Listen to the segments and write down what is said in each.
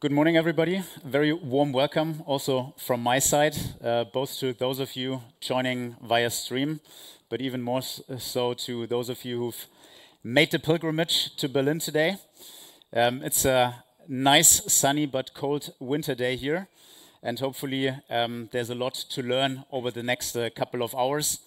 Good morning, everybody. A very warm welcome also from my side, both to those of you joining via stream, but even more so to those of you who've made the pilgrimage to Berlin today. It's a nice, sunny, but cold winter day here, and hopefully there's a lot to learn over the next couple of hours.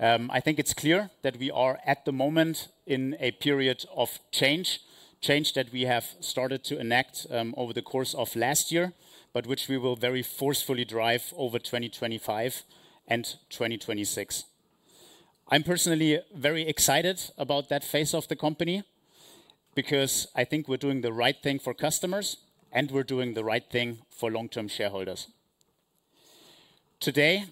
I think it's clear that we are at the moment in a period of change, change that we have started to enact over the course of last year, but which we will very forcefully drive over 2025 and 2026. I'm personally very excited about that phase of the company because I think we're doing the right thing for customers, and we're doing the right thing for long-term shareholders. Today,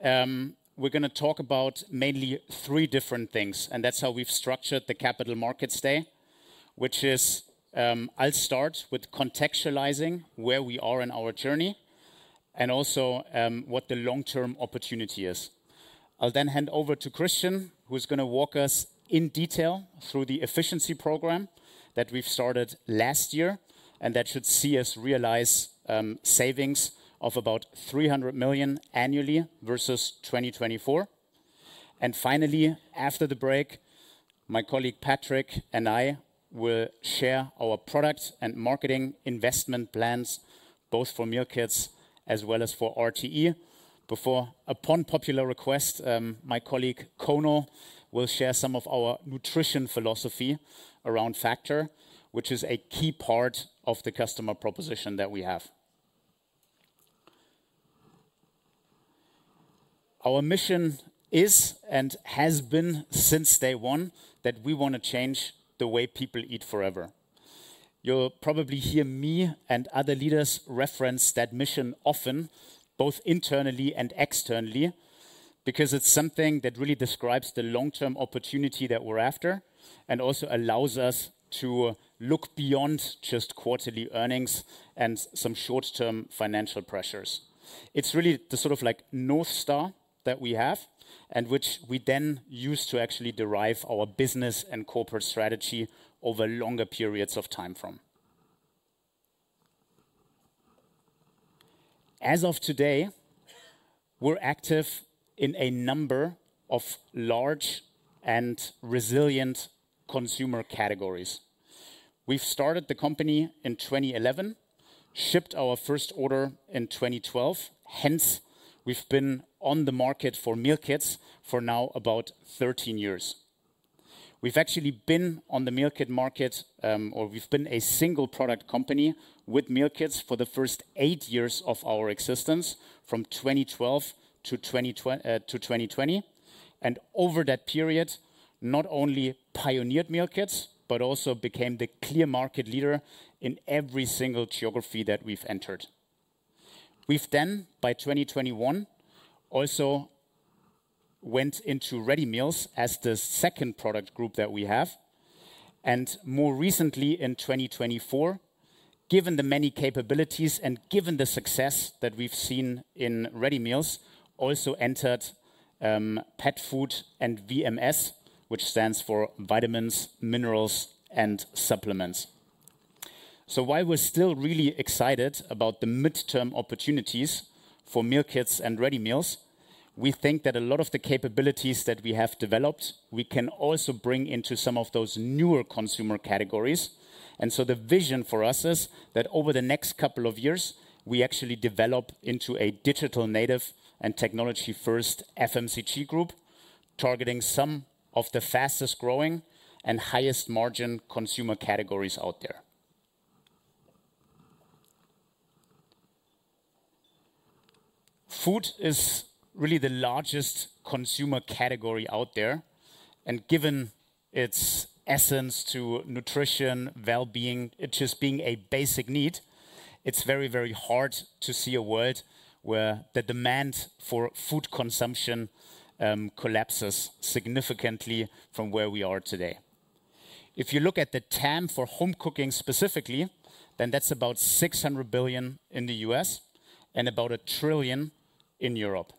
we're going to talk about mainly three different things, and that's how we've structured the Capital Markets Day, which is, I'll start with contextualizing where we are in our journey and also what the long-term opportunity is. I'll then hand over to Christian, who's going to walk us in detail through the efficiency program that we've started last year, and that should see us realize savings of about 300 million annually versus 2024. Finally, after the break, my colleague Patrick and I will share our product and marketing investment plans, both for Meal Kits as well as for RTE. Before, upon popular request, my colleague Conal will share some of our nutrition philosophy around Factor, which is a key part of the customer proposition that we have. Our mission is and has been since day one that we want to change the way people eat forever. You'll probably hear me and other leaders reference that mission often, both internally and externally, because it's something that really describes the long-term opportunity that we're after and also allows us to look beyond just quarterly earnings and some short-term financial pressures. It's really the sort of like North Star that we have and which we then use to actually derive our business and corporate strategy over longer periods of time from. As of today, we're active in a number of large and resilient consumer categories. We've started the company in 2011, shipped our first order in 2012, hence we've been on the market for Meal Kits for now about 13 years. We've actually been on the meal kit market, or we've been a single product company with Meal Kits for the first eight years of our existence from 2012 to 2020. Over that period, not only pioneered Meal Kits, but also became the clear market leader in every single geography that we've entered. We've then, by 2021, also went into Ready Meals as the second product group that we have. More recently, in 2024, given the many capabilities and given the success that we've seen in Ready Meals, also entered Pet Food and VMS, which stands for Vitamins, Minerals, and Supplements. While we're still really excited about the midterm opportunities for Meal Kits and Ready Meals, we think that a lot of the capabilities that we have developed, we can also bring into some of those newer consumer categories. The vision for us is that over the next couple of years, we actually develop into a digital native and technology-first FMCG group, targeting some of the fastest growing and highest margin consumer categories out there. Food is really the largest consumer category out there, and given its essence to nutrition, well-being, it just being a basic need, it's very, very hard to see a world where the demand for food consumption collapses significantly from where we are today. If you look at the TAM for home cooking specifically, then that's about $600 billion in the U.S. and about $1 trillion in Europe.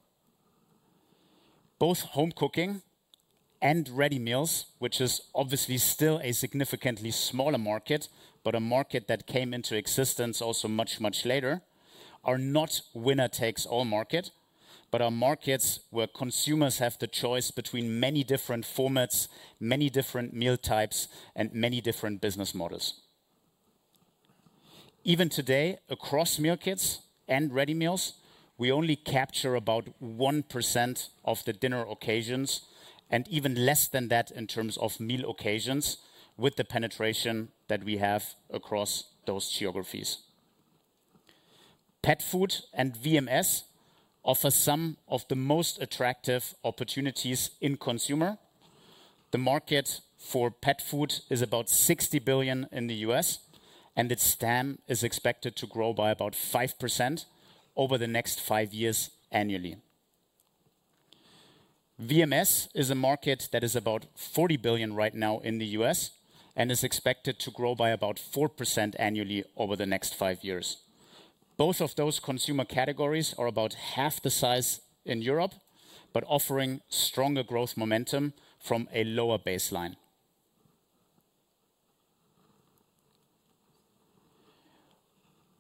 Both home cooking and Ready Meals, which is obviously still a significantly smaller market, but a market that came into existence also much, much later, are not winner-takes-all market, but are markets where consumers have the choice between many different formats, many different meal types, and many different business models. Even today, across Meal Kits and Ready Meals, we only capture about 1% of the dinner occasions and even less than that in terms of meal occasions with the penetration that we have across those geographies. Pet Food and VMS offer some of the most attractive opportunities in consumer. The market for pet food is about $60 billion in the U.S., and its TAM is expected to grow by about 5% over the next five years annually. VMS is a market that is about $40 billion right now in the U.S. and is expected to grow by about 4% annually over the next five years. Both of those consumer categories are about half the size in Europe, but offering stronger growth momentum from a lower baseline.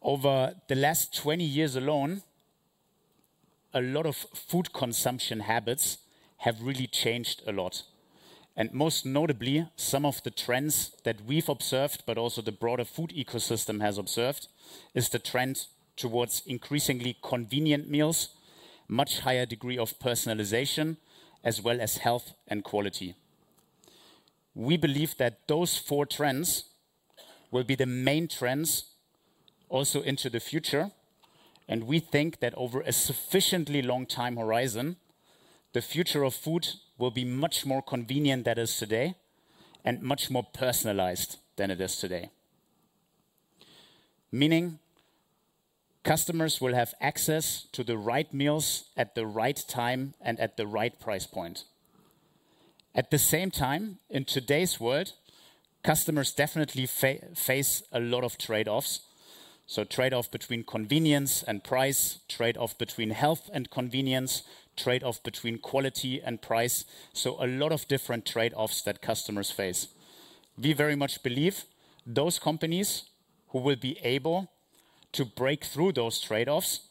Over the last 20 years alone, a lot of food consumption habits have really changed a lot. Most notably, some of the trends that we've observed, but also the broader food ecosystem has observed, is the trend towards increasingly convenient meals, much higher degree of personalization, as well as health and quality. We believe that those four trends will be the main trends also into the future, and we think that over a sufficiently long time horizon, the future of food will be much more convenient than it is today and much more personalized than it is today. Meaning customers will have access to the right meals at the right time and at the right price point. At the same time, in today's world, customers definitely face a lot of trade-offs. Trade-off between convenience and price, trade-off between health and convenience, trade-off between quality and price. A lot of different trade-offs that customers face. We very much believe those companies who will be able to break through those trade-offs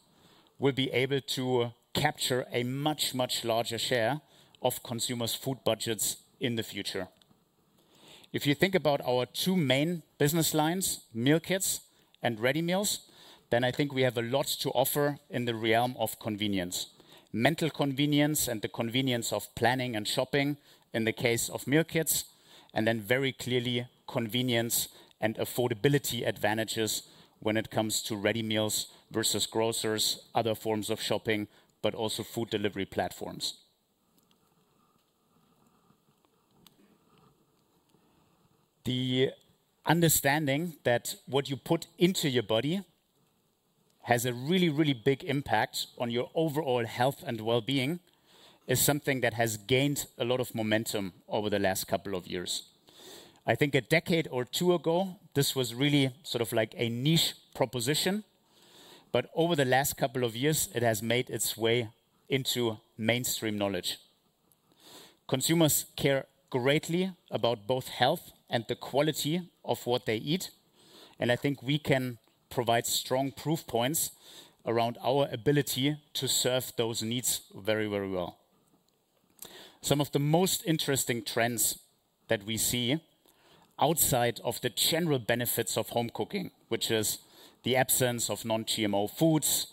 will be able to capture a much, much larger share of consumers' food budgets in the future. If you think about our two main business lines, Meal Kits and Ready Meals, then I think we have a lot to offer in the realm of convenience. Mental convenience and the convenience of planning and shopping in the case of Meal Kits, and then very clearly convenience and affordability advantages when it comes to Ready Meals versus grocers, other forms of shopping, but also food delivery platforms. The understanding that what you put into your body has a really, really big impact on your overall health and well-being is something that has gained a lot of momentum over the last couple of years. I think a decade or two ago, this was really sort of like a niche proposition, but over the last couple of years, it has made its way into mainstream knowledge. Consumers care greatly about both health and the quality of what they eat, and I think we can provide strong proof points around our ability to serve those needs very, very well. Some of the most interesting trends that we see outside of the general benefits of home cooking, which is the absence of non-GMO foods,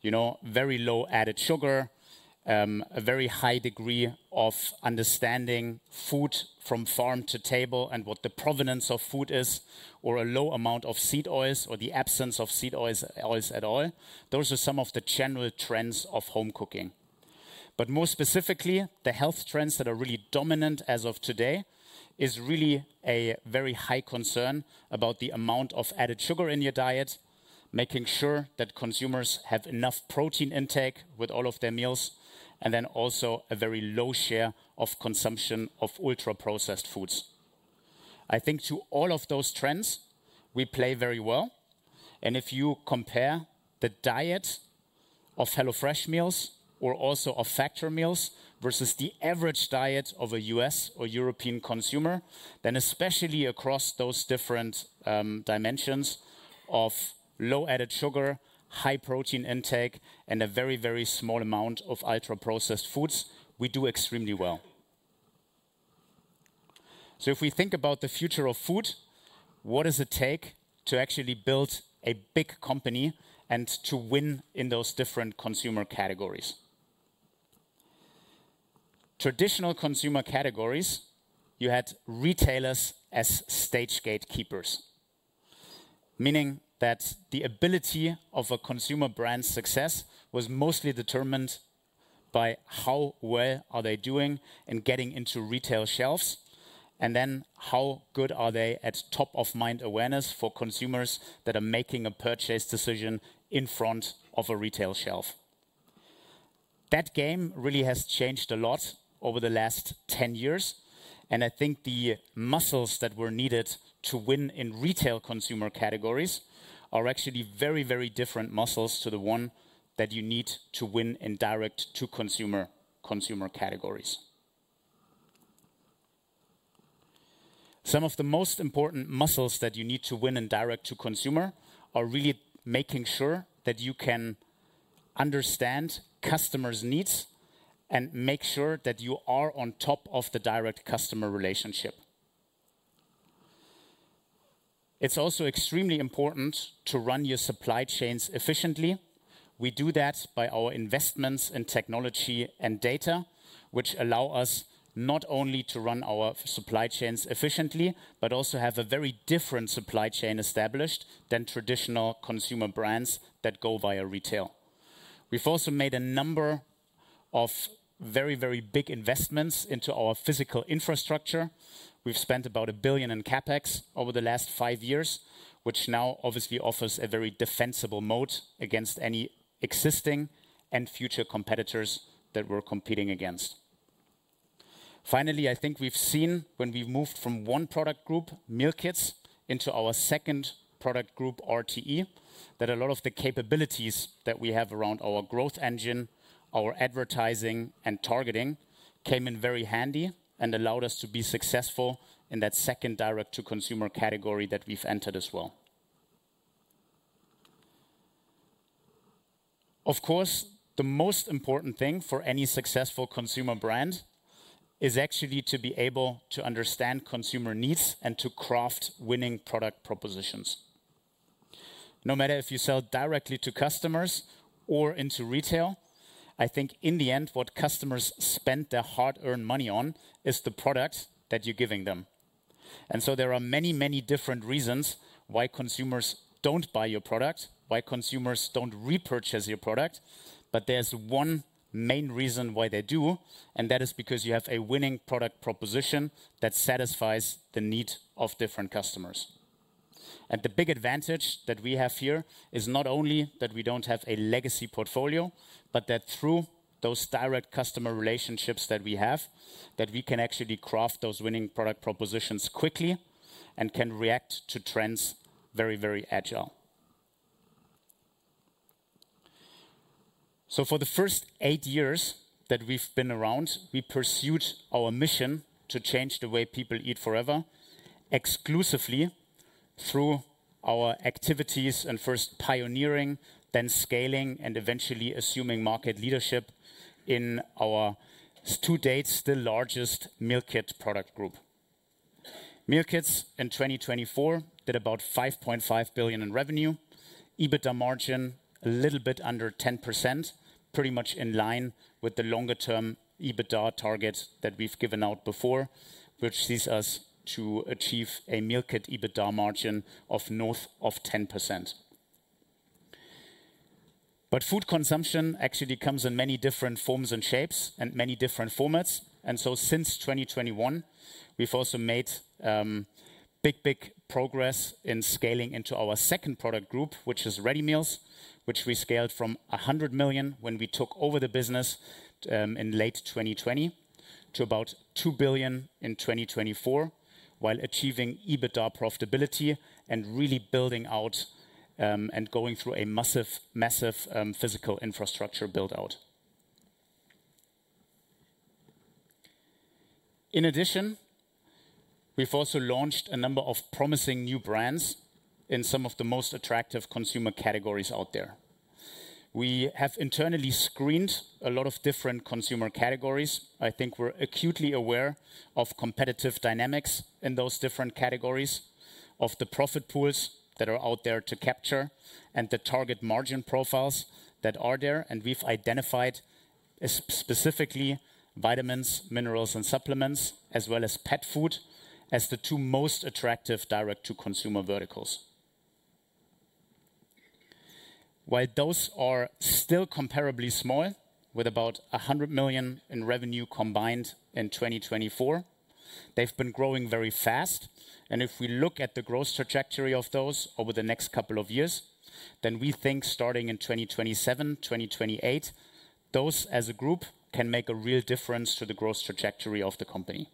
you know, very low added sugar, a very high degree of understanding food from farm to table and what the provenance of food is, or a low amount of seed oils or the absence of seed oils at all, those are some of the general trends of home cooking. More specifically, the health trends that are really dominant as of today is really a very high concern about the amount of added sugar in your diet, making sure that consumers have enough protein intake with all of their meals, and then also a very low share of consumption of ultra-processed foods. I think to all of those trends, we play very well. If you compare the diet of HelloFresh meals or also of Factor meals versus the average diet of a U.S. or European consumer, then especially across those different dimensions of low added sugar, high protein intake, and a very, very small amount of ultra-processed foods, we do extremely well. If we think about the future of food, what does it take to actually build a big company and to win in those different consumer categories? Traditional consumer categories, you had retailers as stage gatekeepers, meaning that the ability of a consumer brand's success was mostly determined by how well are they doing in getting into retail shelves, and then how good are they at top-of-mind awareness for consumers that are making a purchase decision in front of a retail shelf. That game really has changed a lot over the last 10 years, and I think the muscles that were needed to win in retail consumer categories are actually very, very different muscles to the one that you need to win in direct-to-consumer consumer categories. Some of the most important muscles that you need to win in direct-to-consumer are really making sure that you can understand customers' needs and make sure that you are on top of the direct customer relationship. It's also extremely important to run your supply chains efficiently. We do that by our investments in technology and data, which allow us not only to run our supply chains efficiently, but also have a very different supply chain established than traditional consumer brands that go via retail. We've also made a number of very, very big investments into our physical infrastructure. We've spent about 1 billion in CapEx over the last five years, which now obviously offers a very defensible moat against any existing and future competitors that we're competing against. Finally, I think we've seen when we've moved from one product group, Meal Kits, into our second product group, RTE, that a lot of the capabilities that we have around our growth engine, our advertising, and targeting came in very handy and allowed us to be successful in that second direct-to-consumer category that we've entered as well. Of course, the most important thing for any successful consumer brand is actually to be able to understand consumer needs and to craft winning product propositions. No matter if you sell directly to customers or into retail, I think in the end, what customers spend their hard-earned money on is the product that you're giving them. There are many, many different reasons why consumers don't buy your product, why consumers don't repurchase your product, but there's one main reason why they do, and that is because you have a winning product proposition that satisfies the need of different customers. The big advantage that we have here is not only that we don't have a legacy portfolio, but that through those direct customer relationships that we have, we can actually craft those winning product propositions quickly and can react to trends very, very agile. For the first eight years that we've been around, we pursued our mission to change the way people eat forever exclusively through our activities and first pioneering, then scaling, and eventually assuming market leadership in our to-date still largest meal kit product group. Meal Kits in 2024 did about 5.5 billion in revenue, EBITDA margin a little bit under 10%, pretty much in line with the longer-term EBITDA target that we've given out before, which leads us to achieve a meal kit EBITDA margin of north of 10%. Food consumption actually comes in many different forms and shapes and many different formats. Since 2021, we've also made big, big progress in scaling into our second product group, which is Ready Meals, which we scaled from 100 million when we took over the business in late 2020 to about 2 billion in 2024, while achieving EBITDA profitability and really building out and going through a massive, massive physical infrastructure build-out. In addition, we've also launched a number of promising new brands in some of the most attractive consumer categories out there. We have internally screened a lot of different consumer categories. I think we're acutely aware of competitive dynamics in those different categories, of the profit pools that are out there to capture and the target margin profiles that are there. We've identified specifically vitamins, minerals, and supplements, as well as pet food, as the two most attractive direct-to-consumer verticals. While those are still comparably small, with about 100 million in revenue combined in 2024, they've been growing very fast. If we look at the growth trajectory of those over the next couple of years, we think starting in 2027, 2028, those as a group can make a real difference to the growth trajectory of the company.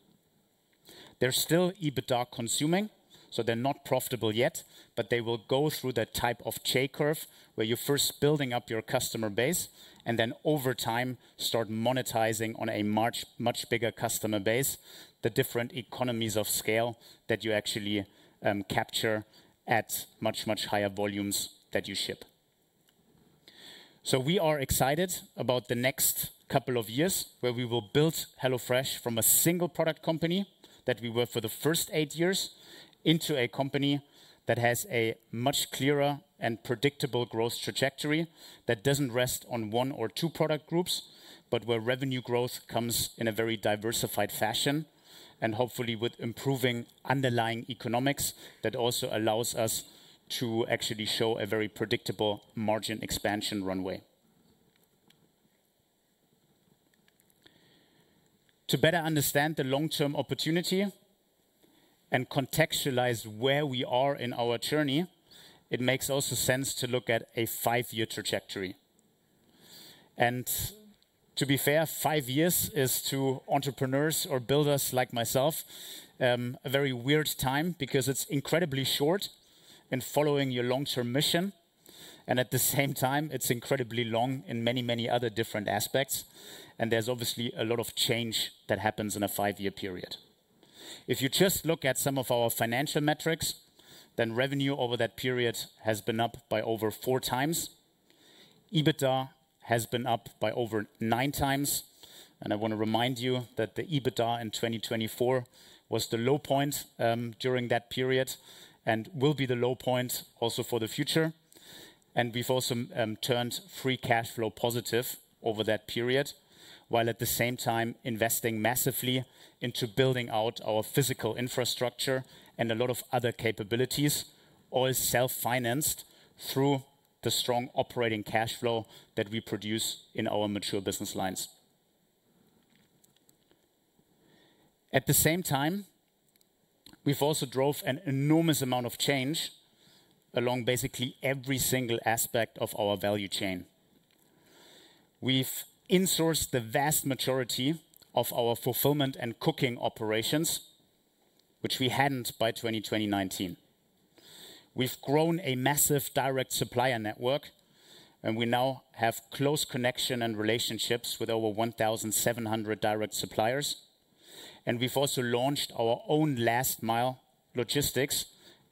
They're still EBITDA consuming, so they're not profitable yet, but they will go through that type of J-curve where you're first building up your customer base and then over time start monetizing on a much, much bigger customer base, the different economies of scale that you actually capture at much, much higher volumes that you ship. We are excited about the next couple of years where we will build HelloFresh from a single product company that we were for the first eight years into a company that has a much clearer and predictable growth trajectory that does not rest on one or two product groups, but where revenue growth comes in a very diversified fashion and hopefully with improving underlying economics that also allows us to actually show a very predictable margin expansion runway. To better understand the long-term opportunity and contextualize where we are in our journey, it makes also sense to look at a five-year trajectory. To be fair, five years is to entrepreneurs or builders like myself a very weird time because it is incredibly short in following your long-term mission, and at the same time, it is incredibly long in many, many other different aspects. There is obviously a lot of change that happens in a five-year period. If you just look at some of our financial metrics, then revenue over that period has been up by over four times. EBITDA has been up by over nine times. I want to remind you that the EBITDA in 2024 was the low point during that period and will be the low point also for the future. We have also turned free cash flow positive over that period, while at the same time investing massively into building out our physical infrastructure and a lot of other capabilities, all self-financed through the strong operating cash flow that we produce in our mature business lines. At the same time, we have also drove an enormous amount of change along basically every single aspect of our value chain. We've insourced the vast majority of our fulfillment and cooking operations, which we hadn't by 2019. We've grown a massive direct supplier network, and we now have close connection and relationships with over 1,700 direct suppliers. We've also launched our own last-mile logistics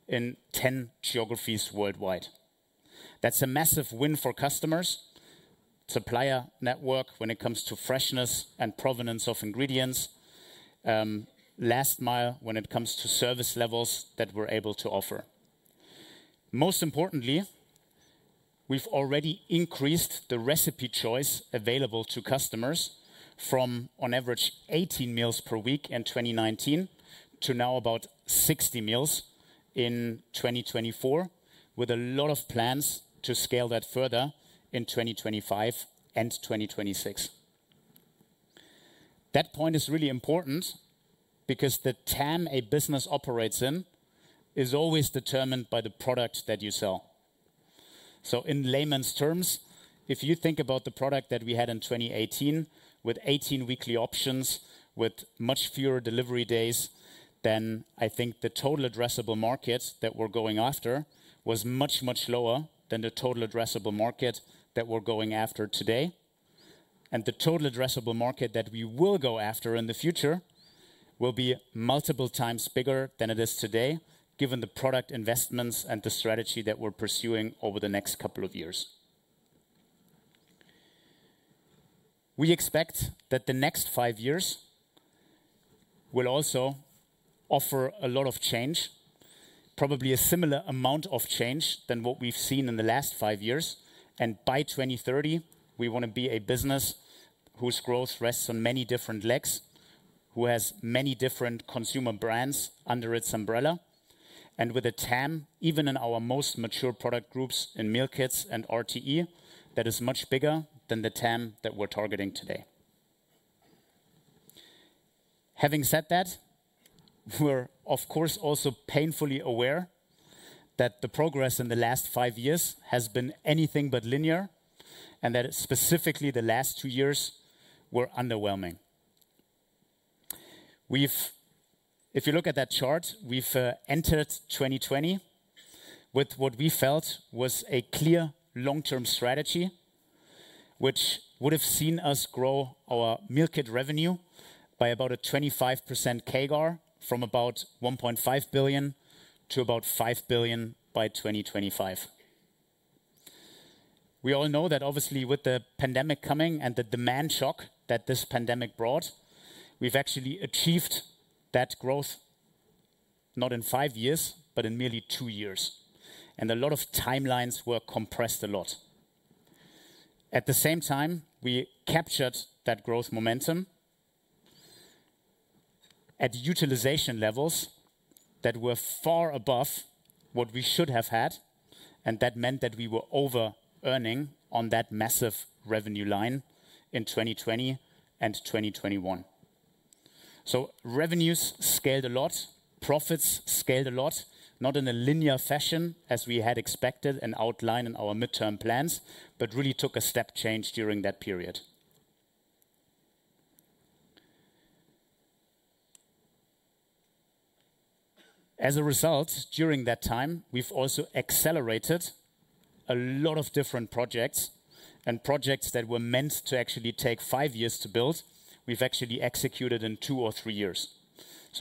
in 10 geographies worldwide. That's a massive win for customers, supplier network when it comes to freshness and provenance of ingredients, last mile when it comes to service levels that we're able to offer. Most importantly, we've already increased the recipe choice available to customers from on average 18 meals per week in 2019 to now about 60 meals in 2024, with a lot of plans to scale that further in 2025 and 2026. That point is really important because the TAM a business operates in is always determined by the product that you sell. In Layman's terms, if you think about the product that we had in 2018 with 18 weekly options, with much fewer delivery days, then I think the total addressable market that we're going after was much, much lower than the total addressable market that we're going after today. The total addressable market that we will go after in the future will be multiple times bigger than it is today, given the product investments and the strategy that we're pursuing over the next couple of years. We expect that the next five years will also offer a lot of change, probably a similar amount of change than what we've seen in the last five years. By 2030, we want to be a business whose growth rests on many different legs, who has many different consumer brands under its umbrella. With a TAM, even in our most mature product groups in Meal Kits and RTE, that is much bigger than the TAM that we're targeting today. Having said that, we're of course also painfully aware that the progress in the last five years has been anything but linear and that specifically the last two years were underwhelming. If you look at that chart, we entered 2020 with what we felt was a clear long-term strategy, which would have seen us grow our meal kit revenue by about a 25% CAGR from about 1.5 billion to about 5 billion by 2025. We all know that obviously with the pandemic coming and the demand shock that this pandemic brought, we actually achieved that growth not in five years, but in merely two years. A lot of timelines were compressed a lot. At the same time, we captured that growth momentum at utilization levels that were far above what we should have had. That meant that we were over-earning on that massive revenue line in 2020 and 2021. Revenues scaled a lot, profits scaled a lot, not in a linear fashion as we had expected and outlined in our midterm plans, but really took a step change during that period. As a result, during that time, we've also accelerated a lot of different projects and projects that were meant to actually take five years to build. We've actually executed in two or three years.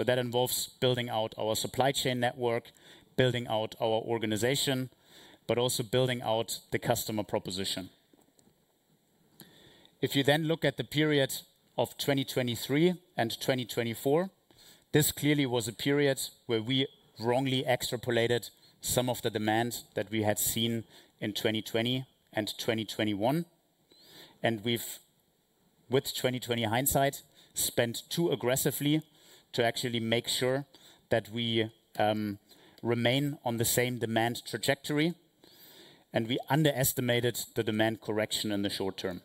That involves building out our supply chain network, building out our organization, but also building out the customer proposition. If you then look at the period of 2023 and 2024, this clearly was a period where we wrongly extrapolated some of the demand that we had seen in 2020 and 2021. With 2020 hindsight, spent too aggressively to actually make sure that we remain on the same demand trajectory. We underestimated the demand correction in the short term.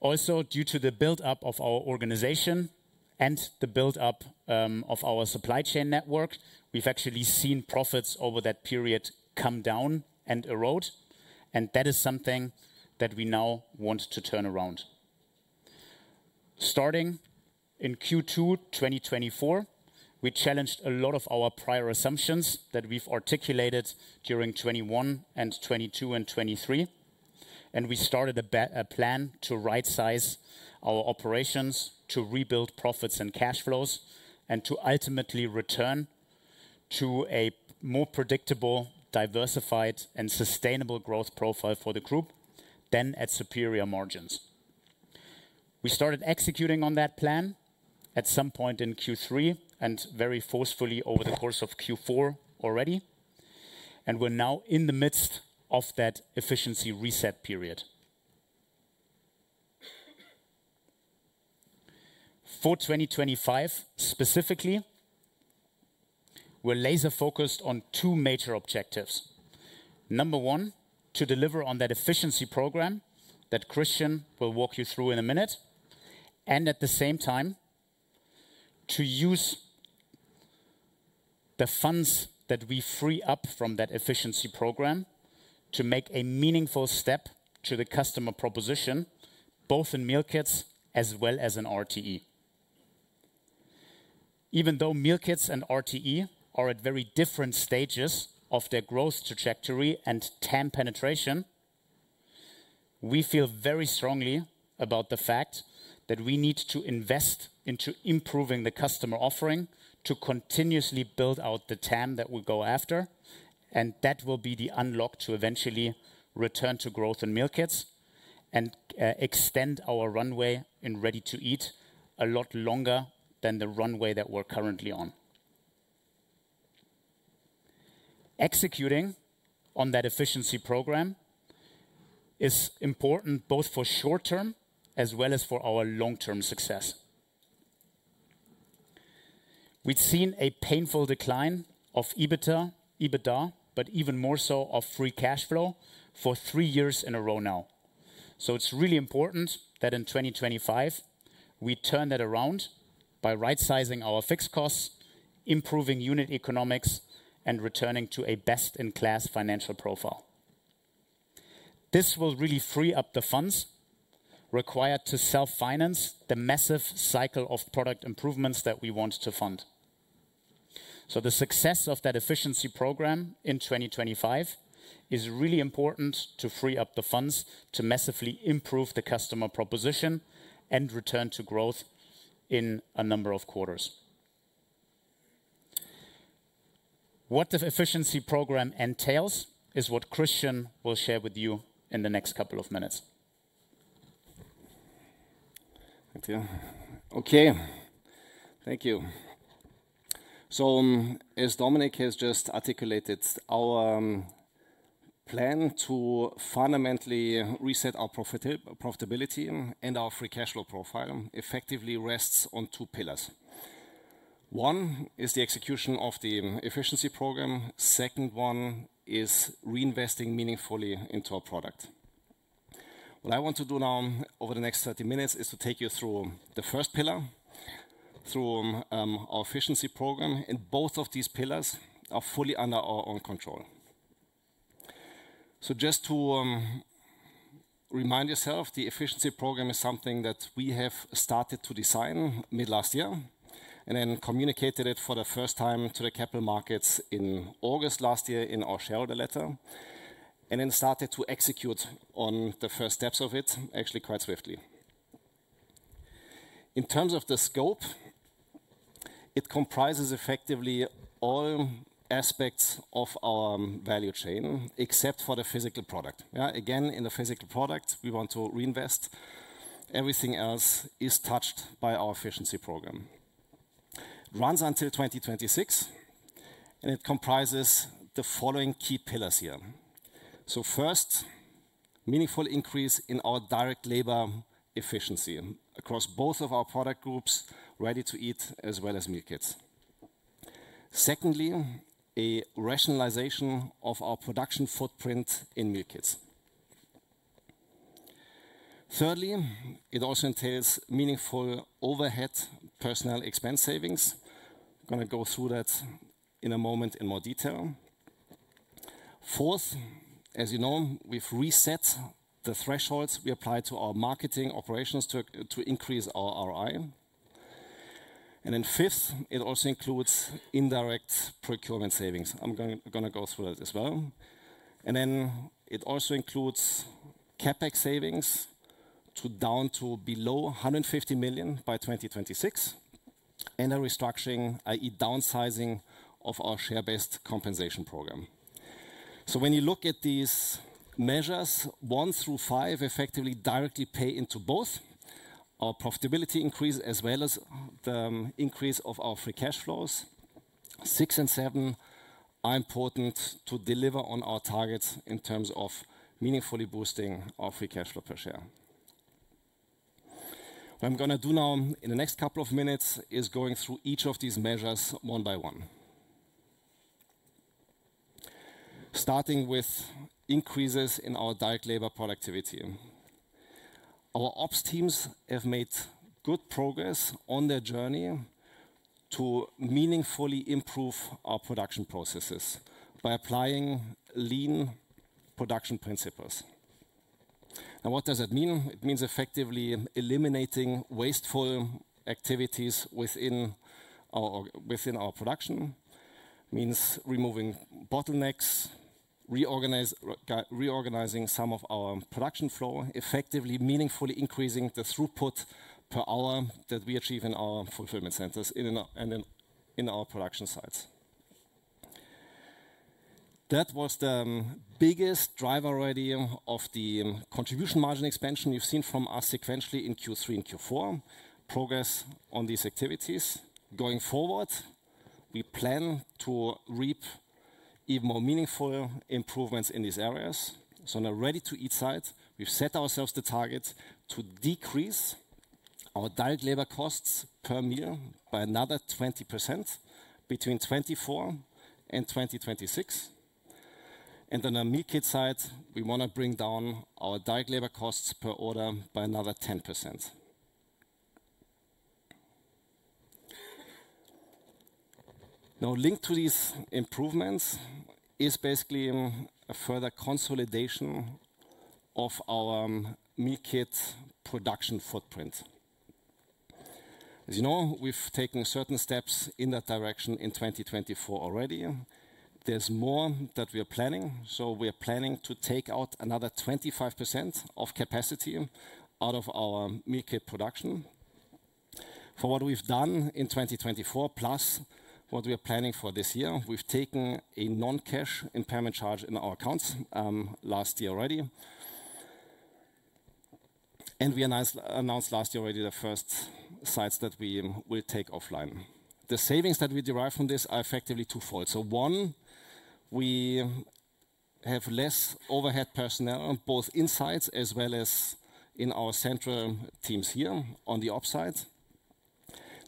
Also, due to the build-up of our organization and the build-up of our supply chain network, we've actually seen profits over that period come down and erode. That is something that we now want to turn around. Starting in Q2 2024, we challenged a lot of our prior assumptions that we've articulated during 2021 and 2022 and 2023. We started a plan to right-size our operations, to rebuild profits and cash flows, and to ultimately return to a more predictable, diversified, and sustainable growth profile for the group than at superior margins. We started executing on that plan at some point in Q3 and very forcefully over the course of Q4 already. We are now in the midst of that efficiency reset period. For 2025 specifically, we are laser-focused on two major objectives. Number one, to deliver on that efficiency program that Christian will walk you through in a minute. At the same time, to use the funds that we free up from that efficiency program to make a meaningful step to the customer proposition, both in Meal Kits as well as in RTE. Even though Meal Kits and RTE are at very different stages of their growth trajectory and TAM penetration, we feel very strongly about the fact that we need to invest into improving the customer offering to continuously build out the TAM that we go after. That will be the unlock to eventually return to growth in Meal Kits and extend our runway in ready-to-eat a lot longer than the runway that we're currently on. Executing on that efficiency program is important both for short-term as well as for our long-term success. We've seen a painful decline of EBITDA, but even more so of free cash flow for three years in a row now. It's really important that in 2025, we turn that around by right-sizing our fixed costs, improving unit economics, and returning to a best-in-class financial profile. This will really free up the funds required to self-finance the massive cycle of product improvements that we want to fund. The success of that efficiency program in 2025 is really important to free up the funds to massively improve the customer proposition and return to growth in a number of quarters. What the efficiency program entails is what Christian will share with you in the next couple of minutes. Okay. Thank you. As Dominik has just articulated, our plan to fundamentally reset our profitability and our free cash flow profile effectively rests on two pillars. One is the execution of the efficiency program. The second one is reinvesting meaningfully into our product. What I want to do now over the next 30 minutes is to take you through the first pillar, through our efficiency program. Both of these pillars are fully under our own control. Just to remind yourself, the efficiency program is something that we have started to design mid-last year and then communicated it for the first time to the capital markets in August last year in our shareholder letter and then started to execute on the first steps of it actually quite swiftly. In terms of the scope, it comprises effectively all aspects of our value chain except for the physical product. Again, in the physical product, we want to reinvest. Everything else is touched by our efficiency program. It runs until 2026, and it comprises the following key pillars here. First, meaningful increase in our direct labor efficiency across both of our product groups, ready-to-eat as well as Meal Kits. Secondly, a rationalization of our production footprint in Meal Kits. Thirdly, it also entails meaningful overhead personnel expense savings. I'm going to go through that in a moment in more detail. Fourth, as you know, we've reset the thresholds we apply to our marketing operations to increase our ROI. Fifth, it also includes indirect procurement savings. I'm going to go through that as well. It also includes CapEx savings down to below 150 million by 2026 and a restructuring, i.e., downsizing of our share-based compensation program. When you look at these measures, one through five effectively directly pay into both our profitability increase as well as the increase of our free cash flows. Six and seven are important to deliver on our targets in terms of meaningfully boosting our free cash flow per share. What I'm going to do now in the next couple of minutes is going through each of these measures one by one. Starting with increases in our direct labor productivity. Our ops teams have made good progress on their journey to meaningfully improve our production processes by applying lean production principles. What does that mean? It means effectively eliminating wasteful activities within our production. It means removing bottlenecks, reorganizing some of our production flow, effectively meaningfully increasing the throughput per hour that we achieve in our fulfillment centers and in our production sites. That was the biggest driver already of the contribution margin expansion you've seen from us sequentially in Q3 and Q4. Progress on these activities. Going forward, we plan to reap even more meaningful improvements in these areas. On the ready-to-eat side, we've set ourselves the target to decrease our direct labor costs per meal by another 20% between 2024 and 2026. On the Meal Kist side, we want to bring down our direct labor costs per order by another 10%. Now, linked to these improvements is basically a further consolidation of our Meal Kits production footprint. As you know, we've taken certain steps in that direction in 2024 already. There's more that we are planning. We are planning to take out another 25% of capacity out of our Meal Kits production. For what we've done in 2024, plus what we are planning for this year, we've taken a non-cash impairment charge in our accounts last year already. We announced last year already the first sites that we will take offline. The savings that we derive from this are effectively twofold. One, we have less overhead personnel both inside as well as in our central teams here on the ops side.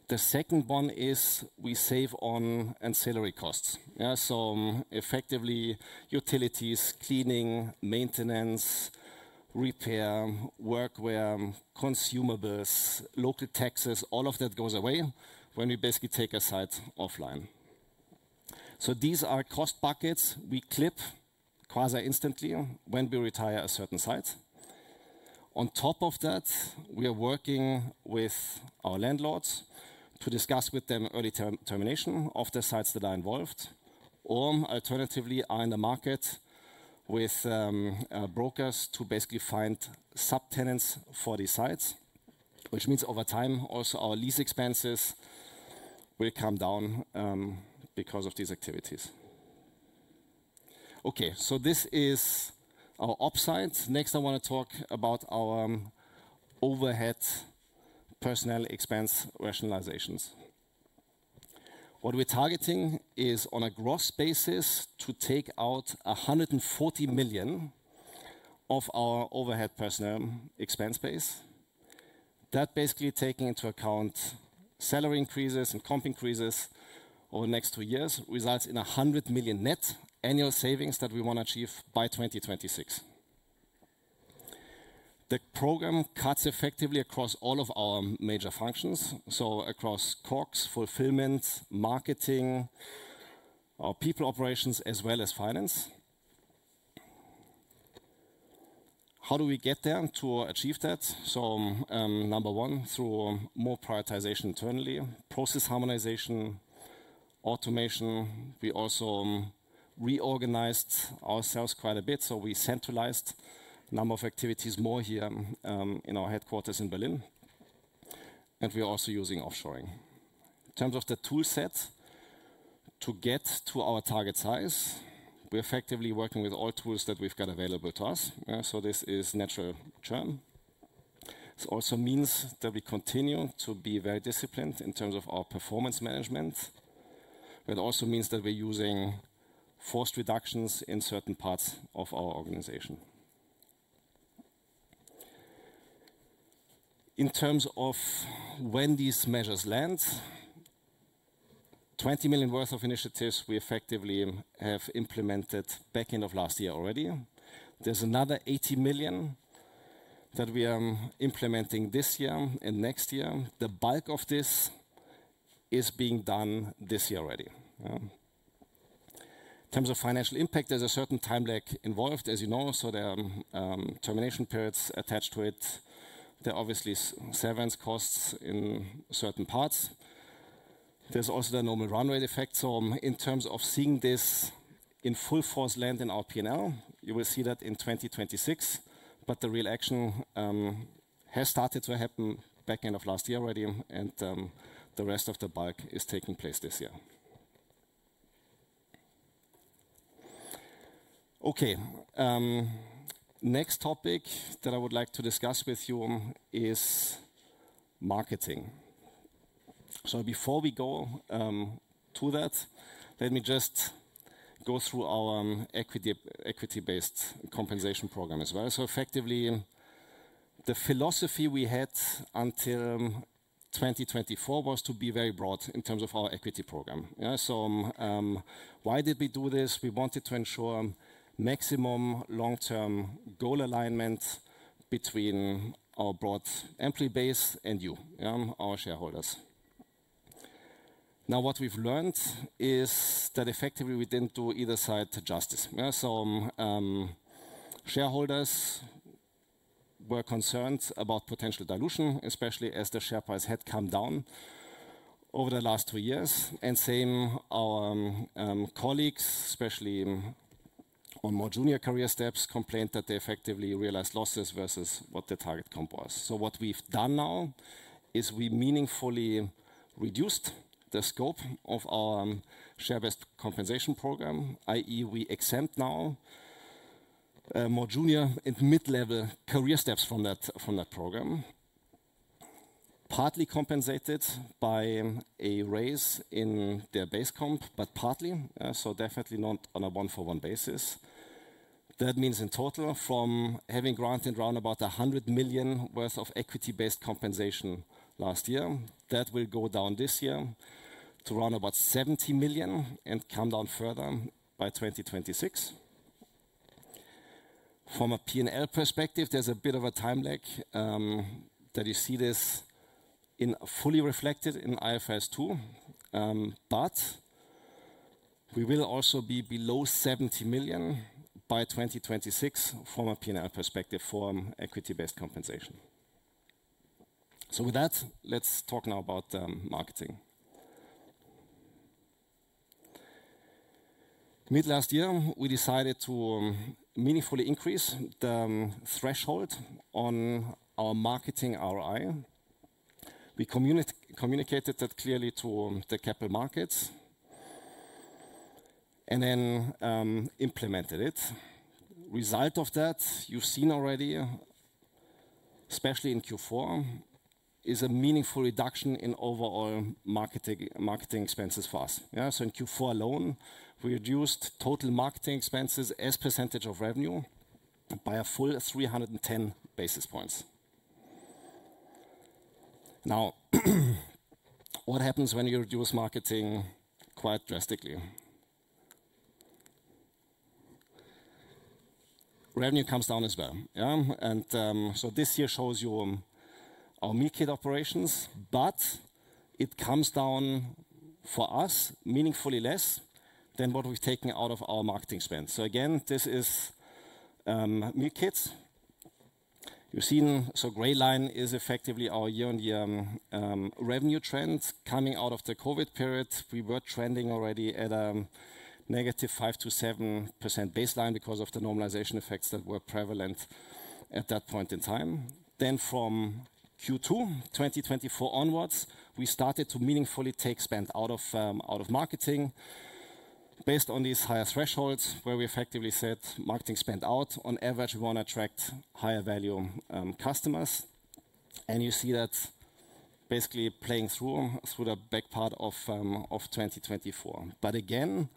The second one is we save on ancillary costs. Effectively, utilities, cleaning, maintenance, repair, workwear, consumables, local taxes, all of that goes away when we basically take a site offline. These are cost buckets we clip quasi-instantly when we retire a certain site. On top of that, we are working with our landlords to discuss with them early termination of the sites that are involved. Alternatively, I'm in the market with brokers to basically find subtenants for these sites, which means over time also our lease expenses will come down because of these activities. This is our ops side. Next, I want to talk about our overhead personnel expense rationalizations. What we're targeting is on a gross basis to take out 140 million of our overhead personnel expense base. That basically taking into account salary increases and comp increases over the next two years results in 100 million net annual savings that we want to achieve by 2026. The program cuts effectively across all of our major functions, so across corks, fulfillment, marketing, our people operations, as well as finance. How do we get there to achieve that? Number one, through more prioritization internally, process harmonization, automation. We also reorganized ourselves quite a bit. We centralized a number of activities more here in our headquarters in Berlin. We are also using offshoring. In terms of the toolset to get to our target size, we are effectively working with all tools that we have available to us. This is natural churn. It also means that we continue to be very disciplined in terms of our performance management. It also means that we're using forced reductions in certain parts of our organization. In terms of when these measures land, 20 million worth of initiatives we effectively have implemented back end of last year already. There's another 80 million that we are implementing this year and next year. The bulk of this is being done this year already. In terms of financial impact, there's a certain time lag involved, as you know. There are termination periods attached to it. There are obviously severance costs in certain parts. There's also the normal runway effect. In terms of seeing this in full force land in our P&L, you will see that in 2026. The real action has started to happen back end of last year already. The rest of the bulk is taking place this year. Okay. Next topic that I would like to discuss with you is marketing. Before we go to that, let me just go through our equity-based compensation program as well. Effectively, the philosophy we had until 2024 was to be very broad in terms of our equity program. Why did we do this? We wanted to ensure maximum long-term goal alignment between our broad employee base and you, our shareholders. What we've learned is that effectively we didn't do either side justice. Shareholders were concerned about potential dilution, especially as the share price had come down over the last two years. Same our colleagues, especially on more junior career steps, complained that they effectively realized losses versus what the target comp was. What we have done now is we meaningfully reduced the scope of our share-based compensation program, i.e., we exempt now more junior and mid-level career steps from that program, partly compensated by a raise in their base comp, but partly, so definitely not on a one-for-one basis. That means in total from having granted around about 100 million worth of equity-based compensation last year, that will go down this year to around about 70 million and come down further by 2026. From a P&L perspective, there is a bit of a time lag that you see this fully reflected in IFRS 2. We will also be below 70 million by 2026 from a P&L perspective for equity-based compensation. With that, let's talk now about marketing. Mid-last year, we decided to meaningfully increase the threshold on our marketing ROI. We communicated that clearly to the capital markets and then implemented it. Result of that, you've seen already, especially in Q4, is a meaningful reduction in overall marketing expenses for us. In Q4 alone, we reduced total marketing expenses as percentage of revenue by a full 310 basis points. Now, what happens when you reduce marketing quite drastically? Revenue comes down as well. This here shows you our Meal Kits operations, but it comes down for us meaningfully less than what we've taken out of our marketing spend. Again, this is Meal Kits. You've seen so gray line is effectively our year-on-year revenue trend coming out of the COVID period. We were trending already at a negative 5-7% baseline because of the normalization effects that were prevalent at that point in time. From Q2 2024 onwards, we started to meaningfully take spend out of marketing based on these higher thresholds where we effectively said marketing spent out. On average, we want to attract higher value customers. You see that basically playing through the back part of 2024. Again,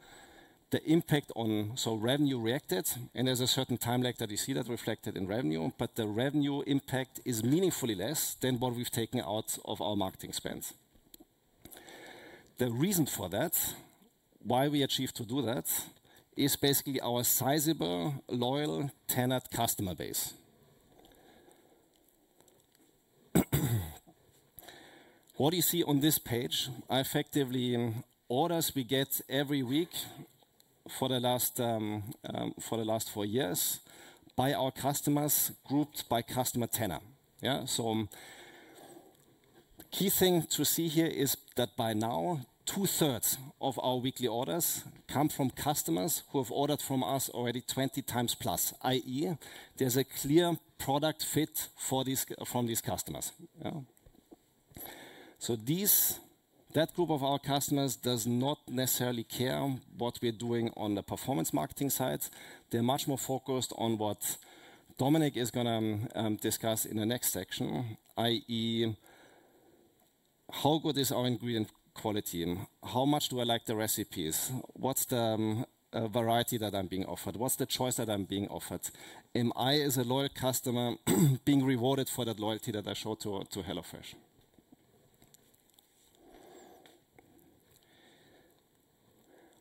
the impact on revenue reacted, and there is a certain time lag that you see that reflected in revenue, but the revenue impact is meaningfully less than what we have taken out of our marketing spend. The reason for that, why we achieved to do that, is basically our sizable, loyal, tenured customer base. What you see on this page, effectively, is orders we get every week for the last four years by our customers grouped by customer tenure. The key thing to see here is that by now, two-thirds of our weekly orders come from customers who have ordered from us already 20 times plus, i.e., there's a clear product fit from these customers. That group of our customers does not necessarily care what we're doing on the performance marketing side. They're much more focused on what Dominik is going to discuss in the next section, i.e., how good is our ingredient quality? How much do I like the recipes? What's the variety that I'm being offered? What's the choice that I'm being offered? Am I, as a loyal customer, being rewarded for that loyalty that I showed to HelloFresh?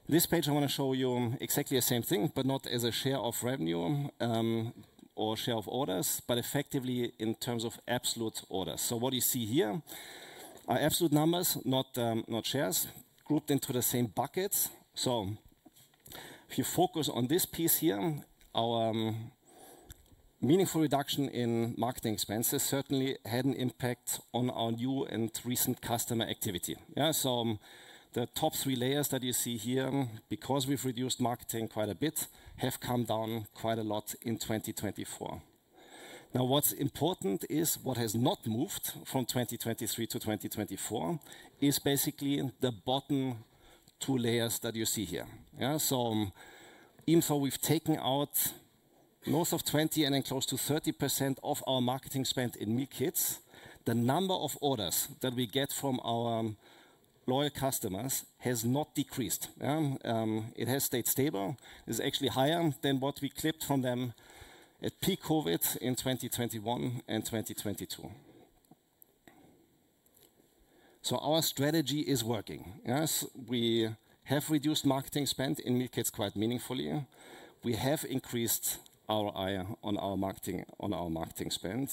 This page, I want to show you exactly the same thing, but not as a share of revenue or share of orders, but effectively in terms of absolute orders. What do you see here? Absolute numbers, not shares, grouped into the same buckets. If you focus on this piece here, our meaningful reduction in marketing expenses certainly had an impact on our new and recent customer activity. The top three layers that you see here, because we've reduced marketing quite a bit, have come down quite a lot in 2024. Now, what's important is what has not moved from 2023 to 2024 is basically the bottom two layers that you see here. Even though we've taken out north of 20% and then close to 30% of our marketing spend in Meal Kits, the number of orders that we get from our loyal customers has not decreased. It has stayed stable. It's actually higher than what we clipped from them at peak COVID in 2021 and 2022. Our strategy is working. We have reduced marketing spend in Meal Kits quite meaningfully. We have increased our eye on our marketing spend.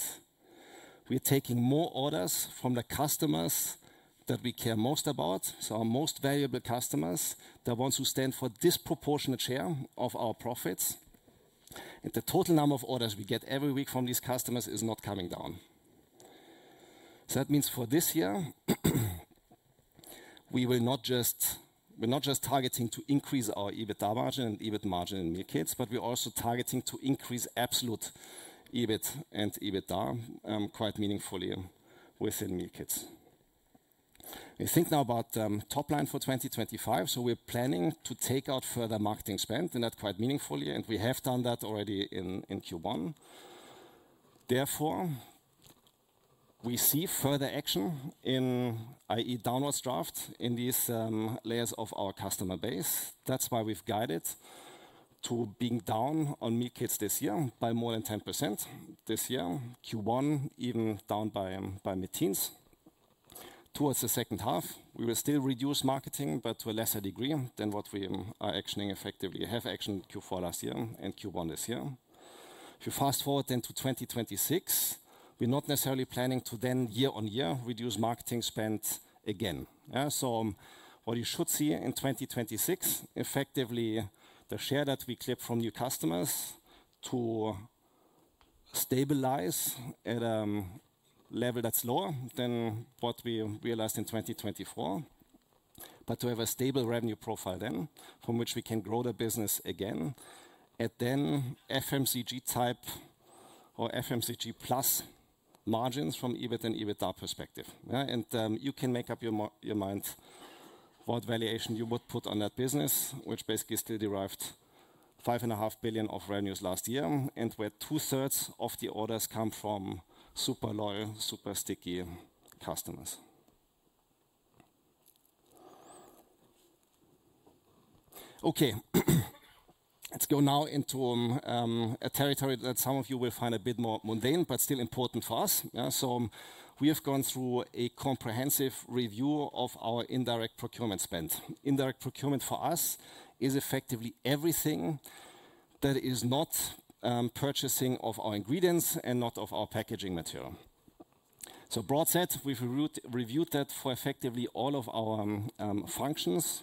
We're taking more orders from the customers that we care most about, so our most valuable customers, the ones who stand for disproportionate share of our profits. The total number of orders we get every week from these customers is not coming down. That means for this year, we will not just targeting to increase our EBITDA margin and EBIT margin in Meal Kits, but we're also targeting to increase absolute EBIT and EBITDA quite meaningfully within Meal Kits. I think now about top line for 2025. We're planning to take out further marketing spend, and that's quite meaningfully. We have done that already in Q1. Therefore, we see further action, i.e., downwards draft in these layers of our customer base. That's why we've guided to being down on Meal Kits this year by more than 10% this year. Q1, even down by mid-teens. Towards the second half, we will still reduce marketing, but to a lesser degree than what we are actioning effectively. We have actioned Q4 last year and Q1 this year. If you fast forward then to 2026, we're not necessarily planning to then year-on-year reduce marketing spend again. What you should see in 2026, effectively the share that we clip from new customers to stabilize at a level that's lower than what we realized in 2024, but to have a stable revenue profile then from which we can grow the business again at then FMCG type or FMCG plus margins from EBIT and EBITDA perspective. You can make up your mind what valuation you would put on that business, which basically still derived 5.5 billion of revenues last year, and where 2/3 of the orders come from super loyal, super sticky customers. Okay. Let's go now into a territory that some of you will find a bit more mundane, but still important for us. We have gone through a comprehensive review of our indirect procurement spend. Indirect procurement for us is effectively everything that is not purchasing of our ingredients and not of our packaging material. So broad set, we've reviewed that for effectively all of our functions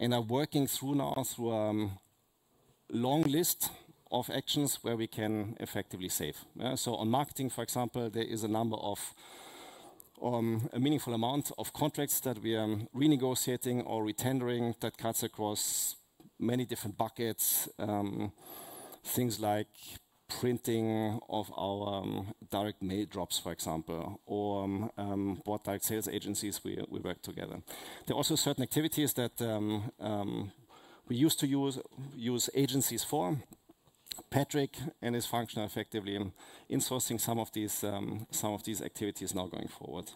and are working through now through a long list of actions where we can effectively save. On marketing, for example, there is a meaningful amount of contracts that we are renegotiating or retendering that cuts across many different buckets, things like printing of our direct mail drops, for example, or what direct sales agencies we work together. There are also certain activities that we used to use agencies for. Patrick and his function are effectively insourcing some of these activities now going forward.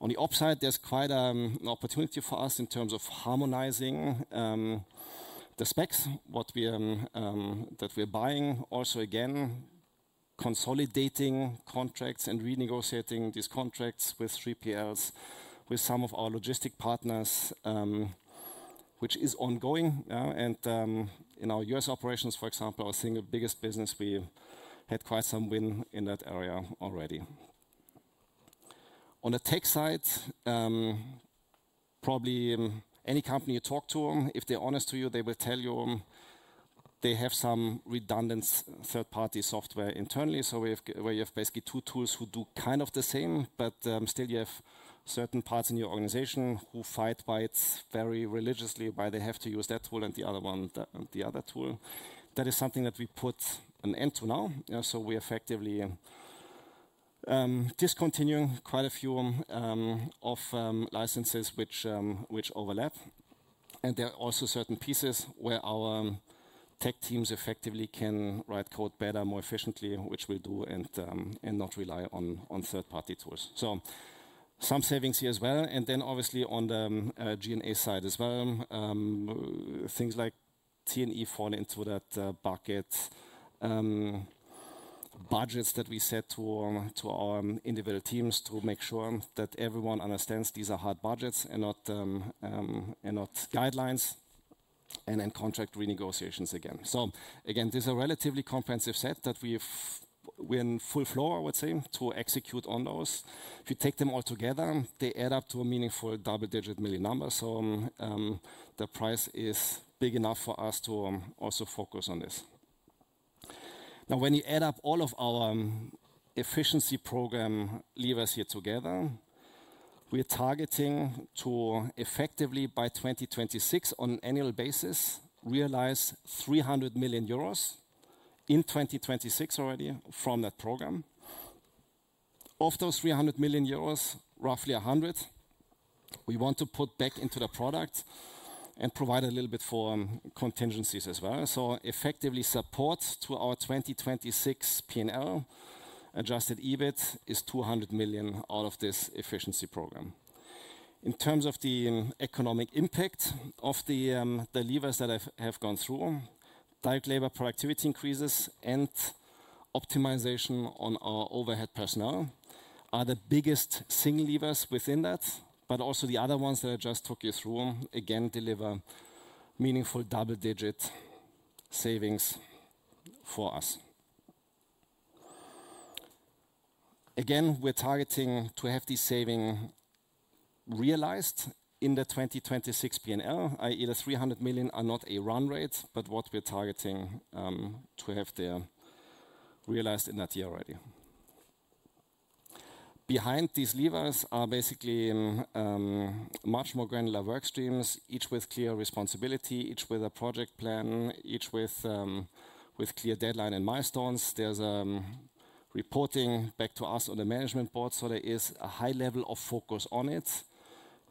On the upside, there is quite an opportunity for us in terms of harmonizing the specs, what we are buying. Also, again, consolidating contracts and renegotiating these contracts with 3PLs, with some of our logistic partners, which is ongoing. In our U.S. operations, for example, I think the biggest business, we had quite some win in that area already. On the tech side, probably any company you talk to, if they're honest to you, they will tell you they have some redundant third-party software internally. Where you have basically two tools who do kind of the same, but still you have certain parts in your organization who fight by it very religiously why they have to use that tool and the other tool. That is something that we put an end to now. We are effectively discontinuing quite a few of licenses which overlap. There are also certain pieces where our tech teams effectively can write code better, more efficiently, which we'll do and not rely on third-party tools. Some savings here as well. On the G&A side as well, things like T&E fall into that bucket, budgets that we set to our individual teams to make sure that everyone understands these are hard budgets and not guidelines and then contract renegotiations again. These are relatively comprehensive sets that we're in full flow, I would say, to execute on those. If you take them all together, they add up to a meaningful double-digit million number. The price is big enough for us to also focus on this. Now, when you add up all of our efficiency program levers here together, we're targeting to effectively by 2026 on an annual basis realize 300 million euros in 2026 already from that program. Of those 300 million euros, roughly 100 million, we want to put back into the product and provide a little bit for contingencies as well. Effectively, support to our 2026 P&L adjusted EBIT is 200 million out of this efficiency program. In terms of the economic impact of the levers that have gone through, direct labor productivity increases and optimization on our overhead personnel are the biggest single levers within that, but also the other ones that I just took you through again deliver meaningful double-digit savings for us. Again, we're targeting to have these savings realized in the 2026 P&L, i.e., the 300 million are not a run rate, but what we're targeting to have there realized in that year already. Behind these levers are basically much more granular workstreams, each with clear responsibility, each with a project plan, each with clear deadline and milestones. There's reporting back to us on the management board, so there is a high level of focus on it.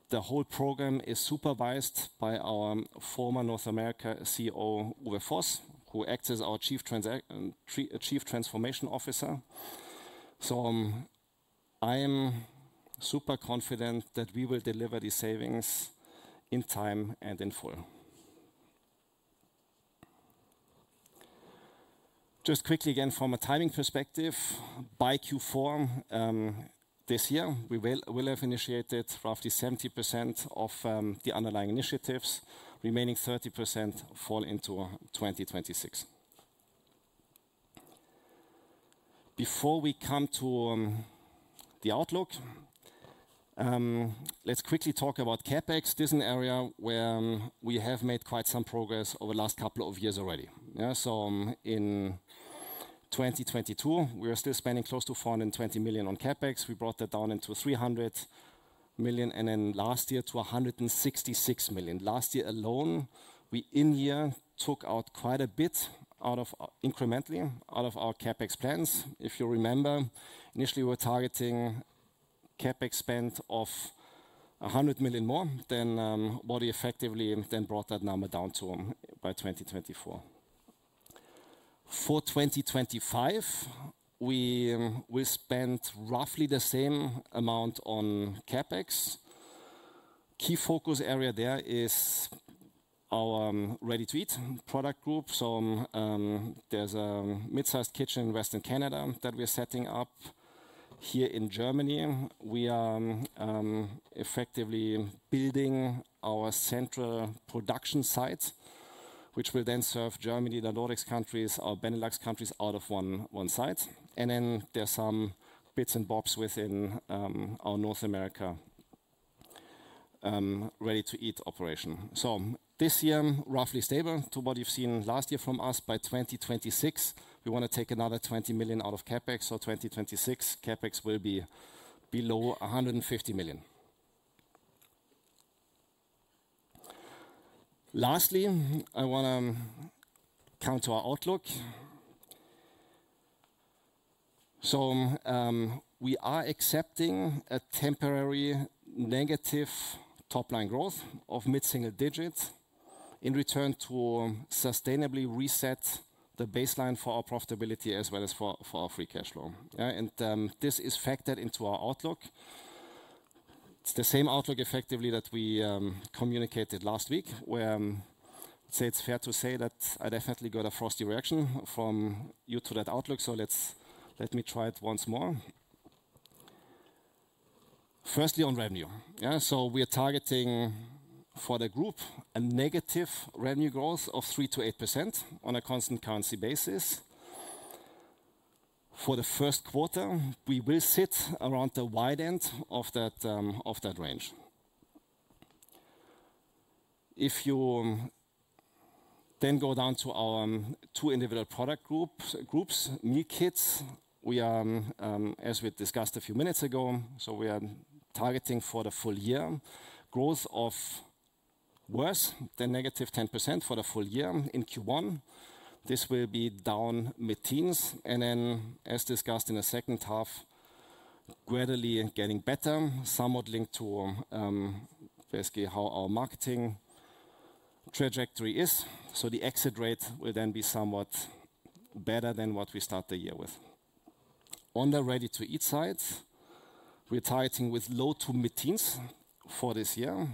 The whole program is supervised by our former North America CEO, Uwe Voss, who acts as our Chief Transformation Officer. I'm super confident that we will deliver these savings in time and in full. Just quickly again from a timing perspective, by Q4 this year, we will have initiated roughly 70% of the underlying initiatives. Remaining 30% fall into 2026. Before we come to the outlook, let's quickly talk about CapEx. This is an area where we have made quite some progress over the last couple of years already. In 2022, we were still spending close to 420 million on CapEx. We brought that down to 300 million and then last year to 166 million. Last year alone, we in year took out quite a bit incrementally out of our CapEx plans. If you remember, initially we were targeting CapEx spend of 100 million more than what we effectively then brought that number down to by 2024. For 2025, we spent roughly the same amount on CapEx. Key focus area there is our Ready-to-Eat product group. There is a mid-sized kitchen in Western Canada that we're setting up. Here in Germany, we are effectively building our central production site, which will then serve Germany, the Nordics countries, our Benelux countries out of one site. There are some bits and bobs within our North America Ready-to-Eat operation. This year, roughly stable to what you've seen last year from us. By 2026, we want to take another 20 million out of CapEx. 2026 CapEx will be below 150 million. Lastly, I want to come to our outlook. We are accepting a temporary negative top line growth of mid-single digit in return to sustainably reset the baseline for our profitability as well as for our free cash flow. This is factored into our outlook. It is the same outlook effectively that we communicated last week, where I would say it is fair to say that I definitely got a frosty reaction from you to that outlook. Let me try it once more. Firstly, on revenue. We are targeting for the group a negative revenue growth of 3%-8% on a constant currency basis. For the first quarter, we will sit around the wide end of that range. If you then go down to our two individual product groups, Meal Kits, as we discussed a few minutes ago, we are targeting for the full year growth of worse than negative 10% for the full year in Q1. This will be down mid-teens. As discussed in the second half, gradually getting better, somewhat linked to basically how our marketing trajectory is. The exit rate will then be somewhat better than what we start the year with. On the Ready-to-Eat side, we're targeting with low to mid-teens for this year.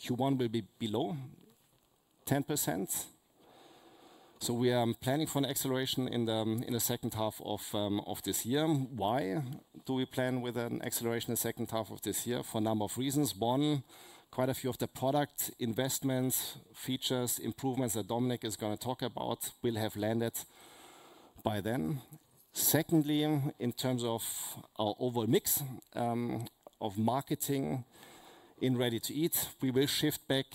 Q1 will be below 10%. We are planning for an acceleration in the second half of this year. Why do we plan with an acceleration in the second half of this year? For a number of reasons. One, quite a few of the product investments, features, improvements that Dominik is going to talk about will have landed by then. Secondly, in terms of our overall mix of marketing in Ready-to-Eat, we will shift back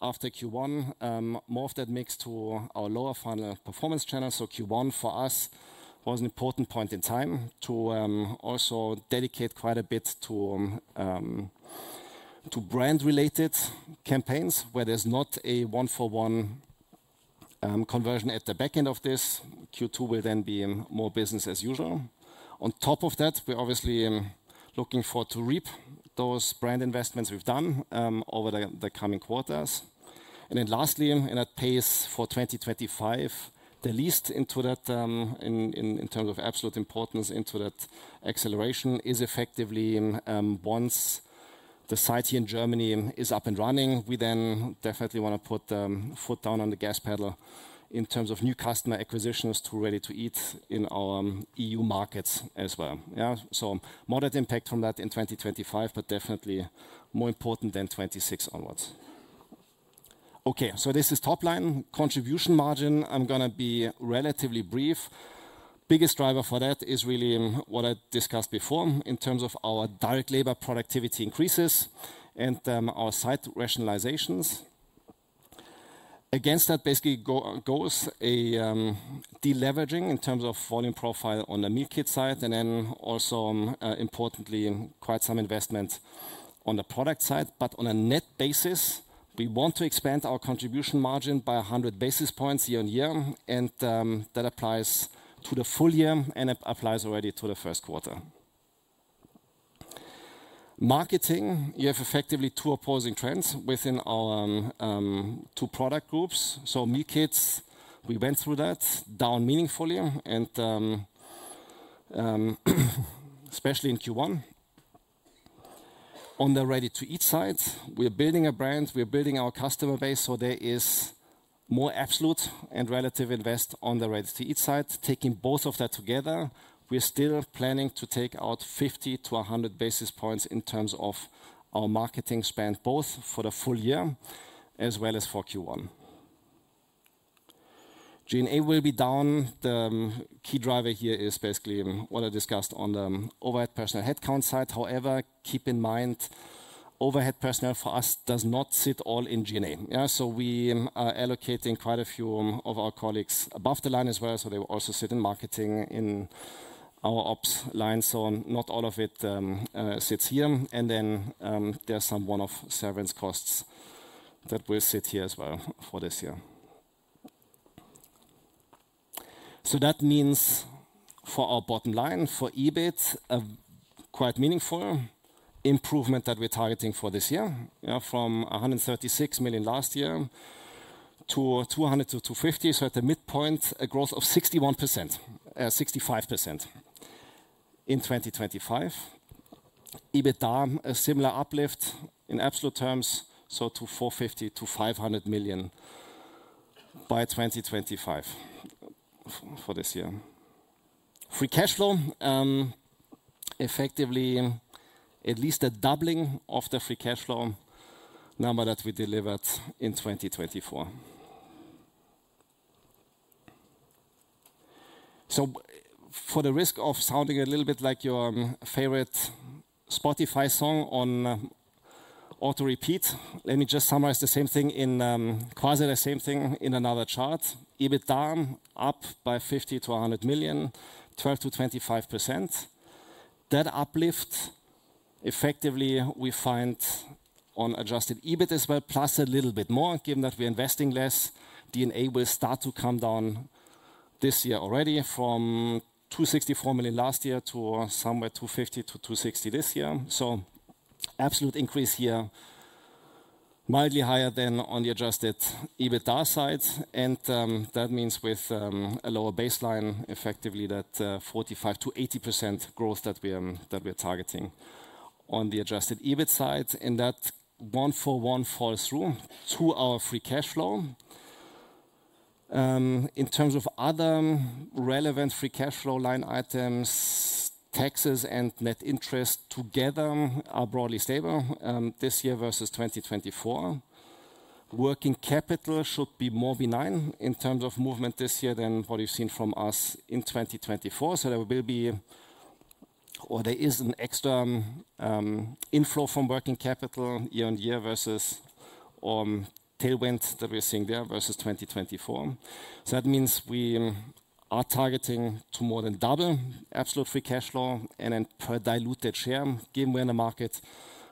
after Q1 more of that mix to our lower funnel performance channel. Q1 for us was an important point in time to also dedicate quite a bit to brand-related campaigns where there's not a one-for-one conversion at the back end of this. Q2 will then be more business as usual. On top of that, we're obviously looking forward to reap those brand investments we've done over the coming quarters. Lastly, in that pace for 2025, the least into that in terms of absolute importance into that acceleration is effectively once the site here in Germany is up and running, we then definitely want to put the foot down on the gas pedal in terms of new customer acquisitions to Ready-to-Eat in our EU markets as well. Moderate impact from that in 2025, but definitely more important than 2026 onwards. Okay, this is top line contribution margin. I'm going to be relatively brief. Biggest driver for that is really what I discussed before in terms of our direct labor productivity increases and our site rationalizations. Against that basically goes a deleveraging in terms of volume profile on the Meal Kits side, and then also importantly, quite some investment on the product side. On a net basis, we want to expand our contribution margin by 100 basis points year on year, and that applies to the full year and applies already to the first quarter. Marketing, you have effectively two opposing trends within our two product groups. Meal Kits, we went through that down meaningfully and especially in Q1. On the Ready-to-Eat side, we are building a brand, we are building our customer base, so there is more absolute and relative invest on the Ready-to-Eat side. Taking both of that together, we're still planning to take out 50-100 basis points in terms of our marketing spend both for the full year as well as for Q1. G&A will be down. The key driver here is basically what I discussed on the overhead personnel headcount side. However, keep in mind, overhead personnel for us does not sit all in G&A. We are allocating quite a few of our colleagues above the line as well, so they will also sit in marketing in our ops line. Not all of it sits here. There are some one-off severance costs that will sit here as well for this year. That means for our bottom line, for EBIT, a quite meaningful improvement that we're targeting for this year from 136 million last year to 200 million-250 million. At the midpoint, a growth of 61%, 65% in 2025. EBITDA, a similar uplift in absolute terms, to 450 million-500 million by 2025 for this year. Free cash flow, effectively at least a doubling of the free cash flow number that we delivered in 2024. For the risk of sounding a little bit like your favorite Spotify song on auto-repeat, let me just summarize the same thing in quasi the same thing in another chart. EBITDA up by 50 million-100 million, 12%-25%. That uplift, effectively we find on adjusted EBIT as well, plus a little bit more. Given that we're investing less, D&A will start to come down this year already from 264 million last year to somewhere 250 million-260 million this year. Absolute increase here, mildly higher than on the adjusted EBITDA side. That means with a lower baseline, effectively that 45%-80% growth that we're targeting on the adjusted EBIT side. That one-for-one falls through to our free cash flow. In terms of other relevant free cash flow line items, taxes and net interest together are broadly stable this year versus 2024. Working capital should be more benign in terms of movement this year than what we've seen from us in 2024. There will be, or there is, an extra inflow from working capital year on year versus tailwind that we're seeing there versus 2024. That means we are targeting to more than double absolute free cash flow and then per diluted share. Given we're in the market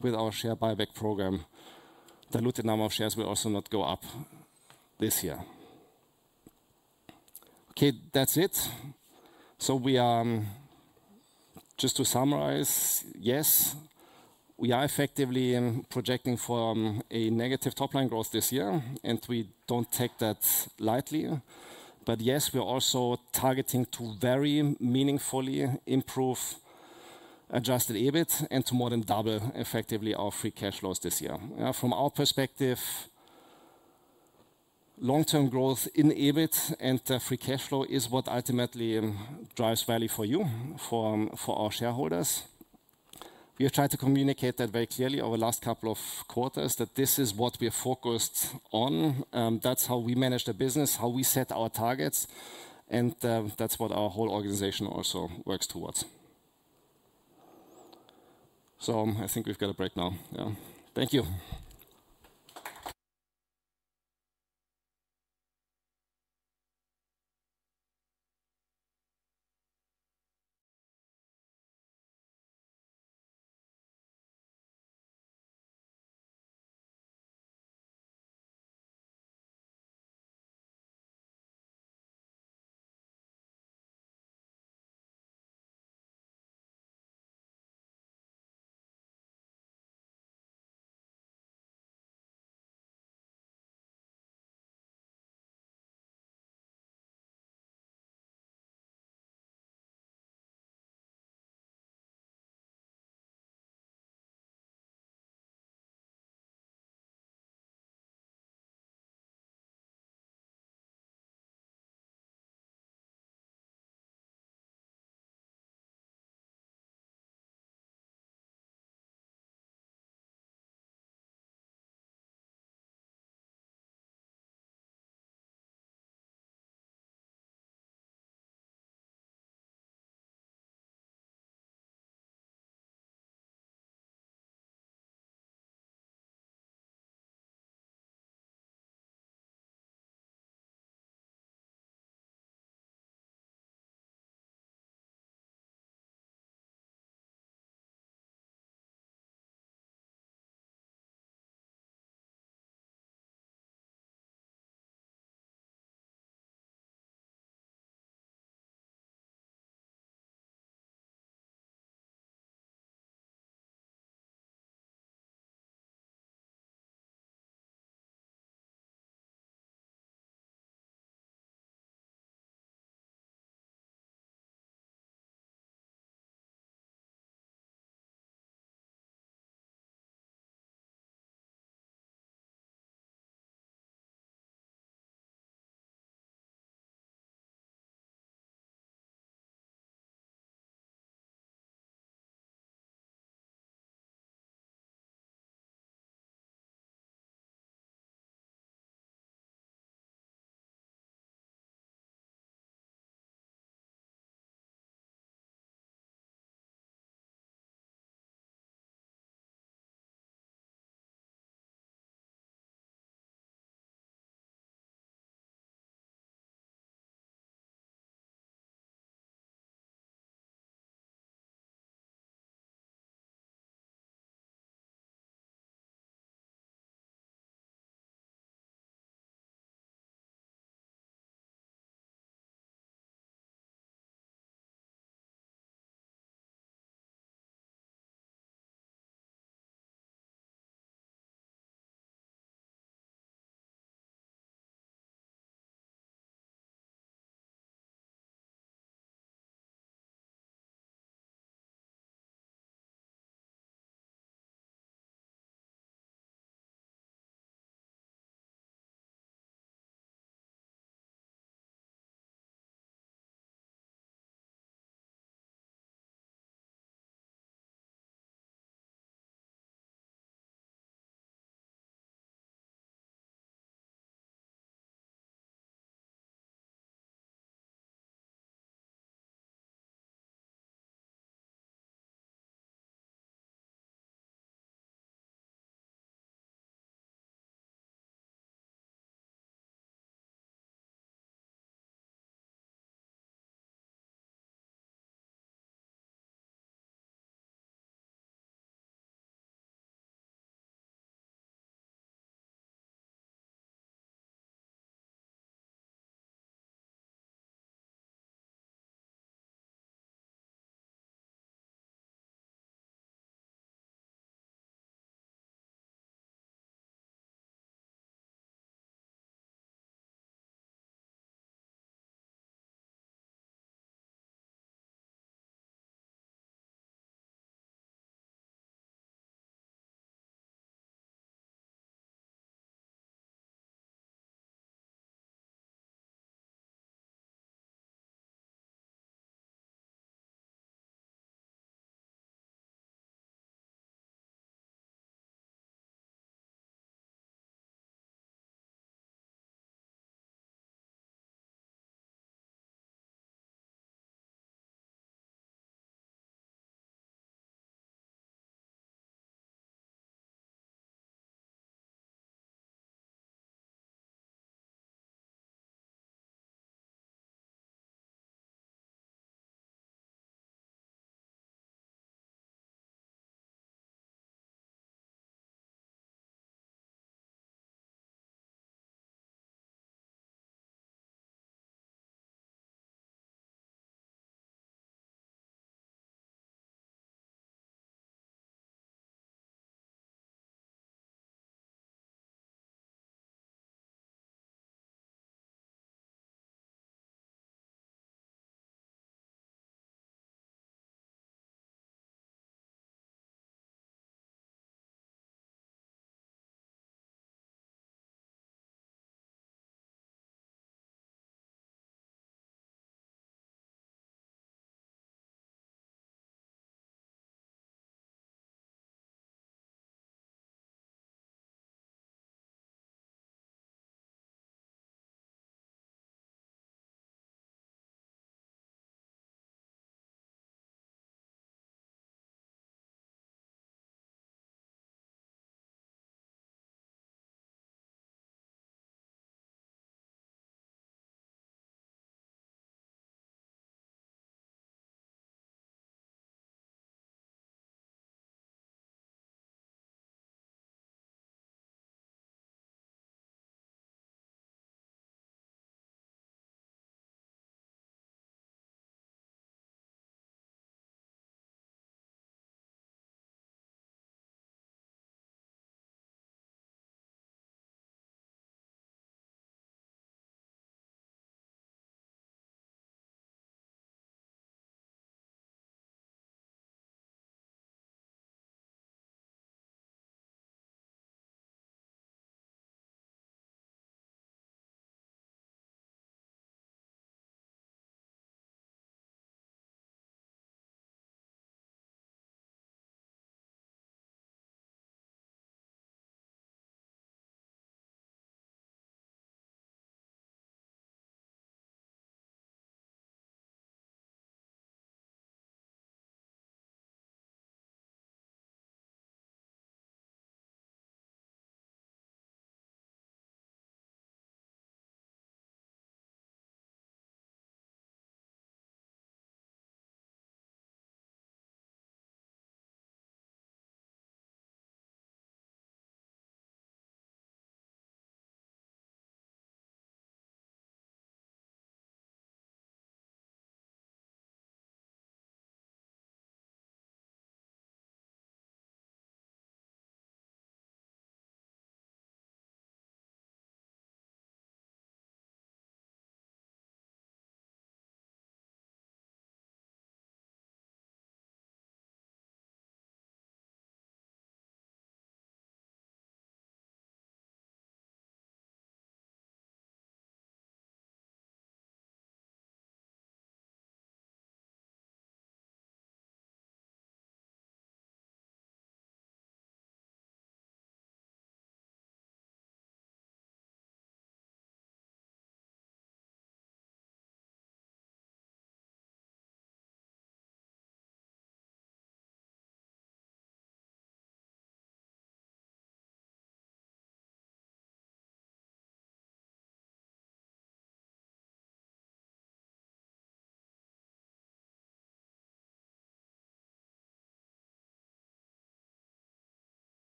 with our share buyback program, diluted number of shares will also not go up this year. Okay, that's it. Just to summarize, yes, we are effectively projecting for a negative top line growth this year, and we do not take that lightly. Yes, we are also targeting to very meaningfully improve adjusted EBIT and to more than double effectively our free cash flows this year. From our perspective, long-term growth in EBIT and free cash flow is what ultimately drives value for you, for our shareholders. We have tried to communicate that very clearly over the last couple of quarters that this is what we are focused on. That is how we manage the business, how we set our targets, and that is what our whole organization also works towards. I think we have got a break now. Thank you.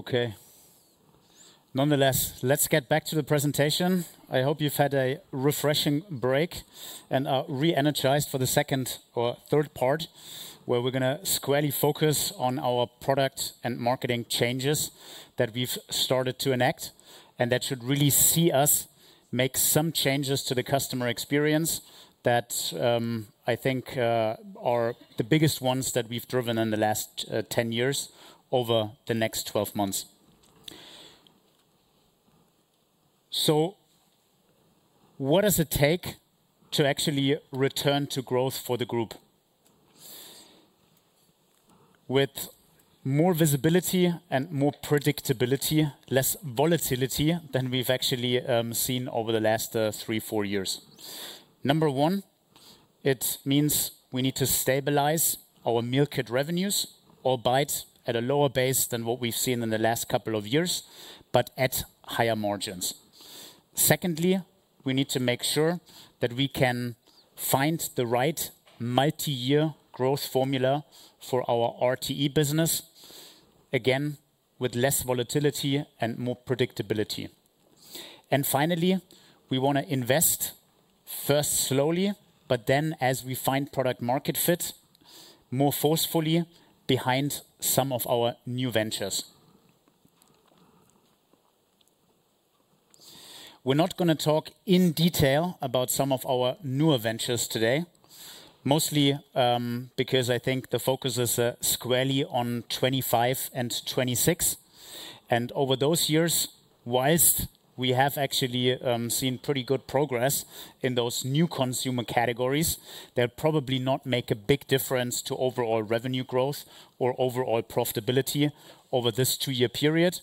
Okay. Nonetheless, let's get back to the presentation. I hope you've had a refreshing break and are re-energized for the second or third part, where we're going to squarely focus on our product and marketing changes that we've started to enact, and that should really see us make some changes to the customer experience that, I think, are the biggest ones that we've driven in the last 10 years over the next 12 months. What does it take to actually return to growth for the group? With more visibility and more predictability, less volatility than we've actually seen over the last three, four years. Number one, it means we need to stabilize our meal kit revenues, albeit at a lower base than what we've seen in the last couple of years, but at higher margins. Secondly, we need to make sure that we can find the right multi-year growth formula for our RTE business, again, with less volatility and more predictability. Finally, we want to invest first slowly, but then as we find product-market fit, more forcefully behind some of our new ventures. We're not going to talk in detail about some of our newer ventures today, mostly because I think the focus is squarely on 2025 and 2026. Over those years, whilst we have actually seen pretty good progress in those new consumer categories, they'll probably not make a big difference to overall revenue growth or overall profitability over this two-year period.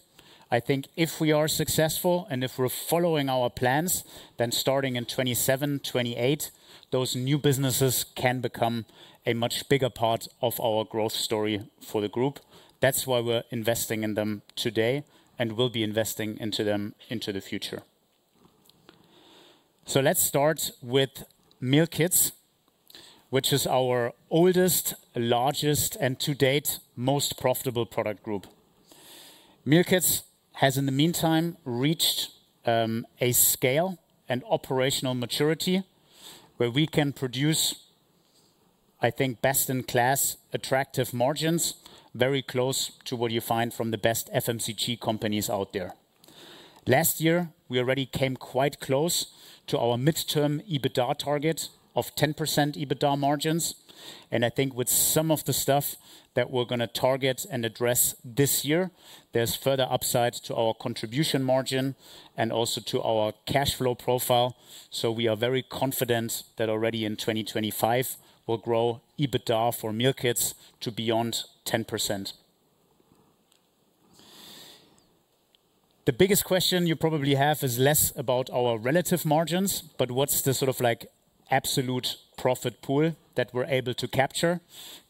I think if we are successful and if we're following our plans, then starting in 2027, 2028, those new businesses can become a much bigger part of our growth story for the group. That's why we're investing in them today and will be investing into them into the future. Let's start with Meal Kits, which is our oldest, largest, and to date, most profitable product group. Meal Kits has, in the meantime, reached a scale and operational maturity where we can produce, I think, best-in-class attractive margins very close to what you find from the best FMCG companies out there. Last year, we already came quite close to our midterm EBITDA target of 10% EBITDA margins. I think with some of the stuff that we're going to target and address this year, there's further upside to our contribution margin and also to our cash flow profile. We are very confident that already in 2025, we'll grow EBITDA for Meal Kits to beyond 10%. The biggest question you probably have is less about our relative margins, but what's the sort of like absolute profit pool that we're able to capture,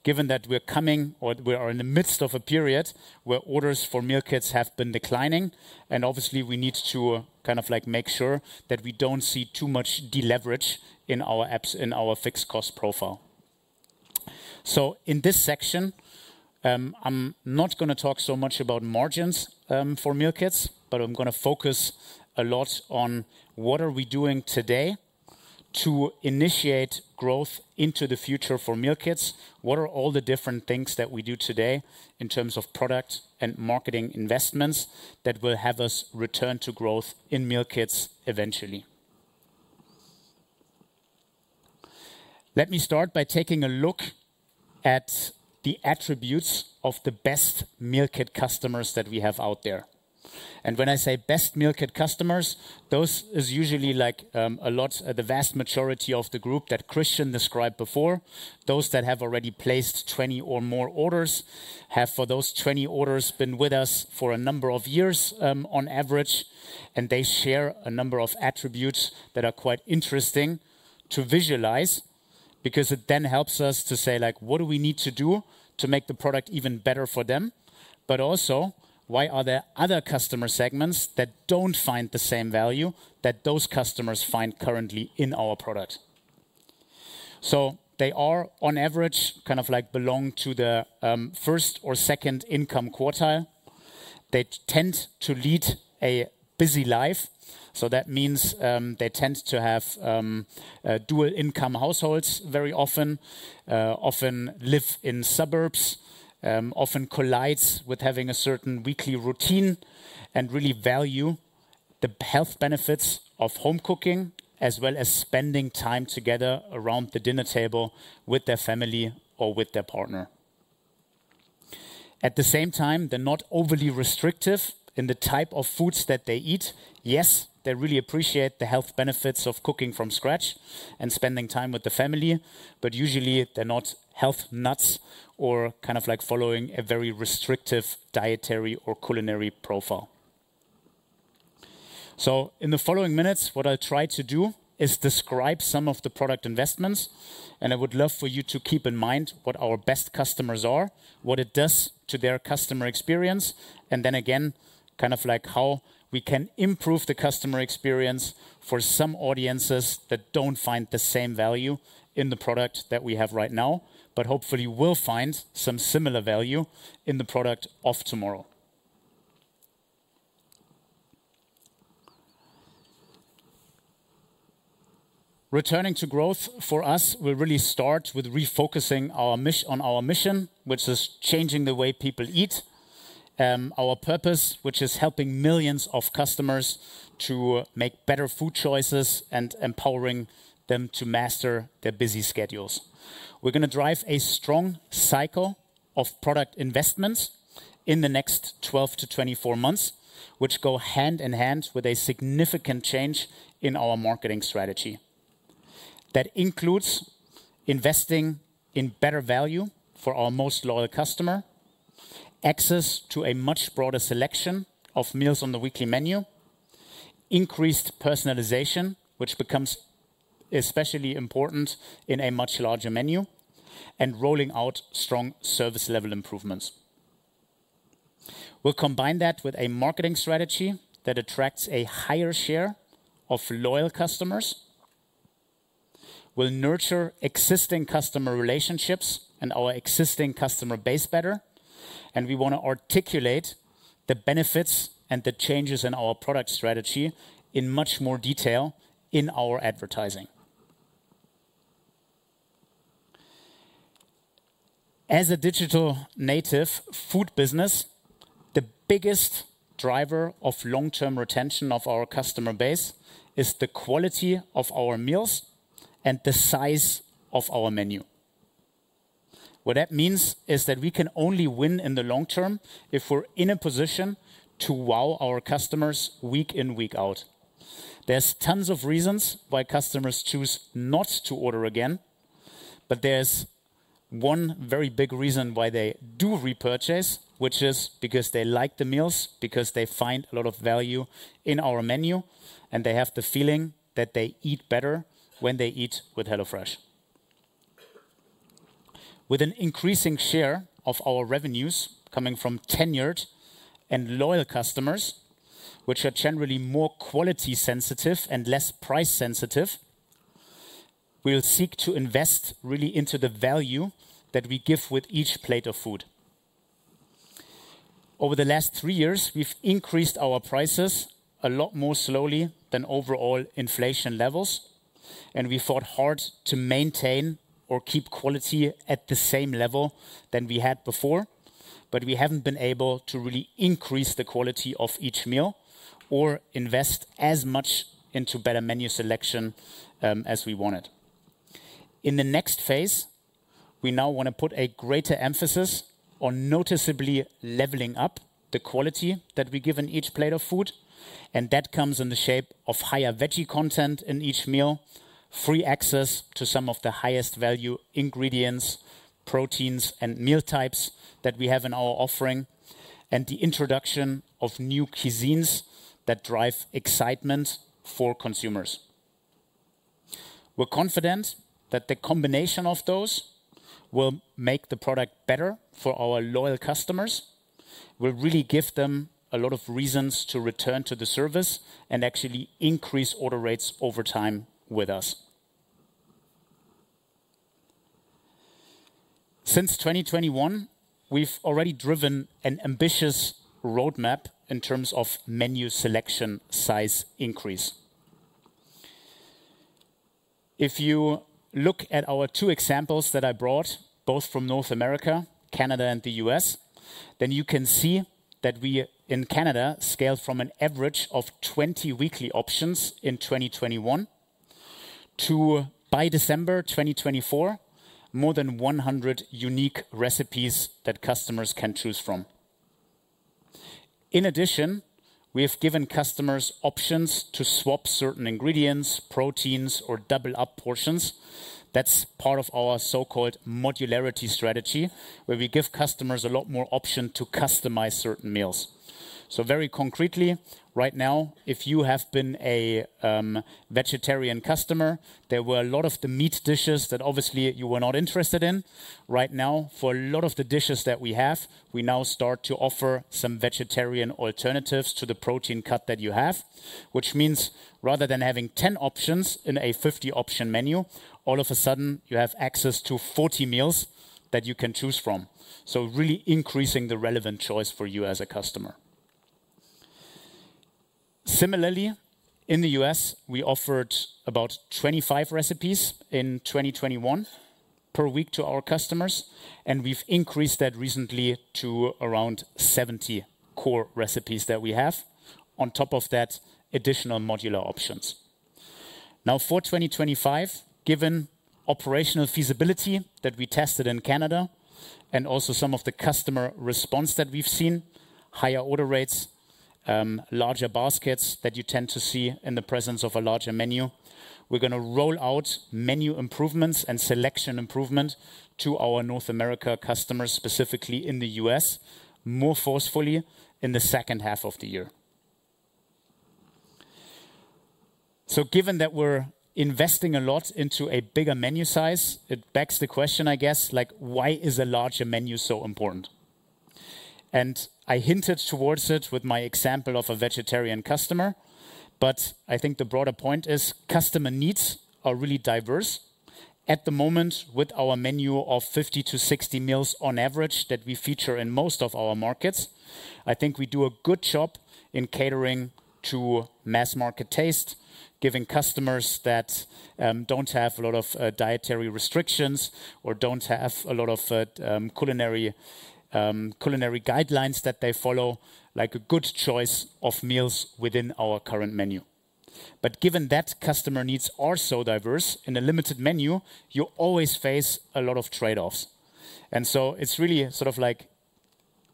given that we're coming or we are in the midst of a period where orders for Meal Kits have been declining? Obviously, we need to kind of like make sure that we don't see too much deleverage in our apps, in our fixed cost profile. In this section, I'm not going to talk so much about margins, for Meal Kits, but I'm going to focus a lot on what are we doing today to initiate growth into the future for Meal Kits. What are all the different things that we do today in terms of product and marketing investments that will have us return to growth in Meal Kits eventually? Let me start by taking a look at the attributes of the best meal kit customers that we have out there. When I say best meal kit customers, those is usually like a lot, the vast majority of the group that Christian described before, those that have already placed 20 or more orders have for those 20 orders been with us for a number of years on average, and they share a number of attributes that are quite interesting to visualize because it then helps us to say like, what do we need to do to make the product even better for them? Also, why are there other customer segments that do not find the same value that those customers find currently in our product? They are on average kind of like belong to the first or second income quartile. They tend to lead a busy life. That means they tend to have dual income households very often, often live in suburbs, often collides with having a certain weekly routine and really value the health benefits of home cooking as well as spending time together around the dinner table with their family or with their partner. At the same time, they're not overly restrictive in the type of foods that they eat. Yes, they really appreciate the health benefits of cooking from scratch and spending time with the family, but usually they're not health nuts or kind of like following a very restrictive dietary or culinary profile. In the following minutes, what I'll try to do is describe some of the product investments, and I would love for you to keep in mind what our best customers are, what it does to their customer experience, and then again, kind of like how we can improve the customer experience for some audiences that do not find the same value in the product that we have right now, but hopefully will find some similar value in the product of tomorrow. Returning to growth for us will really start with refocusing our mission on our mission, which is changing the way people eat, our purpose, which is helping millions of customers to make better food choices and empowering them to master their busy schedules. We're going to drive a strong cycle of product investments in the next 12-24 months, which go hand in hand with a significant change in our marketing strategy. That includes investing in better value for our most loyal customer, access to a much broader selection of meals on the weekly menu, increased personalization, which becomes especially important in a much larger menu, and rolling out strong service level improvements. We'll combine that with a marketing strategy that attracts a higher share of loyal customers. We'll nurture existing customer relationships and our existing customer base better, and we want to articulate the benefits and the changes in our product strategy in much more detail in our advertising. As a digital native food business, the biggest driver of long-term retention of our customer base is the quality of our meals and the size of our menu. What that means is that we can only win in the long term if we're in a position to wow our customers week in, week out. There's tons of reasons why customers choose not to order again, but there's one very big reason why they do repurchase, which is because they like the meals, because they find a lot of value in our menu, and they have the feeling that they eat better when they eat with HelloFresh. With an increasing share of our revenues coming from tenured and loyal customers, which are generally more quality sensitive and less price sensitive, we'll seek to invest really into the value that we give with each plate of food. Over the last three years, we've increased our prices a lot more slowly than overall inflation levels, and we fought hard to maintain or keep quality at the same level than we had before, but we haven't been able to really increase the quality of each meal or invest as much into better menu selection as we wanted. In the next phase, we now want to put a greater emphasis on noticeably leveling up the quality that we give in each plate of food, and that comes in the shape of higher veggie content in each meal, free access to some of the highest value ingredients, proteins, and meal types that we have in our offering, and the introduction of new cuisines that drive excitement for consumers. We're confident that the combination of those will make the product better for our loyal customers. We'll really give them a lot of reasons to return to the service and actually increase order rates over time with us. Since 2021, we've already driven an ambitious roadmap in terms of menu selection size increase. If you look at our two examples that I brought, both from North America, Canada, and the U.S., you can see that we in Canada scaled from an average of 20 weekly options in 2021 to, by December 2024, more than 100 unique recipes that customers can choose from. In addition, we have given customers options to swap certain ingredients, proteins, or double up portions. That's part of our so-called modularity strategy, where we give customers a lot more option to customize certain meals. Very concretely, right now, if you have been a vegetarian customer, there were a lot of the meat dishes that obviously you were not interested in. Right now, for a lot of the dishes that we have, we now start to offer some vegetarian alternatives to the protein cut that you have, which means rather than having 10 options in a 50-option menu, all of a sudden you have access to 40 meals that you can choose from. Really increasing the relevant choice for you as a customer. Similarly, in the U.S., we offered about 25 recipes in 2021 per week to our customers, and we've increased that recently to around 70 core recipes that we have on top of that additional modular options. Now, for 2025, given operational feasibility that we tested in Canada and also some of the customer response that we've seen, higher order rates, larger baskets that you tend to see in the presence of a larger menu, we're going to roll out menu improvements and selection improvement to our North America customers, specifically in the U.S., more forcefully in the second half of the year. Given that we're investing a lot into a bigger menu size, it begs the question, I guess, like, why is a larger menu so important? I hinted towards it with my example of a vegetarian customer, but I think the broader point is customer needs are really diverse. At the moment, with our menu of 50-60 meals on average that we feature in most of our markets, I think we do a good job in catering to mass market taste, giving customers that do not have a lot of dietary restrictions or do not have a lot of culinary guidelines that they follow, like a good choice of meals within our current menu. Given that customer needs are so diverse in a limited menu, you always face a lot of trade-offs. It is really sort of like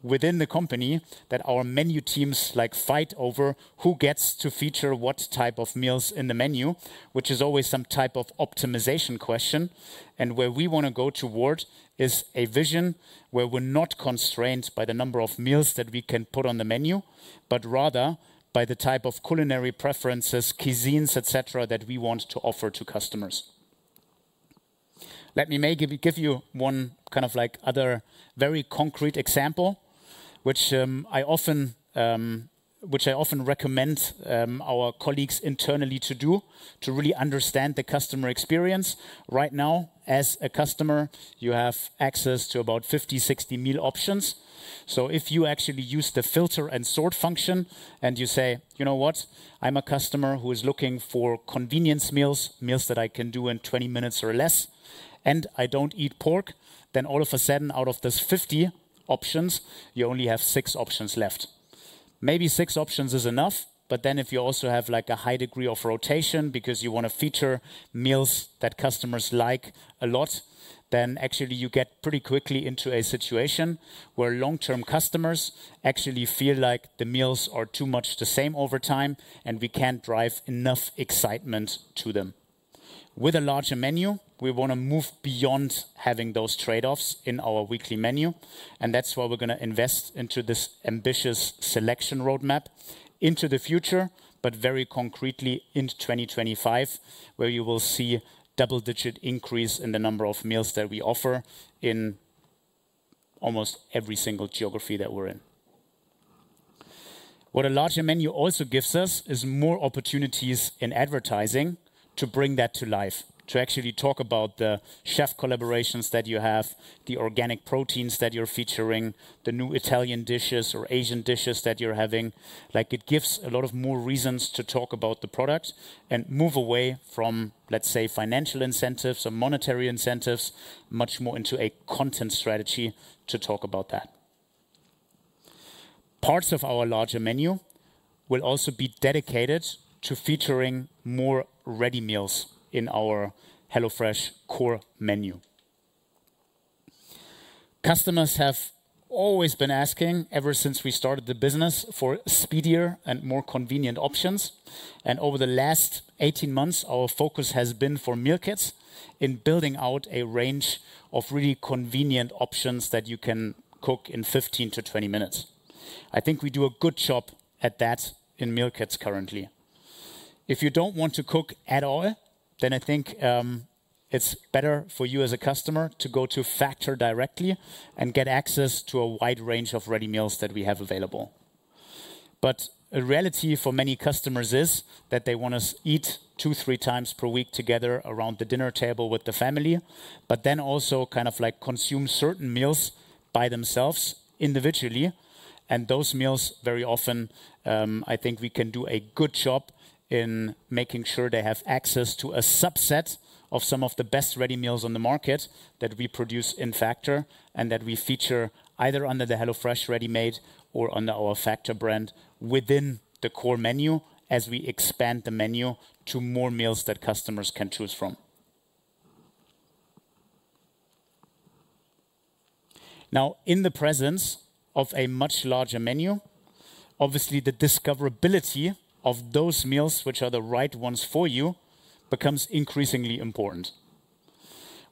within the company that our menu teams fight over who gets to feature what type of meals in the menu, which is always some type of optimization question. Where we want to go toward is a vision where we're not constrained by the number of meals that we can put on the menu, but rather by the type of culinary preferences, cuisines, et cetera, that we want to offer to customers. Let me maybe give you one kind of like other very concrete example, which I often recommend our colleagues internally to do to really understand the customer experience. Right now, as a customer, you have access to about 50-60 meal options. If you actually use the filter and sort function and you say, you know what, I'm a customer who is looking for convenience meals, meals that I can do in 20 minutes or less, and I don't eat pork, then all of a sudden out of those 50 options, you only have six options left. Maybe six options is enough, but then if you also have like a high degree of rotation because you want to feature meals that customers like a lot, then actually you get pretty quickly into a situation where long-term customers actually feel like the meals are too much the same over time and we can't drive enough excitement to them. With a larger menu, we want to move beyond having those trade-offs in our weekly menu, and that's why we're going to invest into this ambitious selection roadmap into the future, but very concretely in 2025, where you will see double-digit increase in the number of meals that we offer in almost every single geography that we're in. What a larger menu also gives us is more opportunities in advertising to bring that to life, to actually talk about the chef collaborations that you have, the organic proteins that you're featuring, the new Italian dishes or Asian dishes that you're having. Like it gives a lot of more reasons to talk about the product and move away from, let's say, financial incentives or monetary incentives, much more into a content strategy to talk about that. Parts of our larger menu will also be dedicated to featuring more ready meals in our HelloFresh core menu. Customers have always been asking ever since we started the business for speedier and more convenient options, and over the last 18 months, our focus has been for Meal Kits in building out a range of really convenient options that you can cook in 15-20 minutes. I think we do a good job at that in Meal Kits currently. If you don't want to cook at all, then I think it's better for you as a customer to go to Factor directly and get access to a wide range of ready meals that we have available. A reality for many customers is that they want to eat two, three times per week together around the dinner table with the family, but then also kind of like consume certain meals by themselves individually. Those meals very often, I think we can do a good job in making sure they have access to a subset of some of the best ready meals on the market that we produce in Factor and that we feature either under the HelloFresh ready-made or under our Factor brand within the core menu as we expand the menu to more meals that customers can choose from. Now, in the presence of a much larger menu, obviously the discoverability of those meals, which are the right ones for you, becomes increasingly important.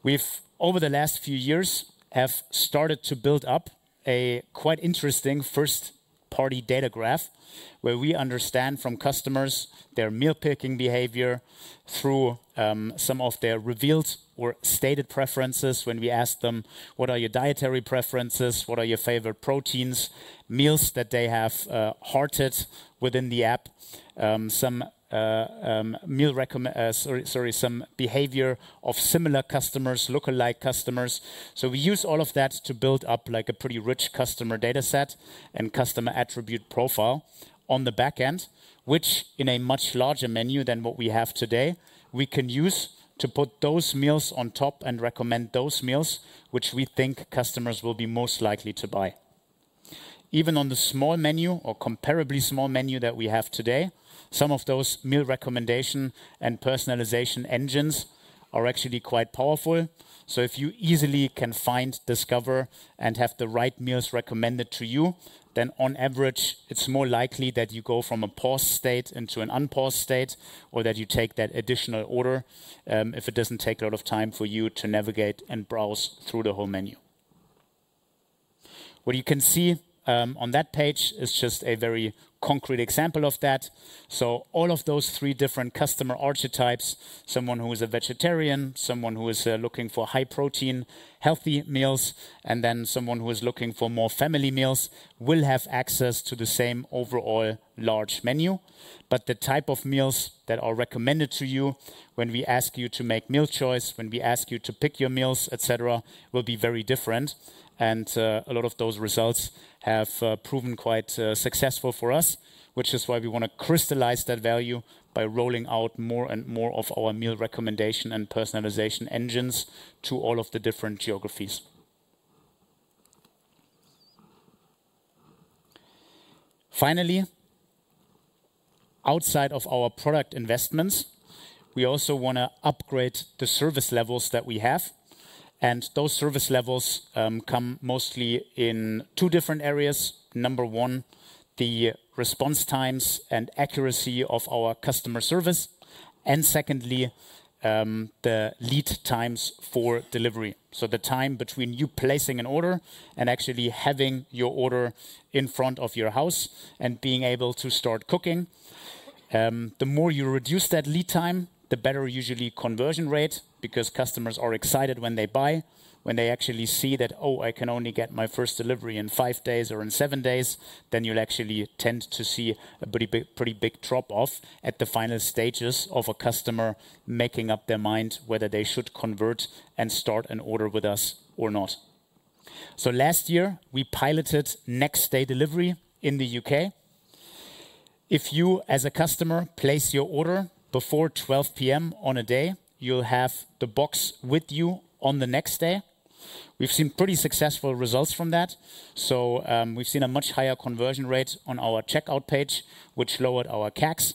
We've, over the last few years, started to build up a quite interesting first-party data graph where we understand from customers their meal picking behavior through some of their revealed or stated preferences when we ask them, what are your dietary preferences? What are your favorite proteins? Meals that they have hearted within the app, some meal recommend, sorry, sorry, some behavior of similar customers, lookalike customers. We use all of that to build up like a pretty rich customer data set and customer attribute profile on the back end, which in a much larger menu than what we have today, we can use to put those meals on top and recommend those meals which we think customers will be most likely to buy. Even on the small menu or comparably small menu that we have today, some of those meal recommendation and personalization engines are actually quite powerful. If you easily can find, discover, and have the right meals recommended to you, then on average, it's more likely that you go from a pause state into an unpause state or that you take that additional order, if it doesn't take a lot of time for you to navigate and browse through the whole menu. What you can see on that page is just a very concrete example of that. All of those three different customer archetypes, someone who is a vegetarian, someone who is looking for high protein, healthy meals, and then someone who is looking for more family meals will have access to the same overall large menu. The type of meals that are recommended to you when we ask you to make meal choice, when we ask you to pick your meals, et cetera, will be very different. A lot of those results have proven quite successful for us, which is why we want to crystallize that value by rolling out more and more of our meal recommendation and personalization engines to all of the different geographies. Finally, outside of our product investments, we also want to upgrade the service levels that we have. Those service levels come mostly in two different areas. Number one, the response times and accuracy of our customer service. Secondly, the lead times for delivery. The time between you placing an order and actually having your order in front of your house and being able to start cooking. The more you reduce that lead time, the better usually conversion rate because customers are excited when they buy, when they actually see that, oh, I can only get my first delivery in five days or in seven days, then you'll actually tend to see a pretty big drop-off at the final stages of a customer making up their mind whether they should convert and start an order with us or not. Last year, we piloted Next Day Delivery in the U.K. If you, as a customer, place your order before 12:00 P.M. on a day, you'll have the box with you on the next day. We've seen pretty successful results from that. We've seen a much higher conversion rate on our checkout page, which lowered our CACs.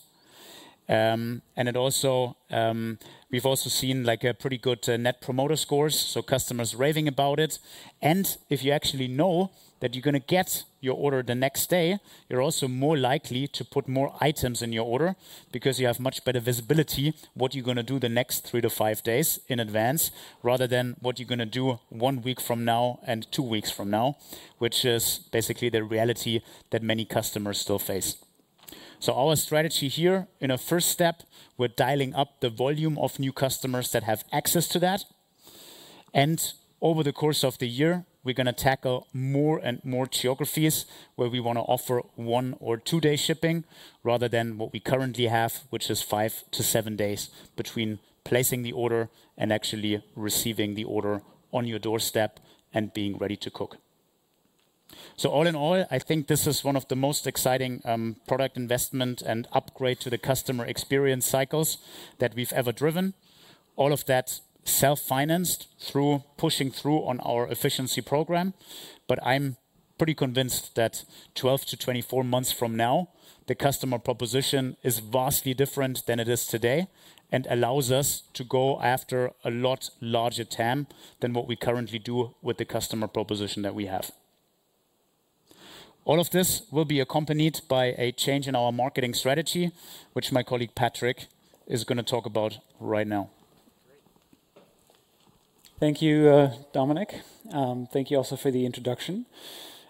We've also seen like a pretty good Net Promoter Scores, so customers raving about it. If you actually know that you're going to get your order the next day, you're also more likely to put more items in your order because you have much better visibility of what you're going to do the next three to five days in advance rather than what you're going to do one week from now and two weeks from now, which is basically the reality that many customers still face. Our strategy here in a first step, we're dialing up the volume of new customers that have access to that. Over the course of the year, we're going to tackle more and more geographies where we want to offer one or two-day shipping rather than what we currently have, which is five to seven days between placing the order and actually receiving the order on your doorstep and being ready to cook. All in all, I think this is one of the most exciting product investment and upgrade to the customer experience cycles that we've ever driven, all of that self-financed through pushing through on our efficiency program. I'm pretty convinced that 12-24 months from now, the customer proposition is vastly different than it is today and allows us to go after a lot larger TAM than what we currently do with the customer proposition that we have. All of this will be accompanied by a change in our marketing strategy, which my colleague Patrick is going to talk about right now. Thank you, Dominik. Thank you also for the introduction.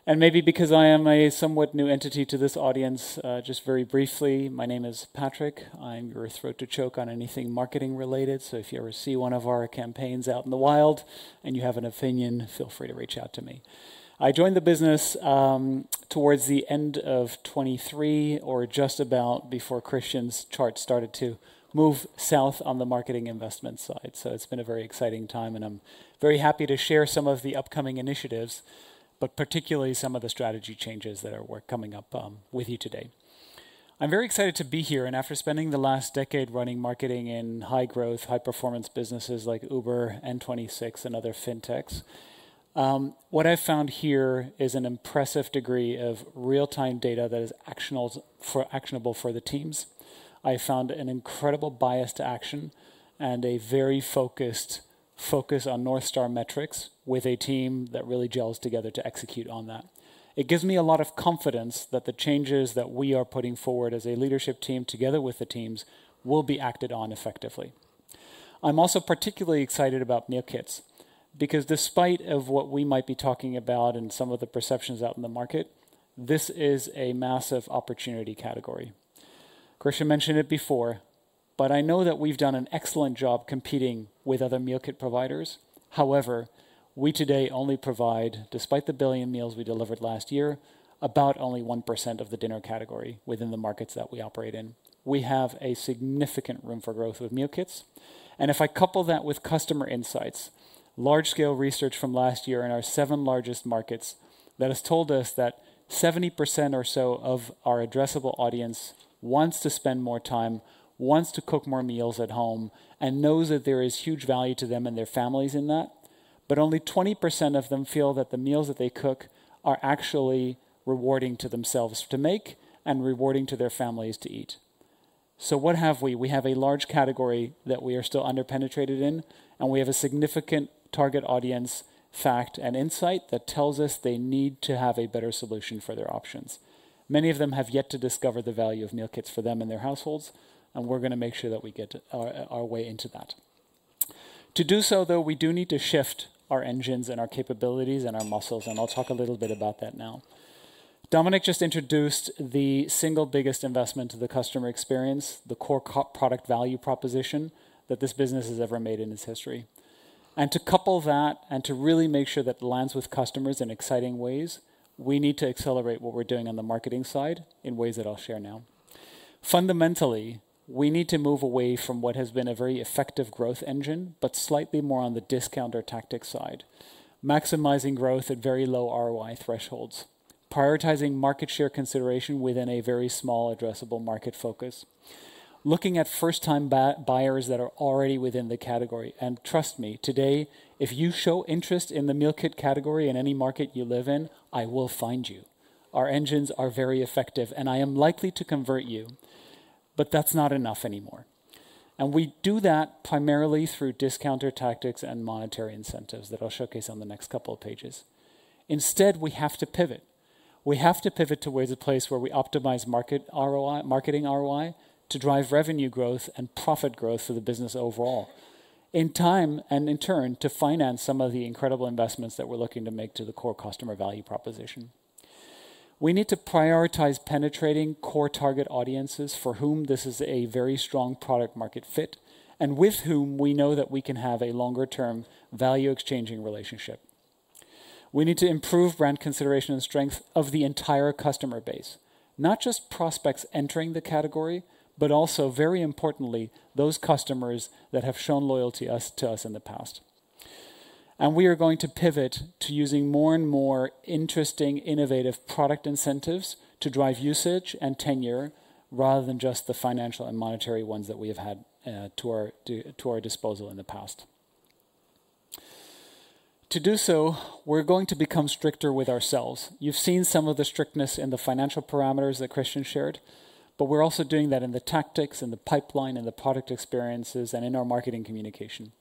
Maybe because I am a somewhat new entity to this audience, just very briefly, my name is Patrick. I'm your throat to choke on anything marketing related. If you ever see one of our campaigns out in the wild and you have an opinion, feel free to reach out to me. I joined the business towards the end of 2023 or just about before Christian's chart started to move south on the marketing investment side. It has been a very exciting time and I'm very happy to share some of the upcoming initiatives, but particularly some of the strategy changes that are coming up with you today. I'm very excited to be here and after spending the last decade running marketing in high-growth, high-performance businesses like Uber, N26, and other fintechs, what I've found here is an impressive degree of real-time data that is actionable for the teams. I found an incredible bias to action and a very focused focus on North Star metrics with a team that really gels together to execute on that. It gives me a lot of confidence that the changes that we are putting forward as a leadership team together with the teams will be acted on effectively. I'm also particularly excited about Meal Kits because despite what we might be talking about and some of the perceptions out in the market, this is a massive opportunity category. Christian mentioned it before, but I know that we've done an excellent job competing with other meal kit providers. However, we today only provide, despite the billion meals we delivered last year, about only 1% of the dinner category within the markets that we operate in. We have a significant room for growth with Meal Kits. If I couple that with customer insights, large-scale research from last year in our seven largest markets has told us that 70% or so of our addressable audience wants to spend more time, wants to cook more meals at home, and knows that there is huge value to them and their families in that, but only 20% of them feel that the meals that they cook are actually rewarding to themselves to make and rewarding to their families to eat. What have we? We have a large category that we are still under-penetrated in, and we have a significant target audience fact and insight that tells us they need to have a better solution for their options. Many of them have yet to discover the value of Meal Kits for them and their households, and we're going to make sure that we get our way into that. To do so, though, we do need to shift our engines and our capabilities and our muscles, and I'll talk a little bit about that now. Dominik just introduced the single biggest investment to the customer experience, the core product value proposition that this business has ever made in its history. To couple that and to really make sure that it lands with customers in exciting ways, we need to accelerate what we're doing on the marketing side in ways that I'll share now. Fundamentally, we need to move away from what has been a very effective growth engine, but slightly more on the discounter tactic side, maximizing growth at very low ROI thresholds, prioritizing market share consideration within a very small addressable market focus, looking at first-time buyers that are already within the category. Trust me, today, if you show interest in the Meal Kits category in any market you live in, I will find you. Our engines are very effective, and I am likely to convert you, but that's not enough anymore. We do that primarily through discounter tactics and monetary incentives that I'll showcase on the next couple of pages. Instead, we have to pivot. We have to pivot towards a place where we optimize marketing ROI to drive revenue growth and profit growth for the business overall in time and in turn to finance some of the incredible investments that we're looking to make to the core customer value proposition. We need to prioritize penetrating core target audiences for whom this is a very strong product-market fit and with whom we know that we can have a longer-term value exchanging relationship. We need to improve brand consideration and strength of the entire customer base, not just prospects entering the category, but also, very importantly, those customers that have shown loyalty to us in the past. We are going to pivot to using more and more interesting, innovative product incentives to drive usage and tenure rather than just the financial and monetary ones that we have had to our disposal in the past. To do so, we're going to become stricter with ourselves. You've seen some of the strictness in the financial parameters that Christian shared, but we're also doing that in the tactics, in the pipeline, in the product experiences, and in our marketing communication.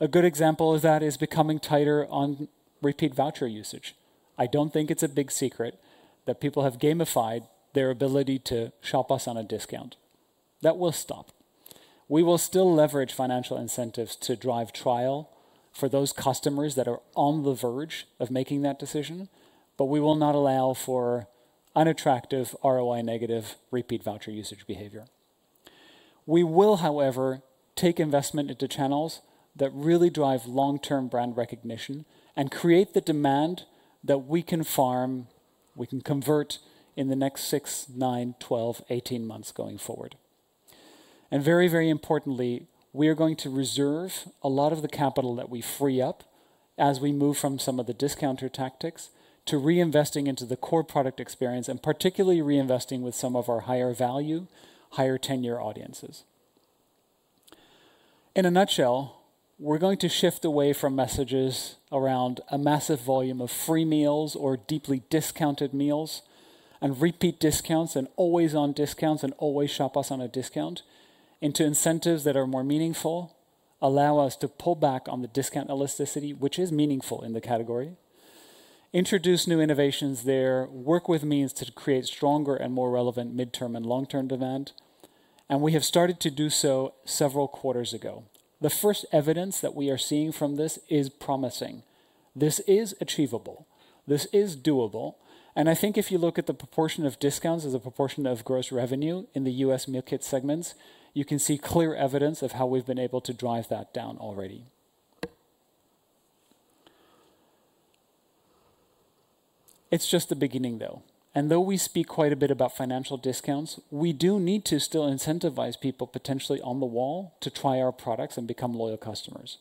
A good example of that is becoming tighter on repeat voucher usage. I don't think it's a big secret that people have gamified their ability to shop us on a discount. That will stop. We will still leverage financial incentives to drive trial for those customers that are on the verge of making that decision, but we will not allow for unattractive, ROI-negative repeat voucher usage behavior. We will, however, take investment into channels that really drive long-term brand recognition and create the demand that we can farm, we can convert in the next six, nine, 12, 18 months going forward. Very, very importantly, we are going to reserve a lot of the capital that we free up as we move from some of the discounter tactics to reinvesting into the core product experience and particularly reinvesting with some of our higher value, higher tenure audiences. In a nutshell, we're going to shift away from messages around a massive volume of free meals or deeply discounted meals and repeat discounts and always on discounts and always shop us on a discount into incentives that are more meaningful, allow us to pull back on the discount elasticity, which is meaningful in the category, introduce new innovations there, work with means to create stronger and more relevant midterm and long-term demand. We have started to do so several quarters ago. The first evidence that we are seeing from this is promising. This is achievable. This is doable. I think if you look at the proportion of discounts as a proportion of gross revenue in the U.S. meal kits segments, you can see clear evidence of how we've been able to drive that down already. It's just the beginning, though. Though we speak quite a bit about financial discounts, we do need to still incentivize people potentially on the wall to try our products and become loyal customers.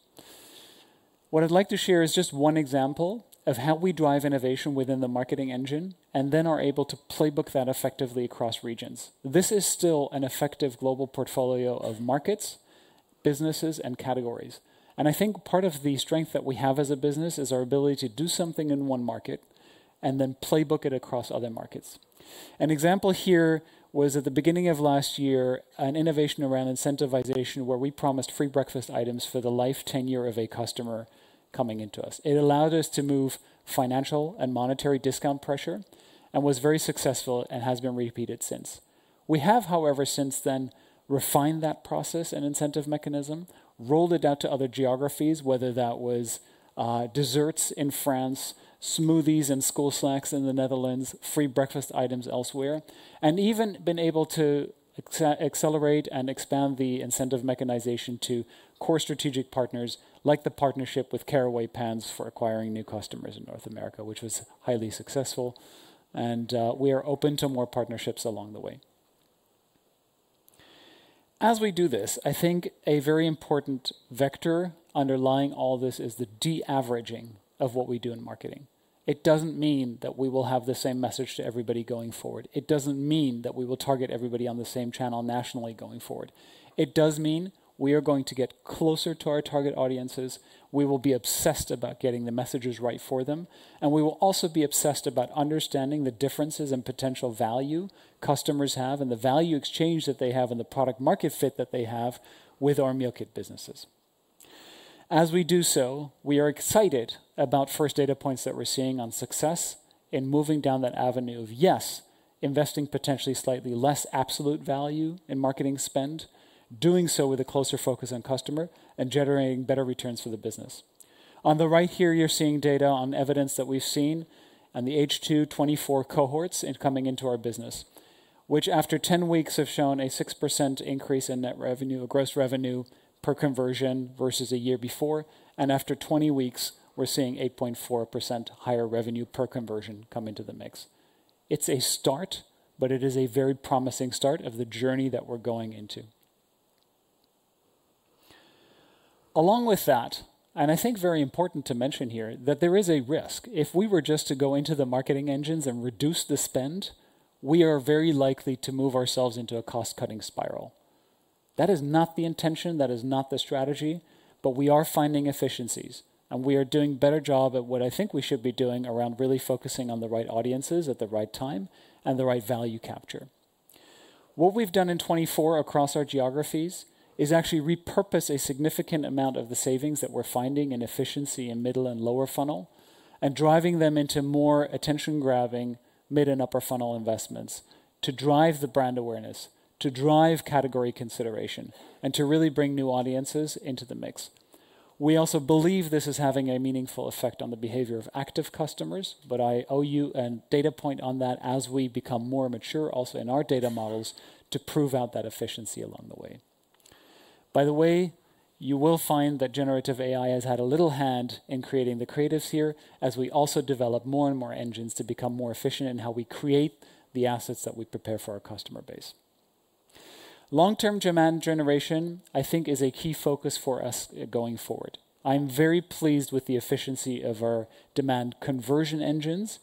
What I'd like to share is just one example of how we drive innovation within the marketing engine and then are able to playbook that effectively across regions. This is still an effective global portfolio of markets, businesses, and categories. I think part of the strength that we have as a business is our ability to do something in one market and then playbook it across other markets. An example here was at the beginning of last year, an innovation around incentivization where we promised free breakfast items for the life tenure of a customer coming into us. It allowed us to move financial and monetary discount pressure and was very successful and has been repeated since. We have, however, since then refined that process and incentive mechanism, rolled it out to other geographies, whether that was desserts in France, smoothies and school snacks in the Netherlands, free breakfast items elsewhere, and even been able to accelerate and expand the incentive mechanization to core strategic partners like the partnership with Caraway Pans for acquiring new customers in North America, which was highly successful. We are open to more partnerships along the way. As we do this, I think a very important vector underlying all this is the de-averaging of what we do in marketing. It does not mean that we will have the same message to everybody going forward. It does not mean that we will target everybody on the same channel nationally going forward. It does mean we are going to get closer to our target audiences. We will be obsessed about getting the messages right for them, and we will also be obsessed about understanding the differences in potential value customers have and the value exchange that they have and the product-market fit that they have with our meal kit businesses. As we do so, we are excited about first data points that we're seeing on success in moving down that avenue of, yes, investing potentially slightly less absolute value in marketing spend, doing so with a closer focus on customer and generating better returns for the business. On the right here, you're seeing data on evidence that we've seen and the H2 2024 cohorts coming into our business, which after 10 weeks have shown a 6% increase in net revenue, gross revenue per conversion versus a year before. After 20 weeks, we're seeing 8.4% higher revenue per conversion come into the mix. It's a start, but it is a very promising start of the journey that we're going into. Along with that, and I think very important to mention here, that there is a risk. If we were just to go into the marketing engines and reduce the spend, we are very likely to move ourselves into a cost-cutting spiral. That is not the intention. That is not the strategy, but we are finding efficiencies and we are doing a better job at what I think we should be doing around really focusing on the right audiences at the right time and the right value capture. What we've done in 2024 across our geographies is actually repurpose a significant amount of the savings that we're finding in efficiency in middle and lower funnel and driving them into more attention-grabbing mid and upper funnel investments to drive the brand awareness, to drive category consideration, and to really bring new audiences into the mix. We also believe this is having a meaningful effect on the behavior of active customers, but I owe you a data point on that as we become more mature also in our data models to prove out that efficiency along the way. By the way, you will find that generative AI has had a little hand in creating the creatives here as we also develop more and more engines to become more efficient in how we create the assets that we prepare for our customer base. Long-term demand generation, I think, is a key focus for us going forward. I'm very pleased with the efficiency of our demand conversion engines,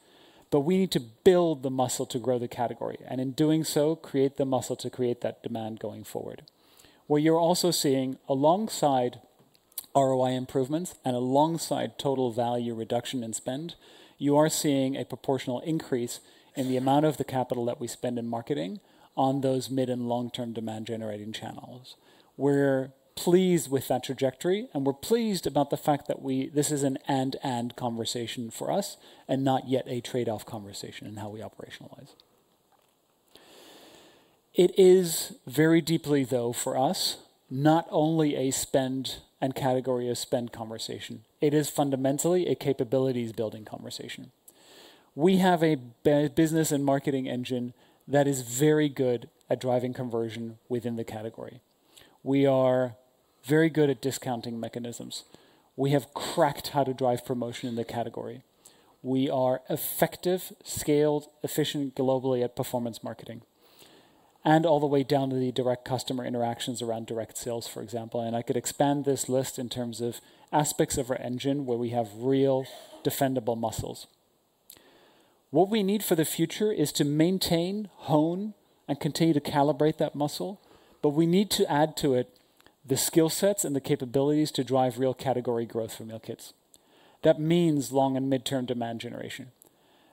but we need to build the muscle to grow the category and in doing so, create the muscle to create that demand going forward. What you're also seeing alongside ROI improvements and alongside total value reduction in spend, you are seeing a proportional increase in the amount of the capital that we spend in marketing on those mid and long-term demand-generating channels. We're pleased with that trajectory and we're pleased about the fact that this is an end-to-end conversation for us and not yet a trade-off conversation in how we operationalize. It is very deeply, though, for us, not only a spend and category of spend conversation. It is fundamentally a capabilities-building conversation. We have a business and marketing engine that is very good at driving conversion within the category. We are very good at discounting mechanisms. We have cracked how to drive promotion in the category. We are effective, scaled, efficient globally at performance marketing and all the way down to the direct customer interactions around direct sales, for example. I could expand this list in terms of aspects of our engine where we have real defendable muscles. What we need for the future is to maintain, hone, and continue to calibrate that muscle, but we need to add to it the skill sets and the capabilities to drive real category growth for Meal Kits. That means long and midterm demand generation.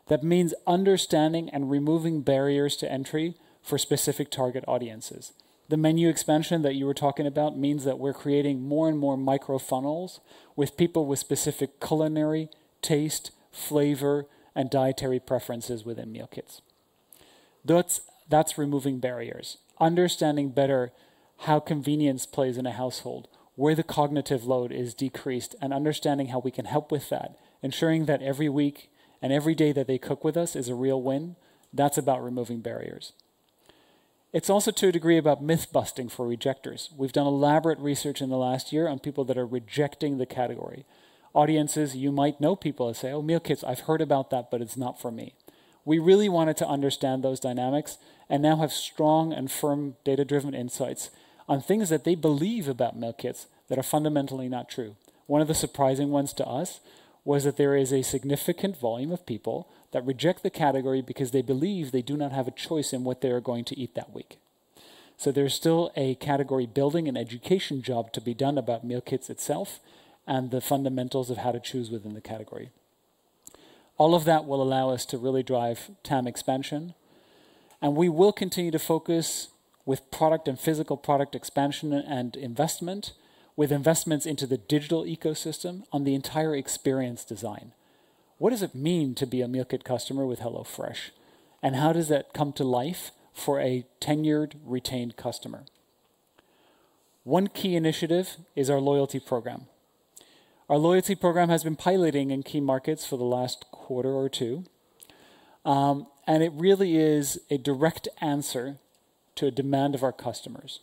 That means understanding and removing barriers to entry for specific target audiences. The menu expansion that you were talking about means that we're creating more and more microfunnels with people with specific culinary, taste, flavor, and dietary preferences within Meal Kits. That's removing barriers, understanding better how convenience plays in a household, where the cognitive load is decreased, and understanding how we can help with that, ensuring that every week and every day that they cook with us is a real win. That's about removing barriers. It's also to a degree about myth-busting for rejectors. We've done elaborate research in the last year on people that are rejecting the category. Audiences, you might know people that say, "Oh, Meal Kits, I've heard about that, but it's not for me." We really wanted to understand those dynamics and now have strong and firm data-driven insights on things that they believe about Meal Kits that are fundamentally not true. One of the surprising ones to us was that there is a significant volume of people that reject the category because they believe they do not have a choice in what they are going to eat that week. There is still a category-building and education job to be done about Meal Kits itself and the fundamentals of how to choose within the category. All of that will allow us to really drive TAM expansion, and we will continue to focus with product and physical product expansion and investment, with investments into the digital ecosystem on the entire experience design. What does it mean to be a meal kit customer with HelloFresh, and how does that come to life for a tenured, retained customer? One key initiative is our loyalty program. Our loyalty program has been piloting in key markets for the last quarter or two, and it really is a direct answer to a demand of our customers.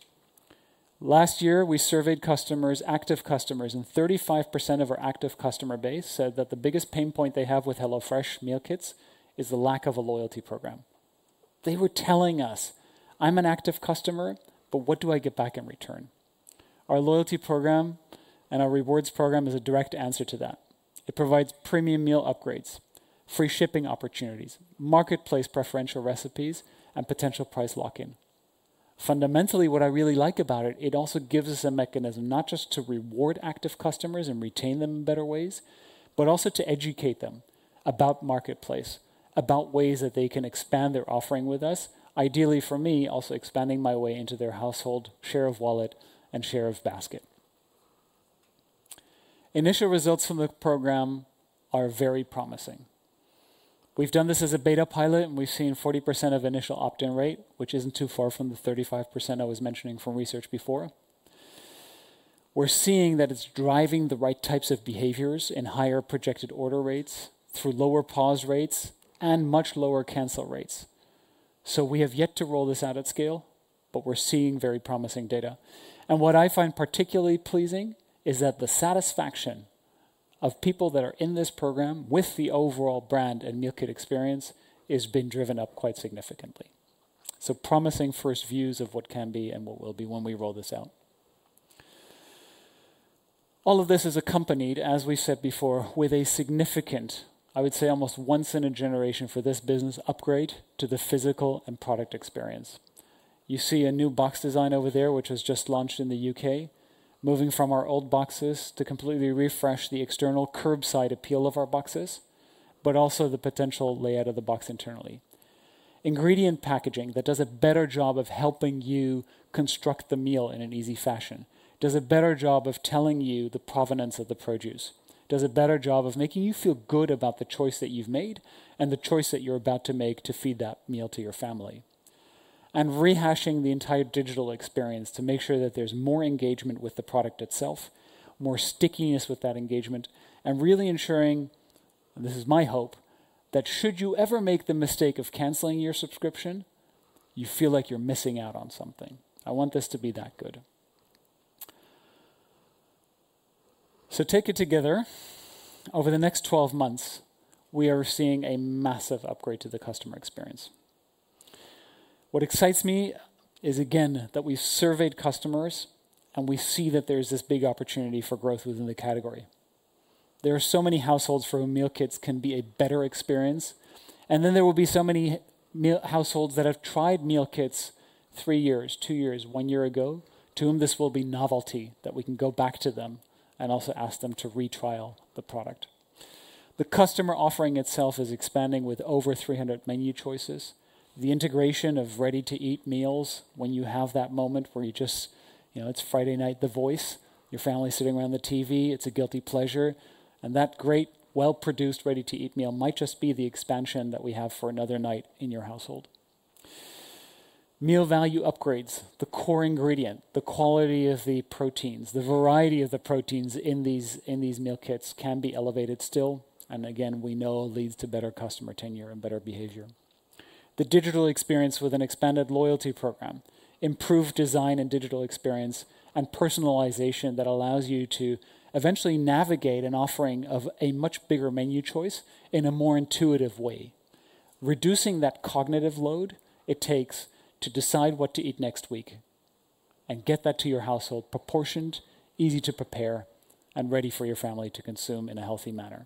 Last year, we surveyed active customers, and 35% of our active customer base said that the biggest pain point they have with HelloFresh Meal Kits is the lack of a loyalty program. They were telling us, "I'm an active customer, but what do I get back in return?" Our loyalty program and our rewards program is a direct answer to that. It provides premium meal upgrades, free shipping opportunities, marketplace preferential recipes, and potential price lock-in. Fundamentally, what I really like about it, it also gives us a mechanism not just to reward active customers and retain them in better ways, but also to educate them about marketplace, about ways that they can expand their offering with us, ideally for me, also expanding my way into their household share of wallet and share of basket. Initial results from the program are very promising. We've done this as a beta pilot, and we've seen 40% of initial opt-in rate, which isn't too far from the 35% I was mentioning from research before. We're seeing that it's driving the right types of behaviors in higher projected order rates through lower pause rates and much lower cancel rates. We have yet to roll this out at scale, but we're seeing very promising data. What I find particularly pleasing is that the satisfaction of people that are in this program with the overall brand and meal kit experience has been driven up quite significantly. Promising first views of what can be and what will be when we roll this out. All of this is accompanied, as we said before, with a significant, I would say almost once-in-a-generation for this business upgrade to the physical and product experience. You see a new box design over there, which was just launched in the U.K., moving from our old boxes to completely refresh the external curbside appeal of our boxes, but also the potential layout of the box internally. Ingredient packaging that does a better job of helping you construct the meal in an easy fashion, does a better job of telling you the provenance of the produce, does a better job of making you feel good about the choice that you've made and the choice that you're about to make to feed that meal to your family, and rehashing the entire digital experience to make sure that there's more engagement with the product itself, more stickiness with that engagement, and really ensuring, this is my hope, that should you ever make the mistake of canceling your subscription, you feel like you're missing out on something. I want this to be that good. Take it together. Over the next 12 months, we are seeing a massive upgrade to the customer experience. What excites me is, again, that we've surveyed customers and we see that there's this big opportunity for growth within the category. There are so many households for whom Meal Kits can be a better experience, and then there will be so many households that have tried Meal Kits three years, two years, one year ago to whom this will be novelty that we can go back to them and also ask them to retrial the product. The customer offering itself is expanding with over 300 menu choices. The integration of ready-to-eat meals when you have that moment where you just, you know, it's Friday night, the voice, your family sitting around the TV, it's a guilty pleasure, and that great, well-produced ready-to-eat meal might just be the expansion that we have for another night in your household. Meal value upgrades, the core ingredient, the quality of the proteins, the variety of the proteins in these Meal Kits can be elevated still, and again, we know leads to better customer tenure and better behavior. The digital experience with an expanded loyalty program, improved design and digital experience, and personalization that allows you to eventually navigate an offering of a much bigger menu choice in a more intuitive way, reducing that cognitive load it takes to decide what to eat next week and get that to your household proportioned, easy to prepare, and ready for your family to consume in a healthy manner.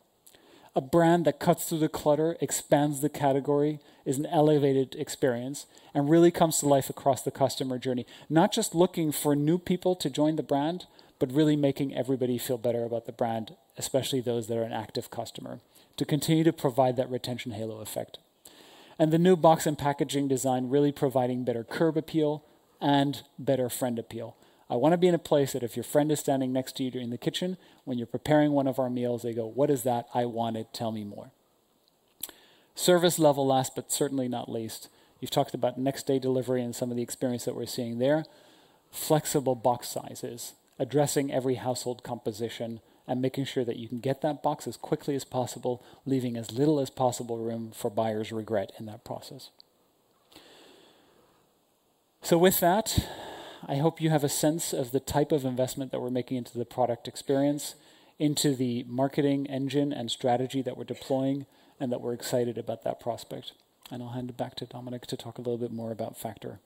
A brand that cuts through the clutter, expands the category, is an elevated experience and really comes to life across the customer journey, not just looking for new people to join the brand, but really making everybody feel better about the brand, especially those that are an active customer, to continue to provide that retention halo effect. The new box and packaging design really providing better curb appeal and better friend appeal. I want to be in a place that if your friend is standing next to you during the kitchen when you're preparing one of our meals, they go, "What is that? I want it. Tell me more. Service level last, but certainly not least, you've talked about next-day delivery and some of the experience that we're seeing there, flexible box sizes, addressing every household composition and making sure that you can get that box as quickly as possible, leaving as little as possible room for buyer's regret in that process. With that, I hope you have a sense of the type of investment that we're making into the product experience, into the marketing engine and strategy that we're deploying and that we're excited about that prospect. I'll hand it back to Dominik to talk a little bit more about Factor.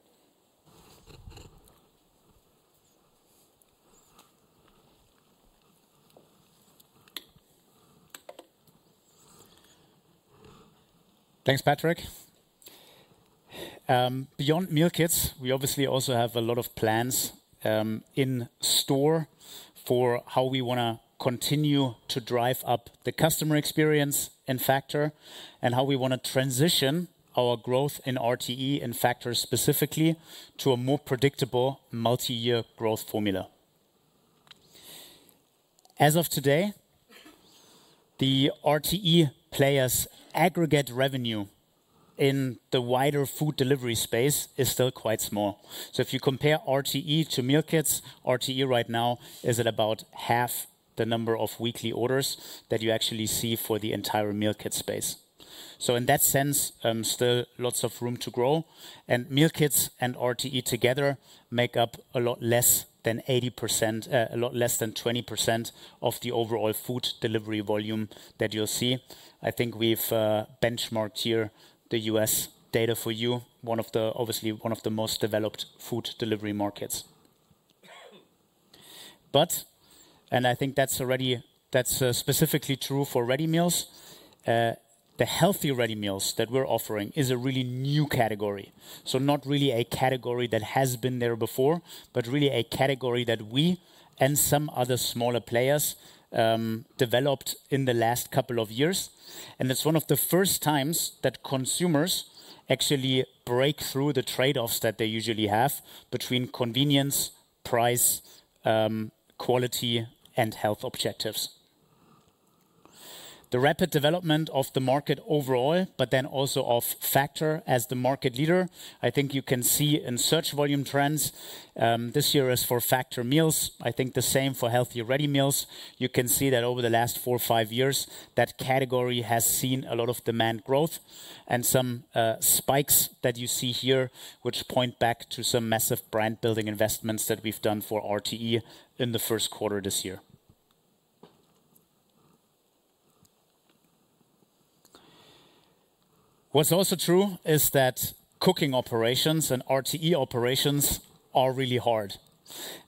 Thanks, Patrick. Beyond Meal Kits, we obviously also have a lot of plans in store for how we want to continue to drive up the customer experience in Factor and how we want to transition our growth in RTE and Factor specifically to a more predictable multi-year growth formula. As of today, the RTE players' aggregate revenue in the wider food delivery space is still quite small. If you compare RTE to Meal Kits, RTE right now is at about half the number of weekly orders that you actually see for the entire meal kit space. In that sense, still lots of room to grow. Meal Kits and RTE together make up a lot less than 20% of the overall food delivery volume that you'll see. I think we've benchmarked here the U.S. data for you, obviously one of the most developed food delivery markets. I think that's specifically true for ready meals, the healthy ready meals that we're offering is a really new category. Not really a category that has been there before, but really a category that we and some other smaller players developed in the last couple of years. It's one of the first times that consumers actually break through the trade-offs that they usually have between convenience, price, quality, and health objectives. The rapid development of the market overall, but then also of Factor as the market leader, I think you can see in search volume trends. This year is for Factor meals. I think the same for healthy ready meals. You can see that over the last four or five years, that category has seen a lot of demand growth and some spikes that you see here, which point back to some massive brand-building investments that we've done for RTE in the first quarter this year. What's also true is that cooking operations and RTE operations are really hard.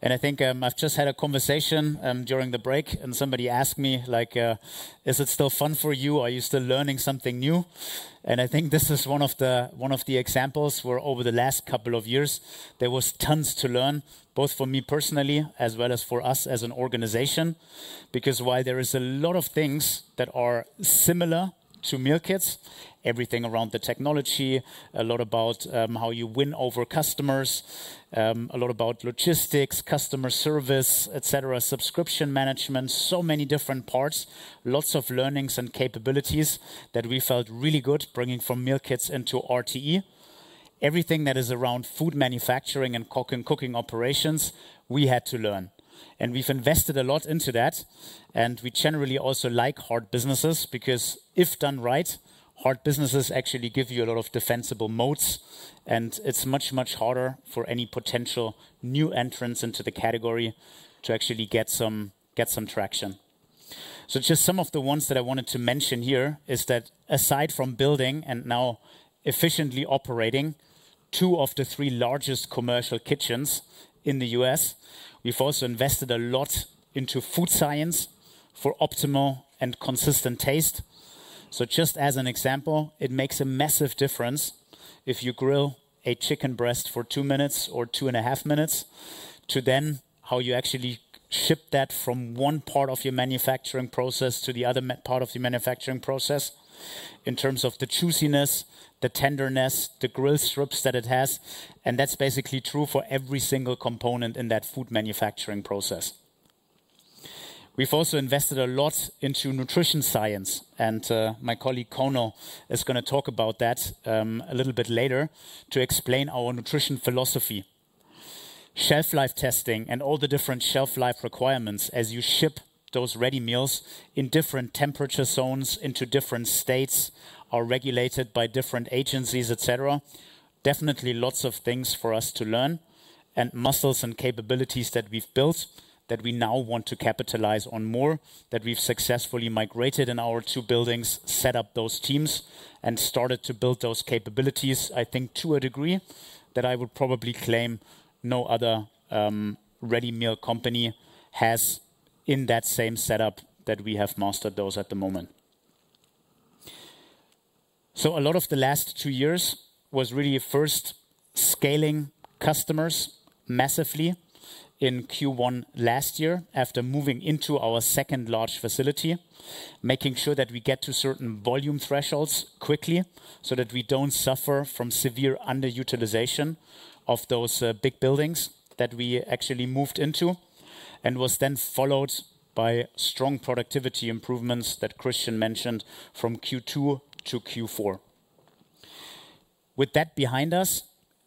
I think I've just had a conversation during the break, and somebody asked me, like, "Is it still fun for you? Are you still learning something new?" I think this is one of the examples where over the last couple of years, there was tons to learn, both for me personally as well as for us as an organization, because while there are a lot of things that are similar to Meal Kits, everything around the technology, a lot about how you win over customers, a lot about logistics, customer service, et cetera, subscription management, so many different parts, lots of learnings and capabilities that we felt really good bringing from Meal Kits into RTE. Everything that is around food manufacturing and cooking operations, we had to learn. We have invested a lot into that. We generally also like hard businesses because if done right, hard businesses actually give you a lot of defensible moats, and it's much, much harder for any potential new entrants into the category to actually get some traction. Just some of the ones that I wanted to mention here is that aside from building and now efficiently operating two of the three largest commercial kitchens in the U.S., we've also invested a lot into food science for optimal and consistent taste. Just as an example, it makes a massive difference if you grill a chicken breast for two minutes or two and a half minutes to then how you actually ship that from one part of your manufacturing process to the other part of your manufacturing process in terms of the juiciness, the tenderness, the grill strips that it has. That's basically true for every single component in that food manufacturing process. We've also invested a lot into nutrition science, and my colleague Conal is going to talk about that a little bit later to explain our nutrition philosophy. Shelf life testing and all the different shelf life requirements as you ship those ready meals in different temperature zones into different states are regulated by different agencies, et cetera. Definitely lots of things for us to learn and muscles and capabilities that we've built that we now want to capitalize on more that we've successfully migrated in our two buildings, set up those teams, and started to build those capabilities. I think to a degree that I would probably claim no other ready meal company has in that same setup that we have mastered those at the moment. A lot of the last two years was really first scaling customers massively in Q1 last year after moving into our second large facility, making sure that we get to certain volume thresholds quickly so that we do not suffer from severe underutilization of those big buildings that we actually moved into and was then followed by strong productivity improvements that Christian mentioned from Q2 to Q4. With that behind us,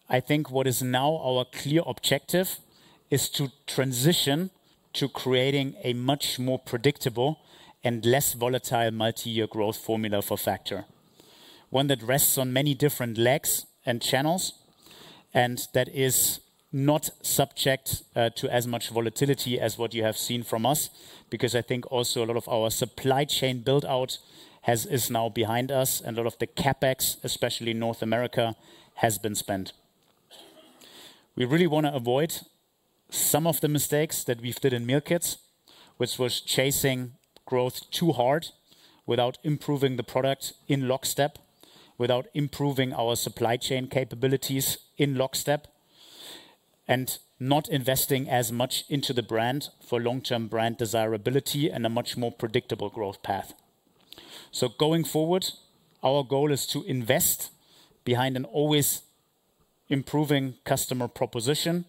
I think what is now our clear objective is to transition to creating a much more predictable and less volatile multi-year growth formula for Factor, one that rests on many different legs and channels and that is not subject to as much volatility as what you have seen from us because I think also a lot of our supply chain build-out is now behind us and a lot of the CapEx, especially in North America, has been spent. We really want to avoid some of the mistakes that we've did in Meal Kits, which was chasing growth too hard without improving the product in lockstep, without improving our supply chain capabilities in lockstep, and not investing as much into the brand for long-term brand desirability and a much more predictable growth path. Going forward, our goal is to invest behind an always improving customer proposition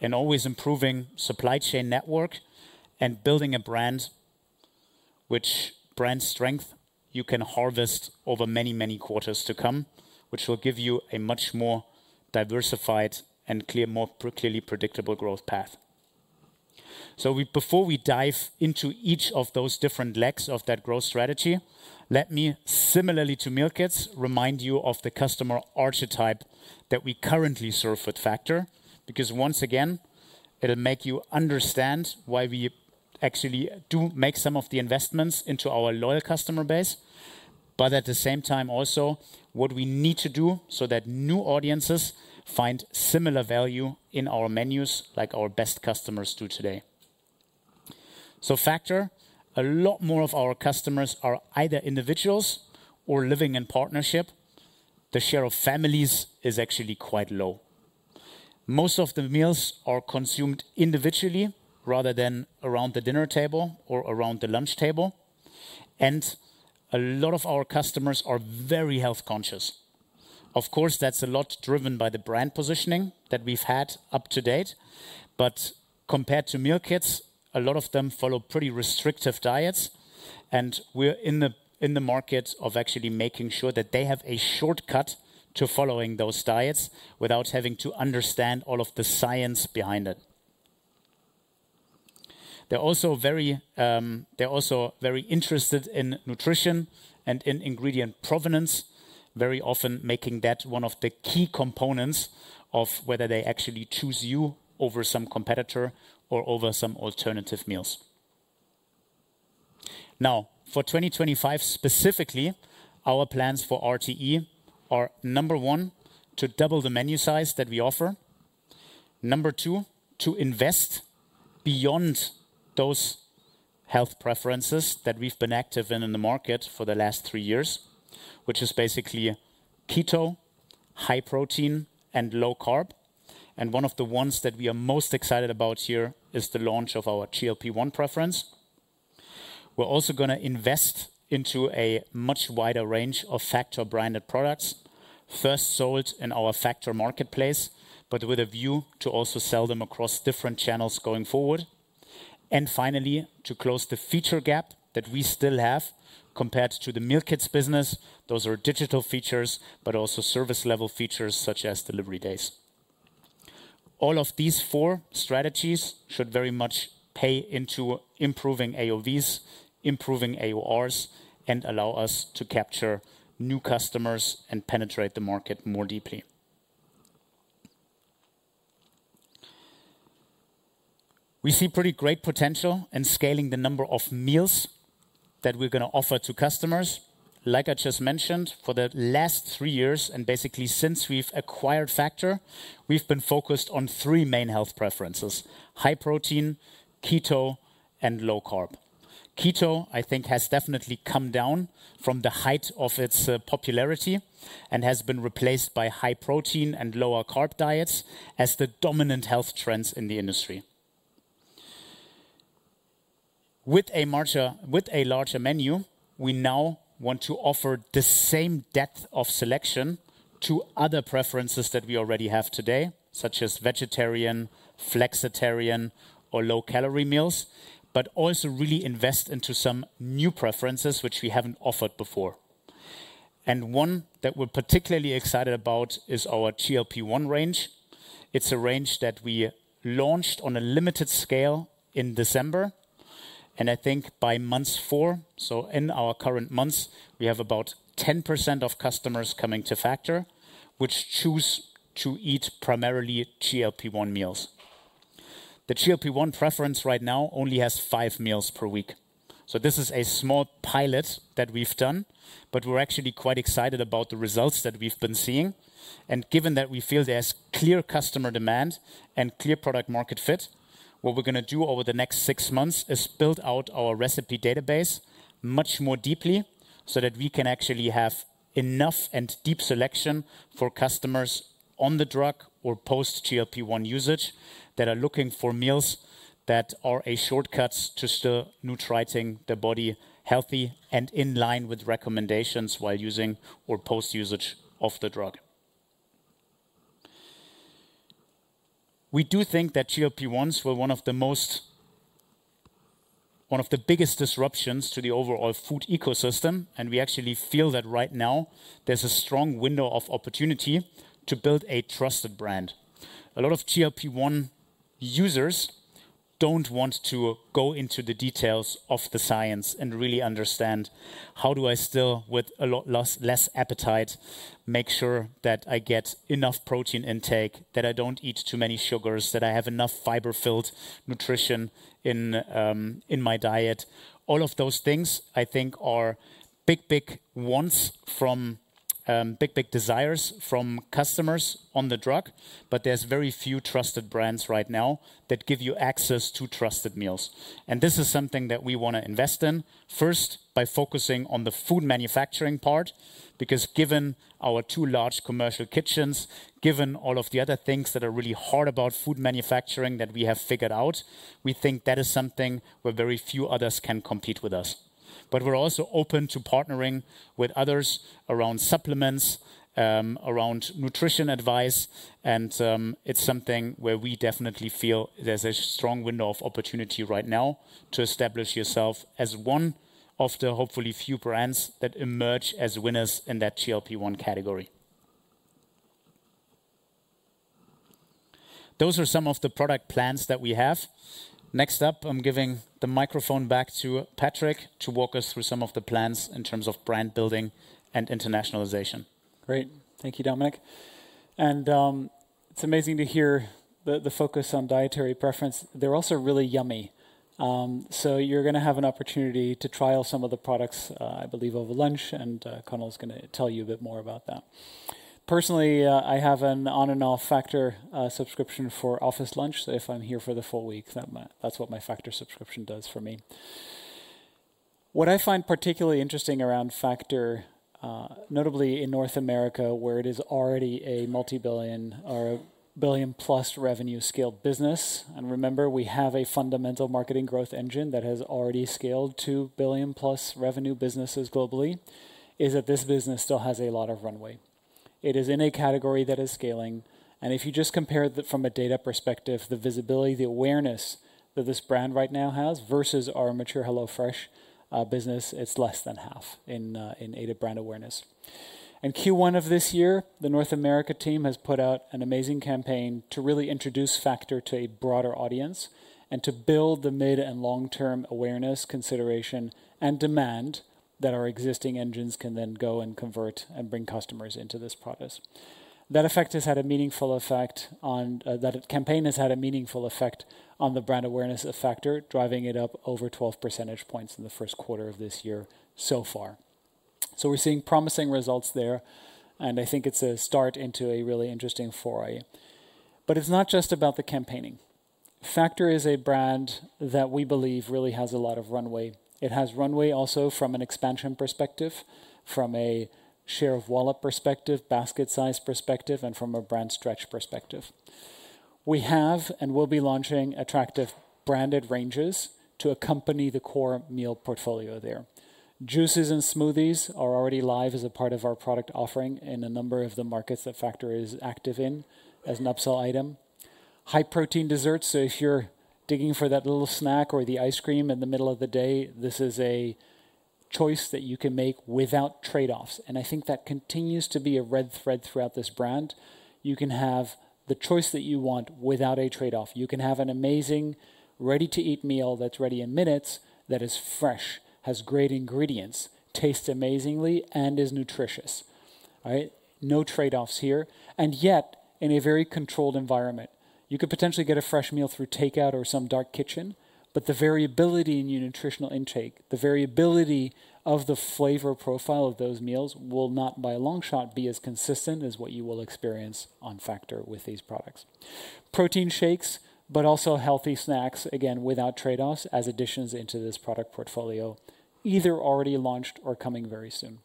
and always improving supply chain network and building a brand which brand strength you can harvest over many, many quarters to come, which will give you a much more diversified and clearly predictable growth path. Before we dive into each of those different legs of that growth strategy, let me, similarly to Meal Kits, remind you of the customer archetype that we currently serve with Factor because once again, it'll make you understand why we actually do make some of the investments into our loyal customer base, but at the same time also what we need to do so that new audiences find similar value in our menus like our best customers do today. Factor, a lot more of our customers are either individuals or living in partnership. The share of families is actually quite low. Most of the meals are consumed individually rather than around the dinner table or around the lunch table, and a lot of our customers are very health conscious. Of course, that's a lot driven by the brand positioning that we've had up to date, but compared to Meal Kits, a lot of them follow pretty restrictive diets, and we're in the market of actually making sure that they have a shortcut to following those diets without having to understand all of the science behind it. They're also very interested in nutrition and in ingredient provenance, very often making that one of the key components of whether they actually choose you over some competitor or over some alternative meals. Now, for 2025 specifically, our plans for RTE are number one, to double the menu size that we offer. Number two, to invest beyond those health preferences that we've been active in in the market for the last three years, which is basically keto, high protein, and low carb. One of the ones that we are most excited about here is the launch of our GLP-1 preference. We are also going to invest into a much wider range of Factor-branded products, first sold in our Factor marketplace, but with a view to also sell them across different channels going forward. Finally, to close the feature gap that we still have compared to the Meal Kits business, those are digital features, but also service-level features such as delivery days. All of these four strategies should very much pay into improving AOVs, improving AORs, and allow us to capture new customers and penetrate the market more deeply. We see pretty great potential in scaling the number of meals that we are going to offer to customers. Like I just mentioned, for the last three years and basically since we've acquired Factor, we've been focused on three main health preferences: high protein, keto, and low carb. Keto, I think, has definitely come down from the height of its popularity and has been replaced by high protein and lower carb diets as the dominant health trends in the industry. With a larger menu, we now want to offer the same depth of selection to other preferences that we already have today, such as vegetarian, flexitarian, or low-calorie meals, but also really invest into some new preferences which we haven't offered before. One that we're particularly excited about is our GLP-1 range. It's a range that we launched on a limited scale in December, and I think by month four, so in our current months, we have about 10% of customers coming to Factor, which choose to eat primarily GLP-1 meals. The GLP-1 preference right now only has five meals per week. This is a small pilot that we've done, but we're actually quite excited about the results that we've been seeing. Given that we feel there's clear customer demand and clear product-market fit, what we're going to do over the next six months is build out our recipe database much more deeply so that we can actually have enough and deep selection for customers on the drug or post-GLP-1 usage that are looking for meals that are a shortcut to still nutriting the body healthy and in line with recommendations while using or post-usage of the drug. We do think that GLP-1s were one of the biggest disruptions to the overall food ecosystem, and we actually feel that right now there's a strong window of opportunity to build a trusted brand. A lot of GLP-1 users don't want to go into the details of the science and really understand how do I still, with less appetite, make sure that I get enough protein intake, that I don't eat too many sugars, that I have enough fiber-filled nutrition in my diet. All of those things, I think, are big, big wants from big, big desires from customers on the drug, but there's very few trusted brands right now that give you access to trusted meals. This is something that we want to invest in first by focusing on the food manufacturing part because given our two large commercial kitchens, given all of the other things that are really hard about food manufacturing that we have figured out, we think that is something where very few others can compete with us. We are also open to partnering with others around supplements, around nutrition advice, and it is something where we definitely feel there is a strong window of opportunity right now to establish yourself as one of the hopefully few brands that emerge as winners in that GLP-1 category. Those are some of the product plans that we have. Next up, I am giving the microphone back to Patrick to walk us through some of the plans in terms of brand building and internationalization. Great. Thank you, Dominik. It is amazing to hear the focus on dietary preference. They're also really yummy. You're going to have an opportunity to trial some of the products, I believe, over lunch, and Conal is going to tell you a bit more about that. Personally, I have an on-and-off Factor subscription for office lunch, so if I'm here for the full week, that's what my Factor subscription does for me. What I find particularly interesting around Factor, notably in North America, where it is already a multi-billion or billion-plus revenue-scaled business, and remember, we have a fundamental marketing growth engine that has already scaled to billion-plus revenue businesses globally, is that this business still has a lot of runway. It is in a category that is scaling, and if you just compare it from a data perspective, the visibility, the awareness that this brand right now has versus our mature HelloFresh business, it's less than half in aided brand awareness. In Q1 of this year, the North America team has put out an amazing campaign to really introduce Factor to a broader audience and to build the mid and long-term awareness, consideration, and demand that our existing engines can then go and convert and bring customers into this process. That campaign has had a meaningful effect on the brand awareness of Factor, driving it up over 12 percentage points in the first quarter of this year so far. We are seeing promising results there, and I think it's a start into a really interesting foray. It is not just about the campaigning. Factor is a brand that we believe really has a lot of runway. It has runway also from an expansion perspective, from a share of wallet perspective, basket size perspective, and from a brand stretch perspective. We have and will be launching attractive branded ranges to accompany the core meal portfolio there. Juices and smoothies are already live as a part of our product offering in a number of the markets that Factor is active in as an upsell item. High protein desserts, so if you're digging for that little snack or the ice cream in the middle of the day, this is a choice that you can make without trade-offs. I think that continues to be a red thread throughout this brand. You can have the choice that you want without a trade-off. You can have an amazing ready-to-eat meal that's ready in minutes, that is fresh, has great ingredients, tastes amazingly, and is nutritious. All right? No trade-offs here. Yet, in a very controlled environment, you could potentially get a fresh meal through takeout or some dark kitchen, but the variability in your nutritional intake, the variability of the flavor profile of those meals will not, by a long shot, be as consistent as what you will experience on Factor with these products. Protein shakes, but also healthy snacks, again, without trade-offs as additions into this product portfolio, either already launched or coming very soon.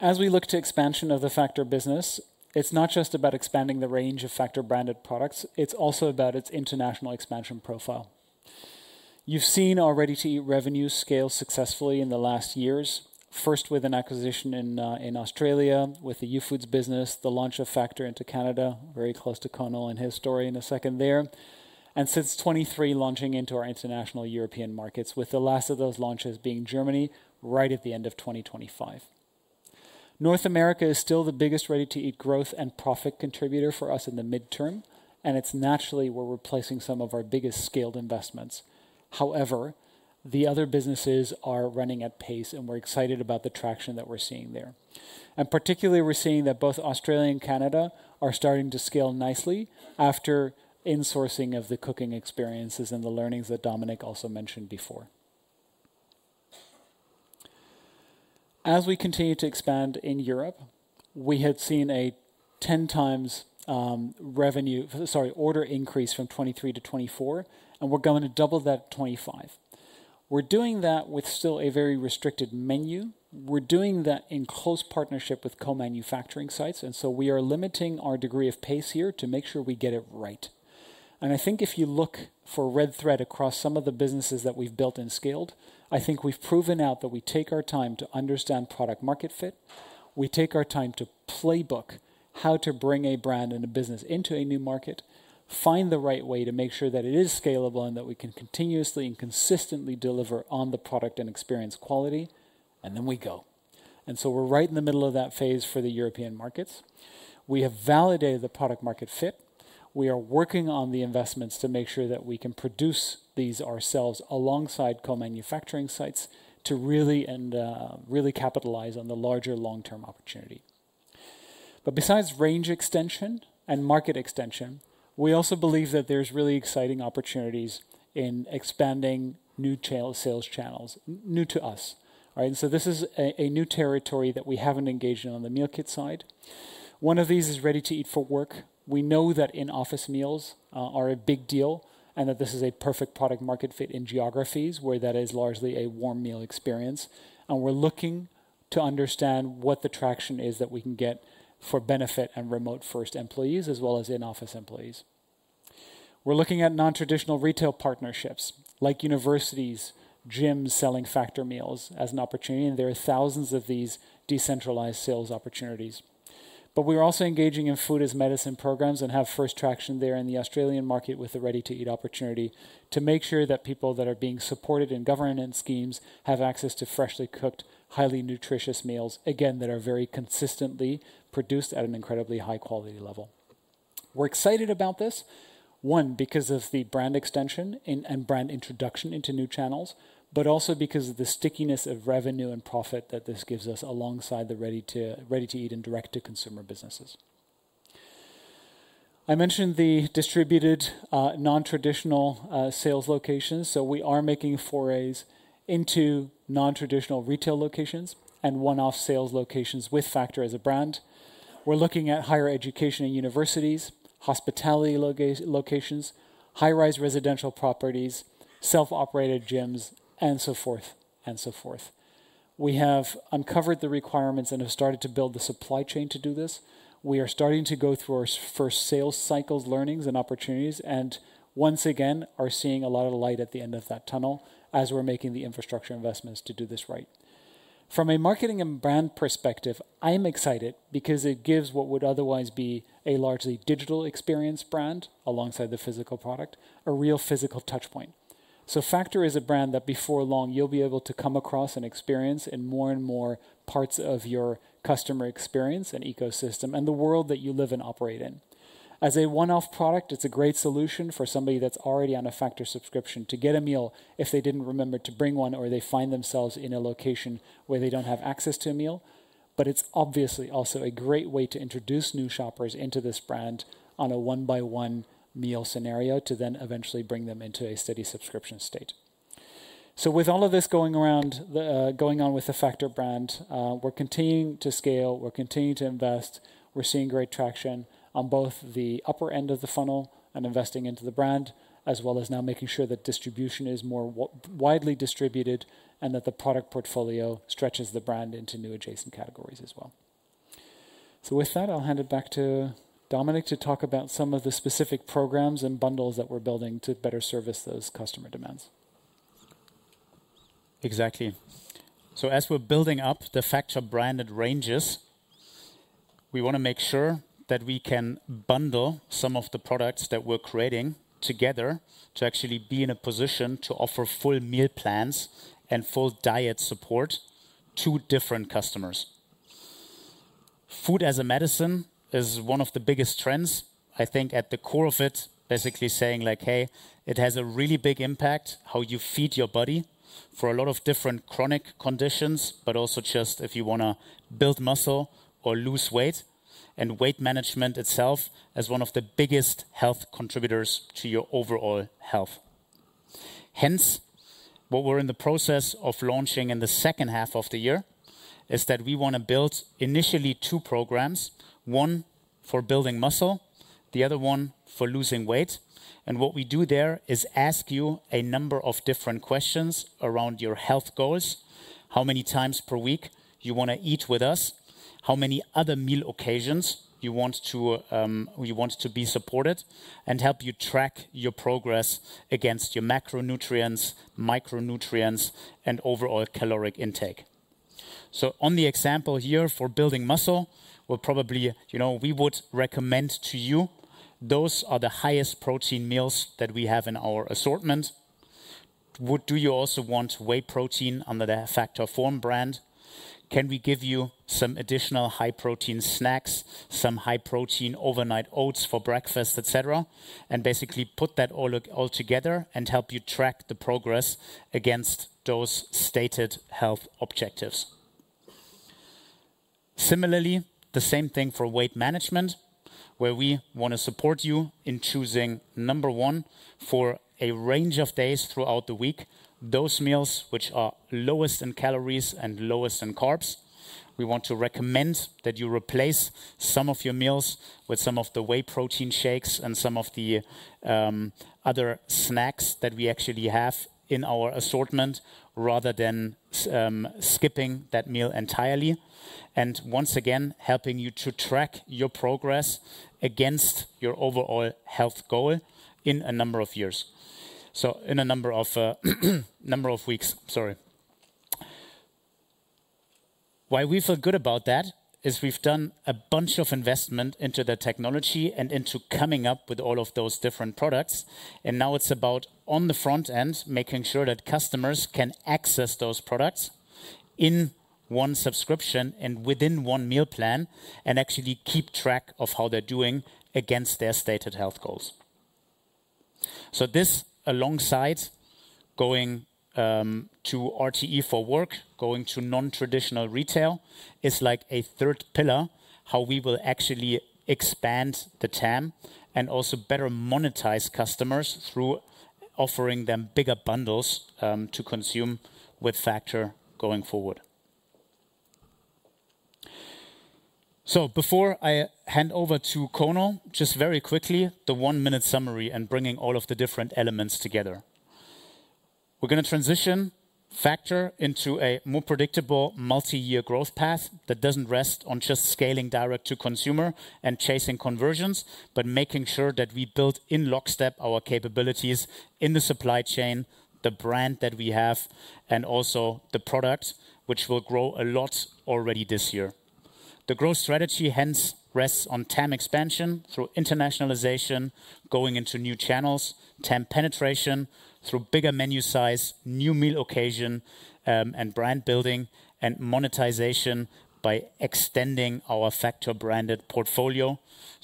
As we look to expansion of the Factor business, it's not just about expanding the range of Factor-branded products. It's also about its international expansion profile. You've seen our ready-to-eat revenue scale successfully in the last years, first with an acquisition in Australia with the Youfoodz business, the launch of Factor into Canada, very close to Conal and his story in a second there, and since 2023, launching into our international European markets, with the last of those launches being Germany right at the end of 2025. North America is still the biggest ready-to-eat growth and profit contributor for us in the midterm, and it's naturally we're replacing some of our biggest scaled investments. However, the other businesses are running at pace, and we're excited about the traction that we're seeing there. Particularly, we're seeing that both Australia and Canada are starting to scale nicely after insourcing of the cooking experiences and the learnings that Dominik also mentioned before. As we continue to expand in Europe, we had seen a 10 times revenue, sorry, order increase from 2023 to 2024, and we're going to double that in 2025. We're doing that with still a very restricted menu. We're doing that in close partnership with co-manufacturing sites, and we are limiting our degree of pace here to make sure we get it right. I think if you look for a red thread across some of the businesses that we've built and scaled, I think we've proven out that we take our time to understand product-market fit. We take our time to playbook how to bring a brand and a business into a new market, find the right way to make sure that it is scalable and that we can continuously and consistently deliver on the product and experience quality, and then we go. We are right in the middle of that phase for the European markets. We have validated the product-market fit. We are working on the investments to make sure that we can produce these ourselves alongside co-manufacturing sites to really capitalize on the larger long-term opportunity. Besides range extension and market extension, we also believe that there are really exciting opportunities in expanding new sales channels new to us. This is a new territory that we have not engaged in on the meal kit side. One of these is ready-to-eat for work. We know that in-office meals are a big deal and that this is a perfect product-market fit in geographies where that is largely a warm meal experience. We are looking to understand what the traction is that we can get for benefit and remote-first employees as well as in-office employees. We're looking at non-traditional retail partnerships like universities, gyms selling Factor meals as an opportunity, and there are thousands of these decentralized sales opportunities. We're also engaging in food as medicine programs and have first traction there in the Australian market with the ready-to-eat opportunity to make sure that people that are being supported in government schemes have access to freshly cooked, highly nutritious meals, again, that are very consistently produced at an incredibly high-quality level. We're excited about this, one, because of the brand extension and brand introduction into new channels, but also because of the stickiness of revenue and profit that this gives us alongside the ready-to-eat and direct-to-consumer businesses. I mentioned the distributed non-traditional sales locations, so we are making forays into non-traditional retail locations and one-off sales locations with Factor as a brand. We're looking at higher education and universities, hospitality locations, high-rise residential properties, self-operated gyms, and so forth and so forth. We have uncovered the requirements and have started to build the supply chain to do this. We are starting to go through our first sales cycle's learnings and opportunities, and once again, are seeing a lot of light at the end of that tunnel as we're making the infrastructure investments to do this right. From a marketing and brand perspective, I'm excited because it gives what would otherwise be a largely digital experience brand alongside the physical product a real physical touchpoint. Factor is a brand that before long you'll be able to come across and experience in more and more parts of your customer experience and ecosystem and the world that you live and operate in. As a one-off product, it's a great solution for somebody that's already on a Factor subscription to get a meal if they didn't remember to bring one or they find themselves in a location where they don't have access to a meal, but it's obviously also a great way to introduce new shoppers into this brand on a one-by-one meal scenario to then eventually bring them into a steady subscription state. With all of this going on with the Factor brand, we're continuing to scale, we're continuing to invest, we're seeing great traction on both the upper end of the funnel and investing into the brand, as well as now making sure that distribution is more widely distributed and that the product portfolio stretches the brand into new adjacent categories as well. With that, I'll hand it back to Dominik to talk about some of the specific programs and bundles that we're building to better service those customer demands. Exactly. As we're building up the Factor branded ranges, we want to make sure that we can bundle some of the products that we're creating together to actually be in a position to offer full meal plans and full diet support to different customers. Food as a medicine is one of the biggest trends, I think, at the core of it, basically saying like, hey, it has a really big impact how you feed your body for a lot of different chronic conditions, but also just if you want to build muscle or lose weight, and weight management itself as one of the biggest health contributors to your overall health. Hence, what we're in the process of launching in the second half of the year is that we want to build initially two programs, one for building muscle, the other one for losing weight. What we do there is ask you a number of different questions around your health goals, how many times per week you want to eat with us, how many other meal occasions you want to be supported, and help you track your progress against your macronutrients, micronutrients, and overall caloric intake. On the example here for building muscle, we would recommend to you those are the highest protein meals that we have in our assortment. Do you also want whey protein under the Factor Form brand? Can we give you some additional high-protein snacks, some high-protein overnight oats for breakfast, et cetera, and basically put that all together and help you track the progress against those stated health objectives? Similarly, the same thing for weight management, where we want to support you in choosing, number one, for a range of days throughout the week, those meals which are lowest in calories and lowest in carbs. We want to recommend that you replace some of your meals with some of the whey protein shakes and some of the other snacks that we actually have in our assortment rather than skipping that meal entirely, and once again, helping you to track your progress against your overall health goal in a number of years, so in a number of weeks, sorry. Why we feel good about that is we've done a bunch of investment into the technology and into coming up with all of those different products, and now it's about on the front end, making sure that customers can access those products in one subscription and within one meal plan and actually keep track of how they're doing against their stated health goals. This, alongside going to RTE for work, going to non-traditional retail, is like a third pillar how we will actually expand the TAM and also better monetize customers through offering them bigger bundles to consume with Factor going forward. Before I hand over to Conal, just very quickly, the one-minute summary and bringing all of the different elements together. We're going to transition Factor into a more predictable multi-year growth path that doesn't rest on just scaling direct to consumer and chasing conversions, but making sure that we build in lockstep our capabilities in the supply chain, the brand that we have, and also the products, which will grow a lot already this year. The growth strategy hence rests on TAM expansion through internationalization, going into new channels, TAM penetration through bigger menu size, new meal occasion and brand building, and monetization by extending our Factor branded portfolio.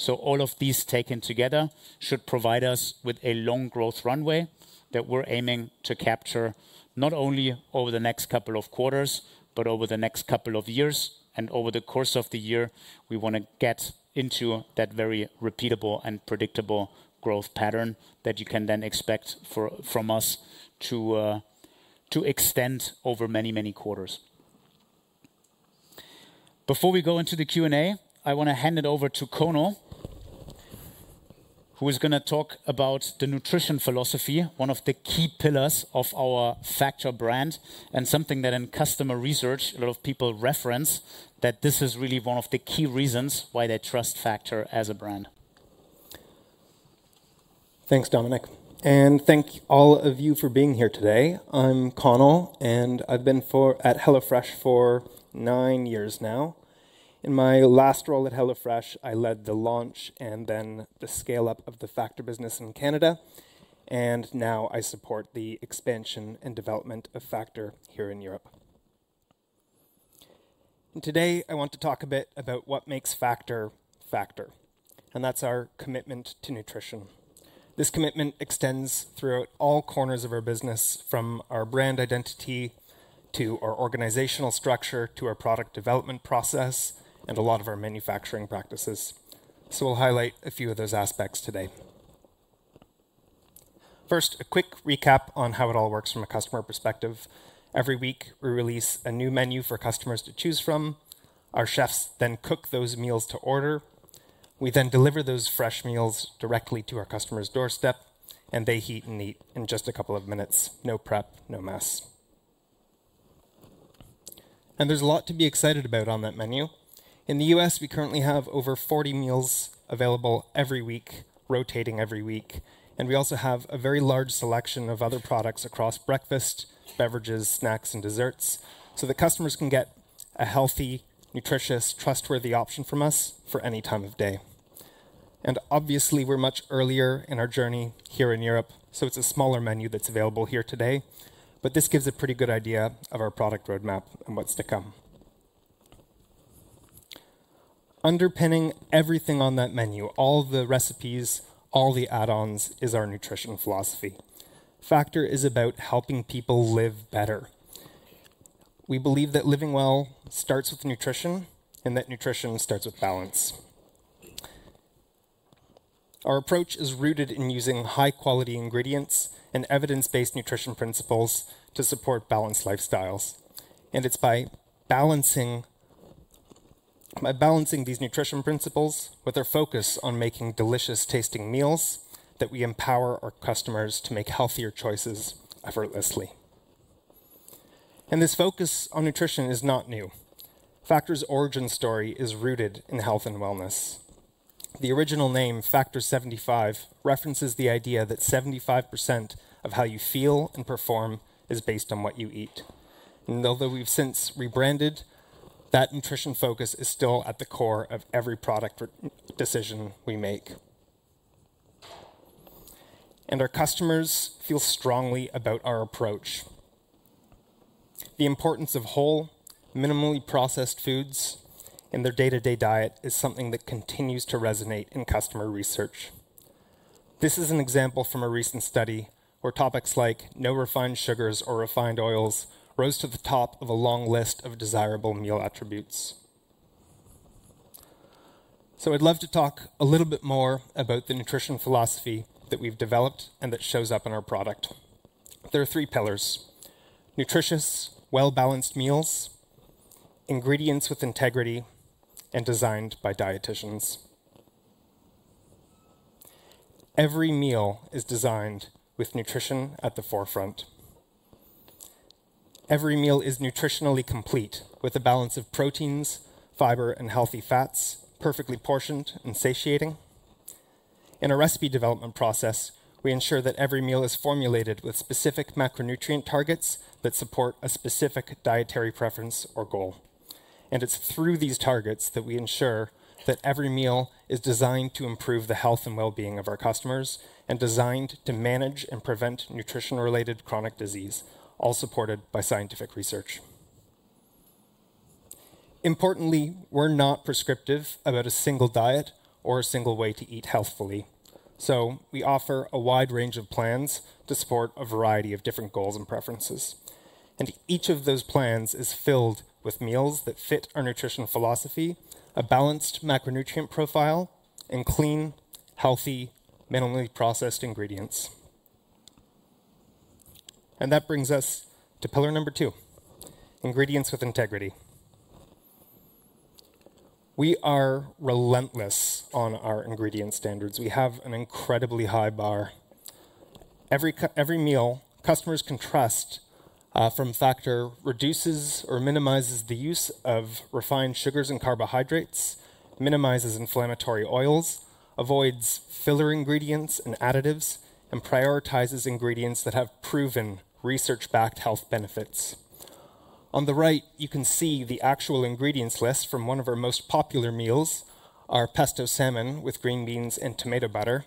All of these taken together should provide us with a long growth runway that we're aiming to capture not only over the next couple of quarters, but over the next couple of years and over the course of the year. We want to get into that very repeatable and predictable growth pattern that you can then expect from us to extend over many, many quarters. Before we go into the Q&A, I want to hand it over to Conal, who is going to talk about the nutrition philosophy, one of the key pillars of our Factor brand, and something that in customer research, a lot of people reference, that this is really one of the key reasons why they trust Factor as a brand. Thanks, Dominik. Thank all of you for being here today. I'm Conal, and I've been at HelloFresh for nine years now. In my last role at HelloFresh, I led the launch and then the scale-up of the Factor business in Canada, and now I support the expansion and development of Factor here in Europe. Today, I want to talk a bit about what makes Factor Factor, and that's our commitment to nutrition. This commitment extends throughout all corners of our business, from our brand identity to our organizational structure to our product development process and a lot of our manufacturing practices. We'll highlight a few of those aspects today. First, a quick recap on how it all works from a customer perspective. Every week, we release a new menu for customers to choose from. Our chefs then cook those meals to order. We then deliver those fresh meals directly to our customer's doorstep, and they heat and eat in just a couple of minutes, no prep, no mess. There's a lot to be excited about on that menu. In the U.S., we currently have over 40 meals available every week, rotating every week, and we also have a very large selection of other products across breakfast, beverages, snacks, and desserts so that customers can get a healthy, nutritious, trustworthy option from us for any time of day. Obviously, we're much earlier in our journey here in Europe, so it's a smaller menu that's available here today, but this gives a pretty good idea of our product roadmap and what's to come. Underpinning everything on that menu, all the recipes, all the add-ons, is our nutrition philosophy. Factor is about helping people live better. We believe that living well starts with nutrition and that nutrition starts with balance. Our approach is rooted in using high-quality ingredients and evidence-based nutrition principles to support balanced lifestyles. It is by balancing these nutrition principles with our focus on making delicious-tasting meals that we empower our customers to make healthier choices effortlessly. This focus on nutrition is not new. Factor's origin story is rooted in health and wellness. The original name, Factor75, references the idea that 75% of how you feel and perform is based on what you eat. Although we have since rebranded, that nutrition focus is still at the core of every product decision we make. Our customers feel strongly about our approach. The importance of whole, minimally processed foods in their day-to-day diet is something that continues to resonate in customer research. This is an example from a recent study where topics like no refined sugars or refined oils rose to the top of a long list of desirable meal attributes. I'd love to talk a little bit more about the nutrition philosophy that we've developed and that shows up in our product. There are three pillars: nutritious, well-balanced meals, ingredients with integrity, and designed by dieticians. Every meal is designed with nutrition at the forefront. Every meal is nutritionally complete with a balance of proteins, fiber, and healthy fats perfectly portioned and satiating. In a recipe development process, we ensure that every meal is formulated with specific macronutrient targets that support a specific dietary preference or goal. It's through these targets that we ensure that every meal is designed to improve the health and well-being of our customers and designed to manage and prevent nutrition-related chronic disease, all supported by scientific research. Importantly, we're not prescriptive about a single diet or a single way to eat healthfully. We offer a wide range of plans to support a variety of different goals and preferences. Each of those plans is filled with meals that fit our nutritional philosophy, a balanced macronutrient profile, and clean, healthy, minimally processed ingredients. That brings us to pillar number two: ingredients with integrity. We are relentless on our ingredient standards. We have an incredibly high bar. Every meal customers can trust from Factor reduces or minimizes the use of refined sugars and carbohydrates, minimizes inflammatory oils, avoids filler ingredients and additives, and prioritizes ingredients that have proven research-backed health benefits. On the right, you can see the actual ingredients list from one of our most popular meals, our pesto salmon with green beans and tomato butter.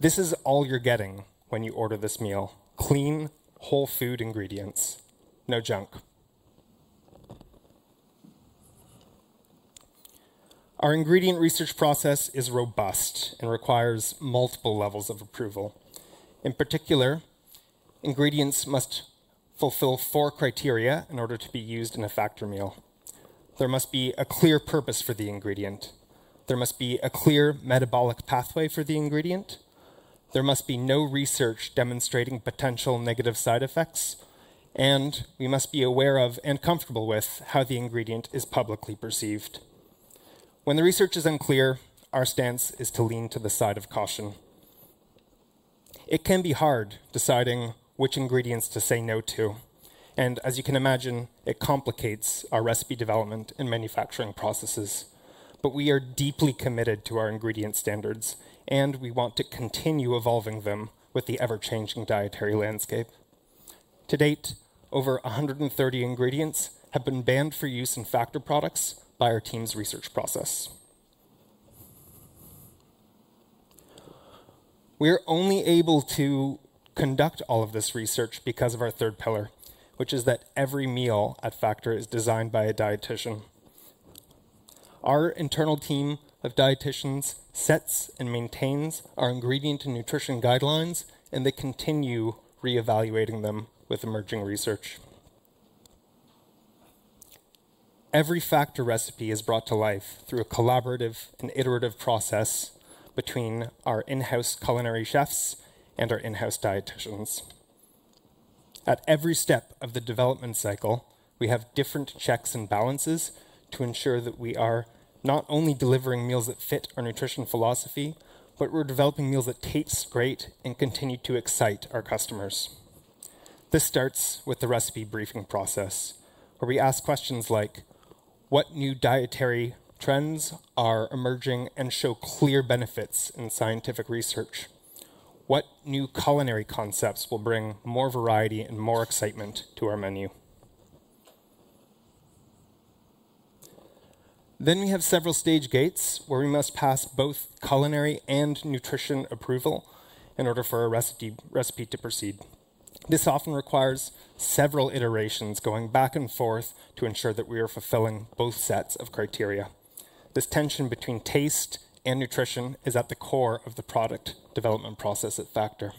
This is all you're getting when you order this meal: clean, whole food ingredients, no junk. Our ingredient research process is robust and requires multiple levels of approval. In particular, ingredients must fulfill four criteria in order to be used in a Factor meal. There must be a clear purpose for the ingredient. There must be a clear metabolic pathway for the ingredient. There must be no research demonstrating potential negative side effects. We must be aware of and comfortable with how the ingredient is publicly perceived. When the research is unclear, our stance is to lean to the side of caution. It can be hard deciding which ingredients to say no to. As you can imagine, it complicates our recipe development and manufacturing processes. We are deeply committed to our ingredient standards, and we want to continue evolving them with the ever-changing dietary landscape. To date, over 130 ingredients have been banned for use in Factor products by our team's research process. We are only able to conduct all of this research because of our third pillar, which is that every meal at Factor is designed by a dietician. Our internal team of dieticians sets and maintains our ingredient and nutrition guidelines, and they continue reevaluating them with emerging research. Every Factor recipe is brought to life through a collaborative and iterative process between our in-house culinary chefs and our in-house dieticians. At every step of the development cycle, we have different checks and balances to ensure that we are not only delivering meals that fit our nutrition philosophy, but we're developing meals that taste great and continue to excite our customers. This starts with the recipe briefing process, where we ask questions like, "What new dietary trends are emerging and show clear benefits in scientific research? What new culinary concepts will bring more variety and more excitement to our menu? We have several stage gates where we must pass both culinary and nutrition approval in order for a recipe to proceed. This often requires several iterations going back and forth to ensure that we are fulfilling both sets of criteria. This tension between taste and nutrition is at the core of the product development process at Factor.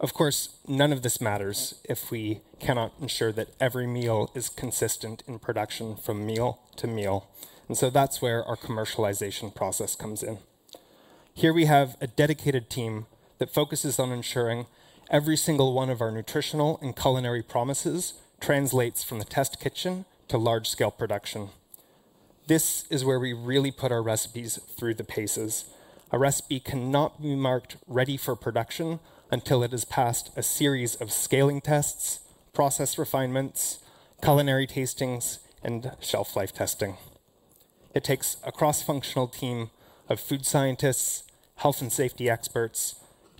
Of course, none of this matters if we cannot ensure that every meal is consistent in production from meal to meal. That is where our commercialization process comes in. Here we have a dedicated team that focuses on ensuring every single one of our nutritional and culinary promises translates from the test kitchen to large-scale production. This is where we really put our recipes through the paces. A recipe cannot be marked ready for production until it has passed a series of scaling tests, process refinements, culinary tastings, and shelf-life testing. It takes a cross-functional team of food scientists, health and safety experts,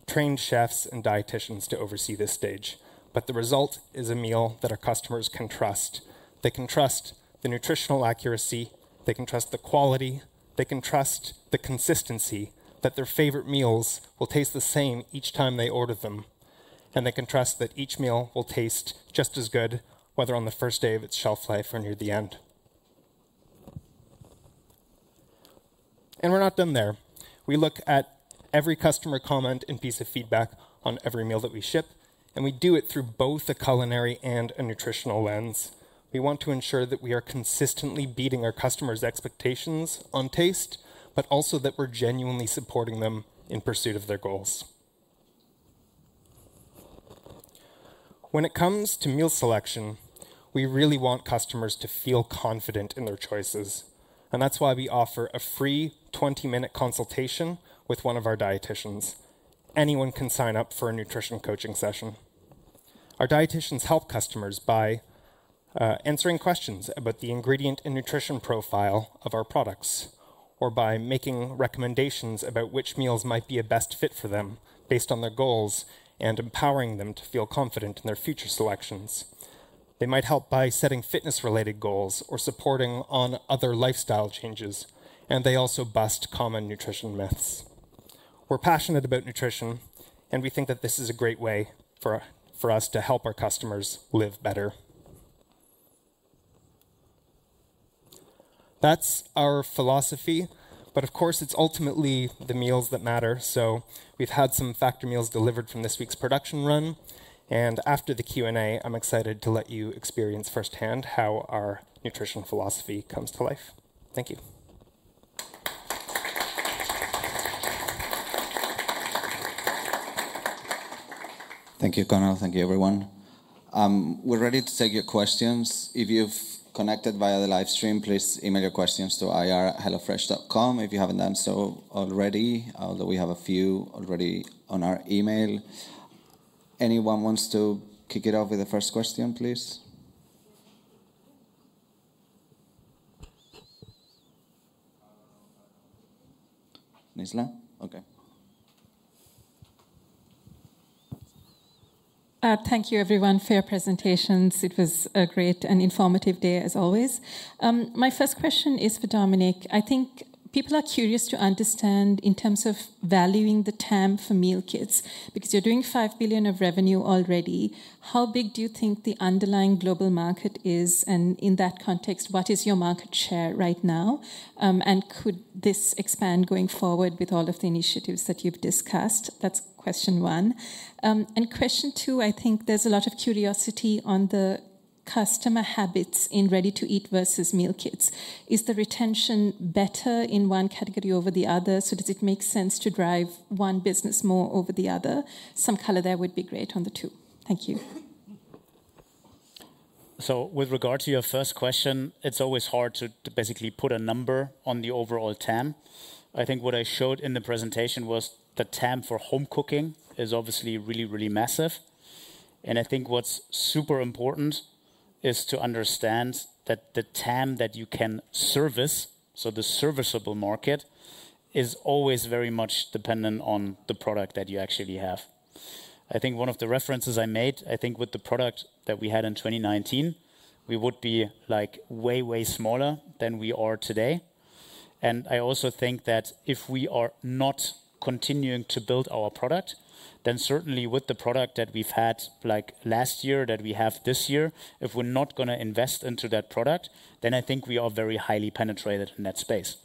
trained chefs, and dieticians to oversee this stage. The result is a meal that our customers can trust. They can trust the nutritional accuracy. They can trust the quality. They can trust the consistency that their favorite meals will taste the same each time they order them. They can trust that each meal will taste just as good, whether on the first day of its shelf life or near the end. We are not done there. We look at every customer comment and piece of feedback on every meal that we ship, and we do it through both a culinary and a nutritional lens. We want to ensure that we are consistently beating our customers' expectations on taste, but also that we're genuinely supporting them in pursuit of their goals. When it comes to meal selection, we really want customers to feel confident in their choices. That is why we offer a free 20-minute consultation with one of our dieticians. Anyone can sign up for a nutrition coaching session. Our dieticians help customers by answering questions about the ingredient and nutrition profile of our products or by making recommendations about which meals might be a best fit for them based on their goals and empowering them to feel confident in their future selections. They might help by setting fitness-related goals or supporting other lifestyle changes. They also bust common nutrition myths. We're passionate about nutrition, and we think that this is a great way for us to help our customers live better. That's our philosophy. Of course, it's ultimately the meals that matter. We've had some Factor meals delivered from this week's production run. After the Q&A, I'm excited to let you experience firsthand how our nutrition philosophy comes to life. Thank you. Thank you, Conal. Thank you, everyone. We're ready to take your questions. If you've connected via the live stream, please email your questions to ir@hellofresh.com if you haven't done so already, although we have a few already on our email. Anyone wants to kick it off with the first question, please? Nizla? Okay. Thank you, everyone. Fair presentations. It was a great and informative day, as always. My first question is for Dominik. I think people are curious to understand in terms of valuing the TAM for Meal Kits, because you're doing 5 billion of revenue already. How big do you think the underlying global market is? In that context, what is your market share right now? Could this expand going forward with all of the initiatives that you've discussed? That's question one. Question two, I think there's a lot of curiosity on the customer habits in ready-to-eat versus meal kits. Is the retention better in one category over the other? Does it make sense to drive one business more over the other? Some color there would be great on the two. Thank you. With regard to your first question, it's always hard to basically put a number on the overall TAM. I think what I showed in the presentation was the TAM for home cooking is obviously really, really massive. I think what's super important is to understand that the TAM that you can service, so the serviceable market, is always very much dependent on the product that you actually have. I think one of the references I made, I think with the product that we had in 2019, we would be way, way smaller than we are today. I also think that if we are not continuing to build our product, then certainly with the product that we've had last year that we have this year, if we're not going to invest into that product, then I think we are very highly penetrated in that space.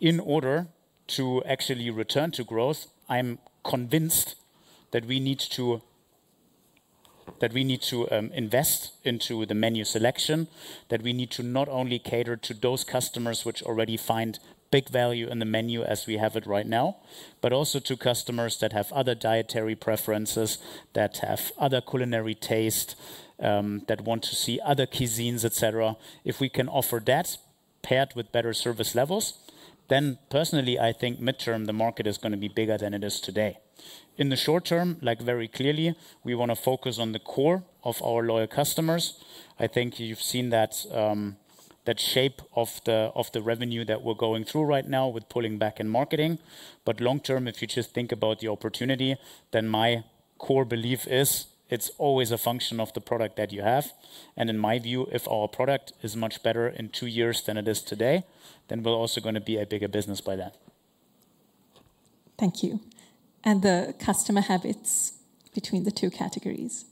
In order to actually return to growth, I'm convinced that we need to invest into the menu selection, that we need to not only cater to those customers which already find big value in the menu as we have it right now, but also to customers that have other dietary preferences, that have other culinary taste, that want to see other cuisines, et cetera. If we can offer that paired with better service levels, then personally, I think mid-term the market is going to be bigger than it is today. In the short term, very clearly, we want to focus on the core of our loyal customers. I think you've seen that shape of the revenue that we're going through right now with pulling back in marketing. Long term, if you just think about the opportunity, then my core belief is it's always a function of the product that you have. In my view, if our product is much better in two years than it is today, then we're also going to be a bigger business by then. Thank you. The customer habits between the two categories?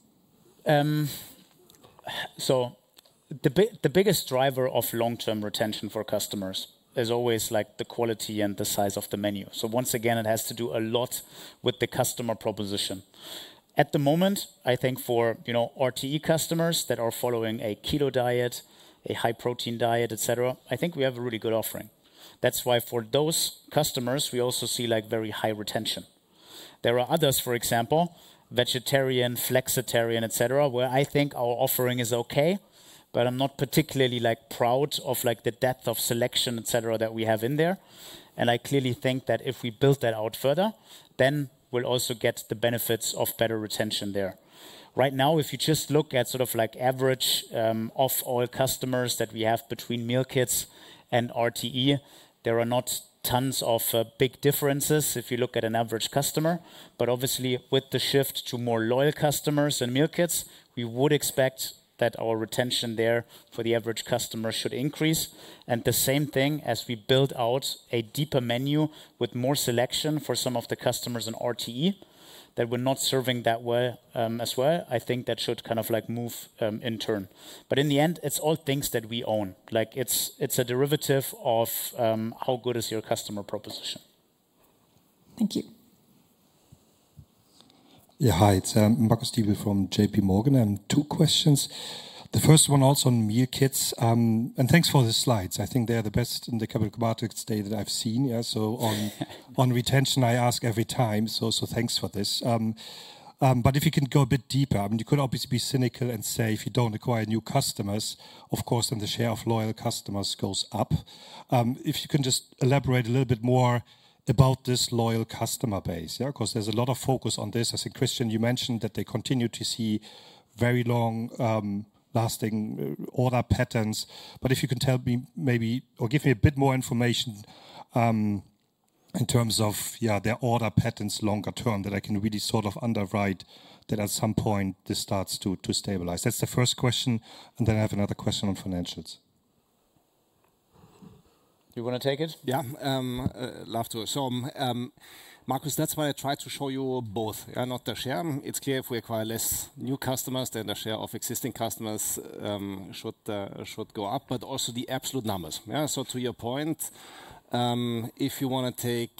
The biggest driver of long-term retention for customers is always the quality and the size of the menu. Once again, it has to do a lot with the customer proposition. At the moment, I think for RTE customers that are following a keto diet, a high-protein diet, et cetera, I think we have a really good offering. That's why for those customers, we also see very high retention. There are others, for example, vegetarian, flexitarian, et cetera, where I think our offering is okay, but I'm not particularly proud of the depth of selection, et cetera, that we have in there. I clearly think that if we build that out further, then we'll also get the benefits of better retention there. Right now, if you just look at sort of average of all customers that we have between meal kits and RTE, there are not tons of big differences if you look at an average customer. Obviously, with the shift to more loyal customers and meal kits, we would expect that our retention there for the average customer should increase. The same thing, as we build out a deeper menu with more selection for some of the customers in RTE that we're not serving that well as well, I think that should kind of move in turn. In the end, it's all things that we own. It's a derivative of how good is your customer proposition. Thank you. Yeah, hi. It's Marcus Diebel from JPMorgan. Two questions. The first one also on meal kits. Thanks for the slides. I think they are the best in the capital markets day that I've seen. On retention, I ask every time. Thanks for this. If you can go a bit deeper, I mean, you could obviously be cynical and say if you don't acquire new customers, of course, then the share of loyal customers goes up. If you can just elaborate a little bit more about this loyal customer base, because there's a lot of focus on this. I think, Christian, you mentioned that they continue to see very long-lasting order patterns. If you can tell me maybe or give me a bit more information in terms of their order patterns longer term that I can really sort of underwrite that at some point this starts to stabilize. That's the first question. I have another question on financials. You want to take it? Yeah. I'd love to. Marcus, that's why I tried to show you both, not the share. It's clear if we acquire fewer new customers, then the share of existing customers should go up, but also the absolute numbers. To your point, if you want to take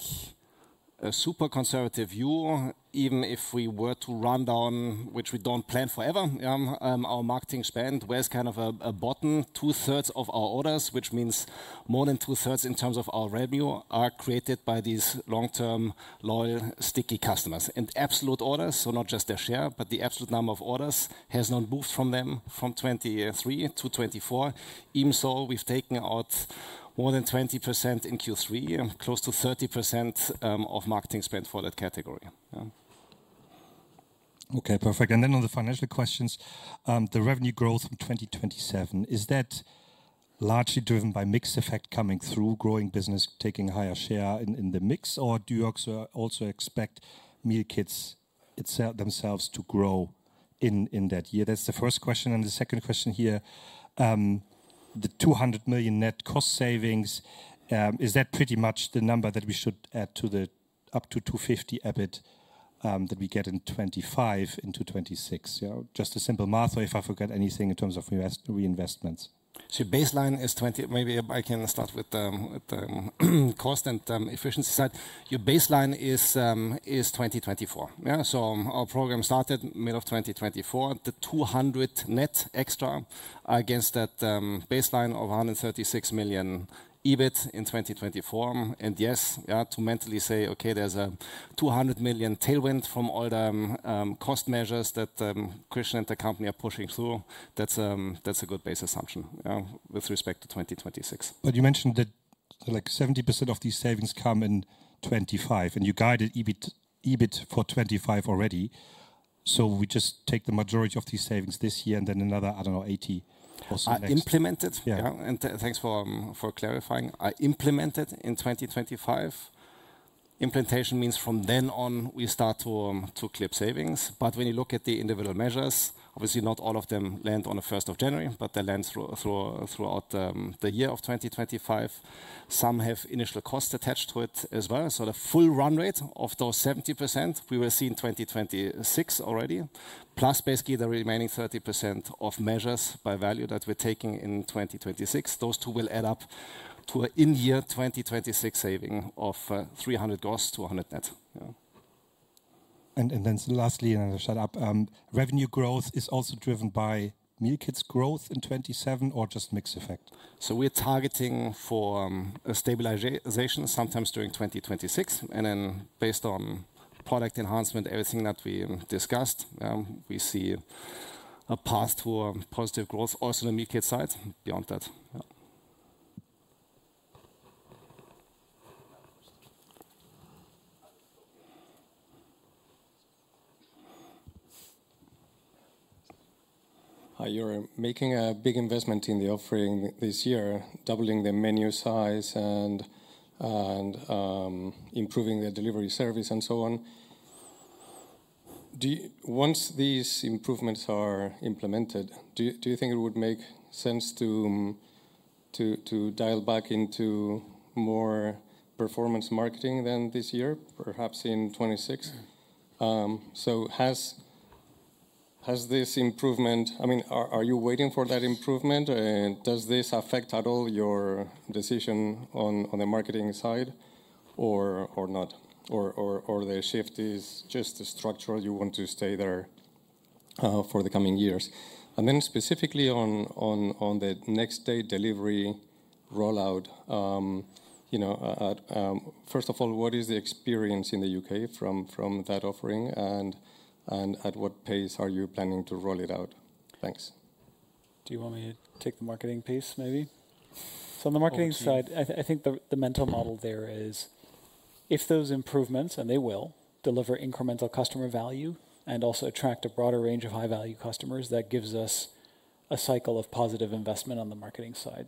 a super conservative view, even if we were to run down, which we don't plan forever, our marketing spend, where's kind of a bottom? Two-thirds of our orders, which means more than two-thirds in terms of our revenue, are created by these long-term loyal sticky customers. In absolute orders, so not just their share, but the absolute number of orders has not moved from them from 2023 to 2024. Even so, we've taken out more than 20% in Q3, close to 30% of marketing spend for that category. Okay, perfect. On the financial questions, the revenue growth in 2027, is that largely driven by mix effect coming through, growing business taking a higher share in the mix? Or do you also expect meal kits themselves to grow in that year? That's the first question. The second question here, the 200 million net cost savings, is that pretty much the number that we should add to the up to 250 million EBIT that we get in 2025 into 2026? Just a simple math or if I forgot anything in terms of reinvestments. Your baseline is 20, maybe I can start with the cost and efficiency side. Your baseline is 2024. Our program started middle of 2024. The 200 million net extra against that baseline of 136 million EBIT in 2024. Yes, to mentally say, okay, there's a 200 million tailwind from all the cost measures that Christian and the company are pushing through, that's a good base assumption with respect to 2026. You mentioned that 70% of these savings come in 2025, and you guided EBIT for 2025 already. We just take the majority of these savings this year and then another, I don't know, 80 million or so next year. I implemented. Thanks for clarifying. I implemented in 2025. Implementation means from then on we start to clip savings. When you look at the individual measures, obviously not all of them land on the 1st of January, but they land throughout the year of 2025. Some have initial costs attached to it as well. The full run rate of those 70% we will see in 2026 already, plus basically the remaining 30% of measures by value that we're taking in 2026. Those two will add up to an in-year 2026 saving of 300 million gross to 100 million net. Lastly, and I'll shut up, revenue growth is also driven by meal kits growth in 2027 or just mixed effect? We're targeting for stabilization sometime during 2026. Then based on product enhancement, everything that we discussed, we see a path to positive growth, also the meal kit side, beyond that. Hi, you're making a big investment in the offering this year, doubling the menu size and improving the delivery service and so on. Once these improvements are implemented, do you think it would make sense to dial back into more performance marketing than this year, perhaps in 2026? Has this improvement, I mean, are you waiting for that improvement? Does this affect at all your decision on the marketing side or not? The shift is just structural, you want to stay there for the coming years? Specifically on the next-day delivery rollout, first of all, what is the experience in the U.K. from that offering? At what pace are you planning to roll it out? Thanks. Do you want me to take the marketing piece maybe? On the marketing side, I think the mental model there is if those improvements, and they will, deliver incremental customer value and also attract a broader range of high-value customers, that gives us a cycle of positive investment on the marketing side.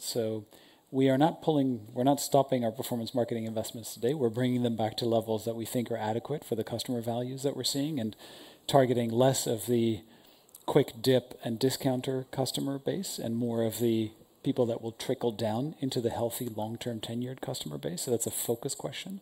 We are not pulling, we are not stopping our performance marketing investments today. We are bringing them back to levels that we think are adequate for the customer values that we are seeing and targeting less of the quick dip and discounter customer base and more of the people that will trickle down into the healthy long-term tenured customer base. That is a focus question.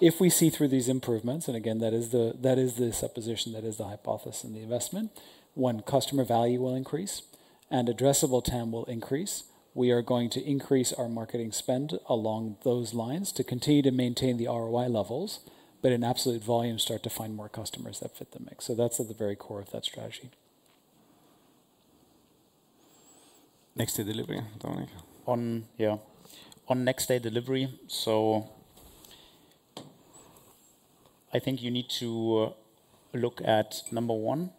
If we see through these improvements, and again, that is the supposition, that is the hypothesis and the investment, when customer value will increase and addressable TAM will increase, we are going to increase our marketing spend along those lines to continue to maintain the ROI levels, but in absolute volume start to find more customers that fit the mix. That is at the very core of that strategy. Next-day delivery, Dominik? On next-day delivery, I think you need to look at number one,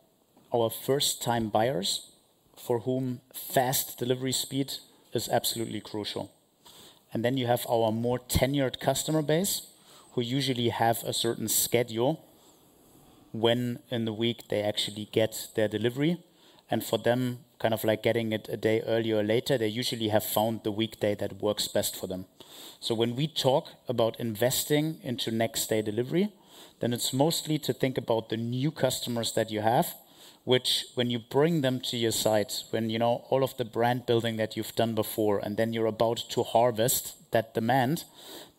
our first-time buyers for whom fast delivery speed is absolutely crucial. You have our more tenured customer base who usually have a certain schedule when in the week they actually get their delivery. For them, kind of like getting it a day earlier or later, they usually have found the weekday that works best for them. When we talk about investing into next-day delivery, it's mostly to think about the new customers that you have, which when you bring them to your site, when all of the brand building that you've done before and you're about to harvest that demand,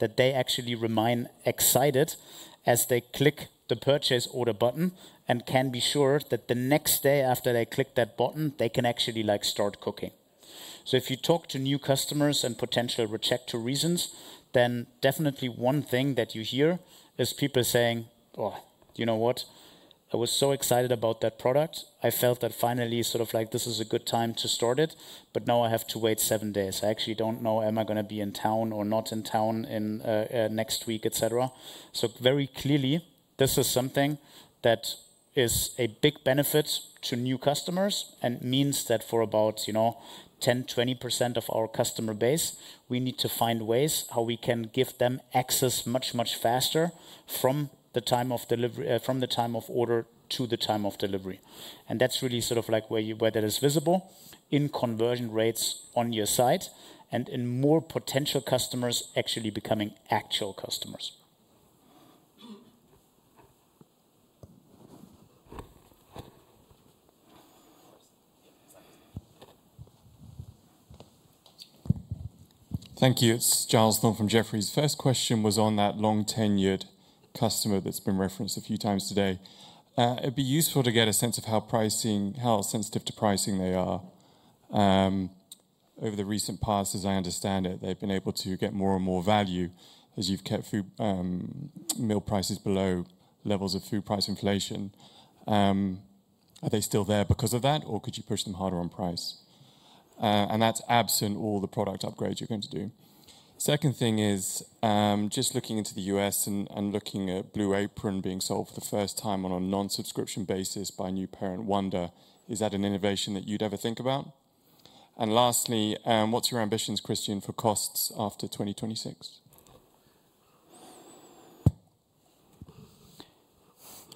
that they actually remain excited as they click the purchase order button and can be sure that the next day after they click that button, they can actually start cooking. If you talk to new customers and potential rejector reasons, then definitely one thing that you hear is people saying, "Oh, you know what? I was so excited about that product. I felt that finally sort of like this is a good time to start it, but now I have to wait seven days. I actually don't know am I going to be in town or not in town next week, et cetera." Very clearly, this is something that is a big benefit to new customers and means that for about 10-20% of our customer base, we need to find ways how we can give them access much, much faster from the time of order to the time of delivery. That is really sort of where that is visible in conversion rates on your side and in more potential customers actually becoming actual customers. Thank you, Giles Thorne from Jefferies. First question was on that long-tenured customer that's been referenced a few times today. It'd be useful to get a sense of how sensitive to pricing they are. Over the recent past, as I understand it, they've been able to get more and more value as you've kept meal prices below levels of food price inflation. Are they still there because of that, or could you push them harder on price? That is absent all the product upgrades you're going to do. Second thing is just looking into the U.S. and looking at Blue Apron being sold for the first time on a non-subscription basis by new parent Wonder, is that an innovation that you'd ever think about? Lastly, what's your ambitions, Christian, for costs after 2026?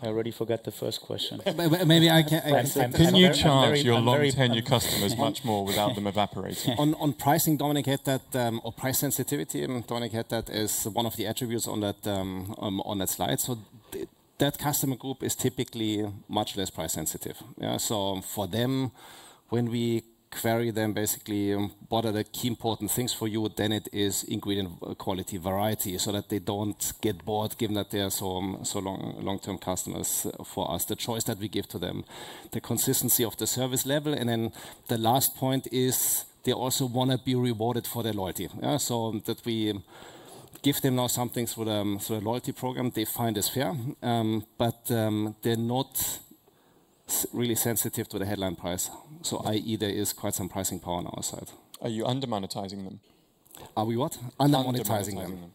I already forgot the first question. Maybe I can. Can you charge your long-tenured customers much more without them evaporating? On pricing, Dominik had that, or price sensitivity, Dominik had that as one of the attributes on that slide. That customer group is typically much less price sensitive. For them, when we query them basically what are the key important things for you, then it is ingredient quality, variety so that they do not get bored given that they are so long-term customers for us, the choice that we give to them, the consistency of the service level. The last point is they also want to be rewarded for their loyalty. We give them now some things through a loyalty program they find is fair, but they are not really sensitive to the headline price. I.e. there is quite some pricing power on our side. Are you under-monetizing them? Are we what? Under-monetizing them?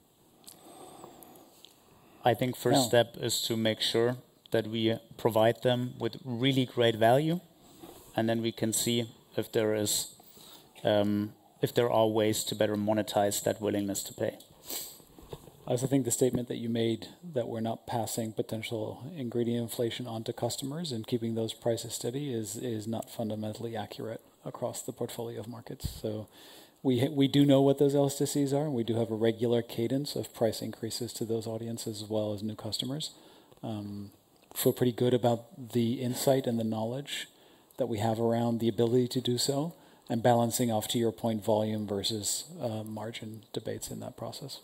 I think first step is to make sure that we provide them with really great value, and then we can see if there are ways to better monetize that willingness to pay. I also think the statement that you made that we're not passing potential ingredient inflation onto customers and keeping those prices steady is not fundamentally accurate across the portfolio of markets. We do know what those elasticities are. We do have a regular cadence of price increases to those audiences as well as new customers. Feel pretty good about the insight and the knowledge that we have around the ability to do so and balancing off to your point volume versus margin debates in that process.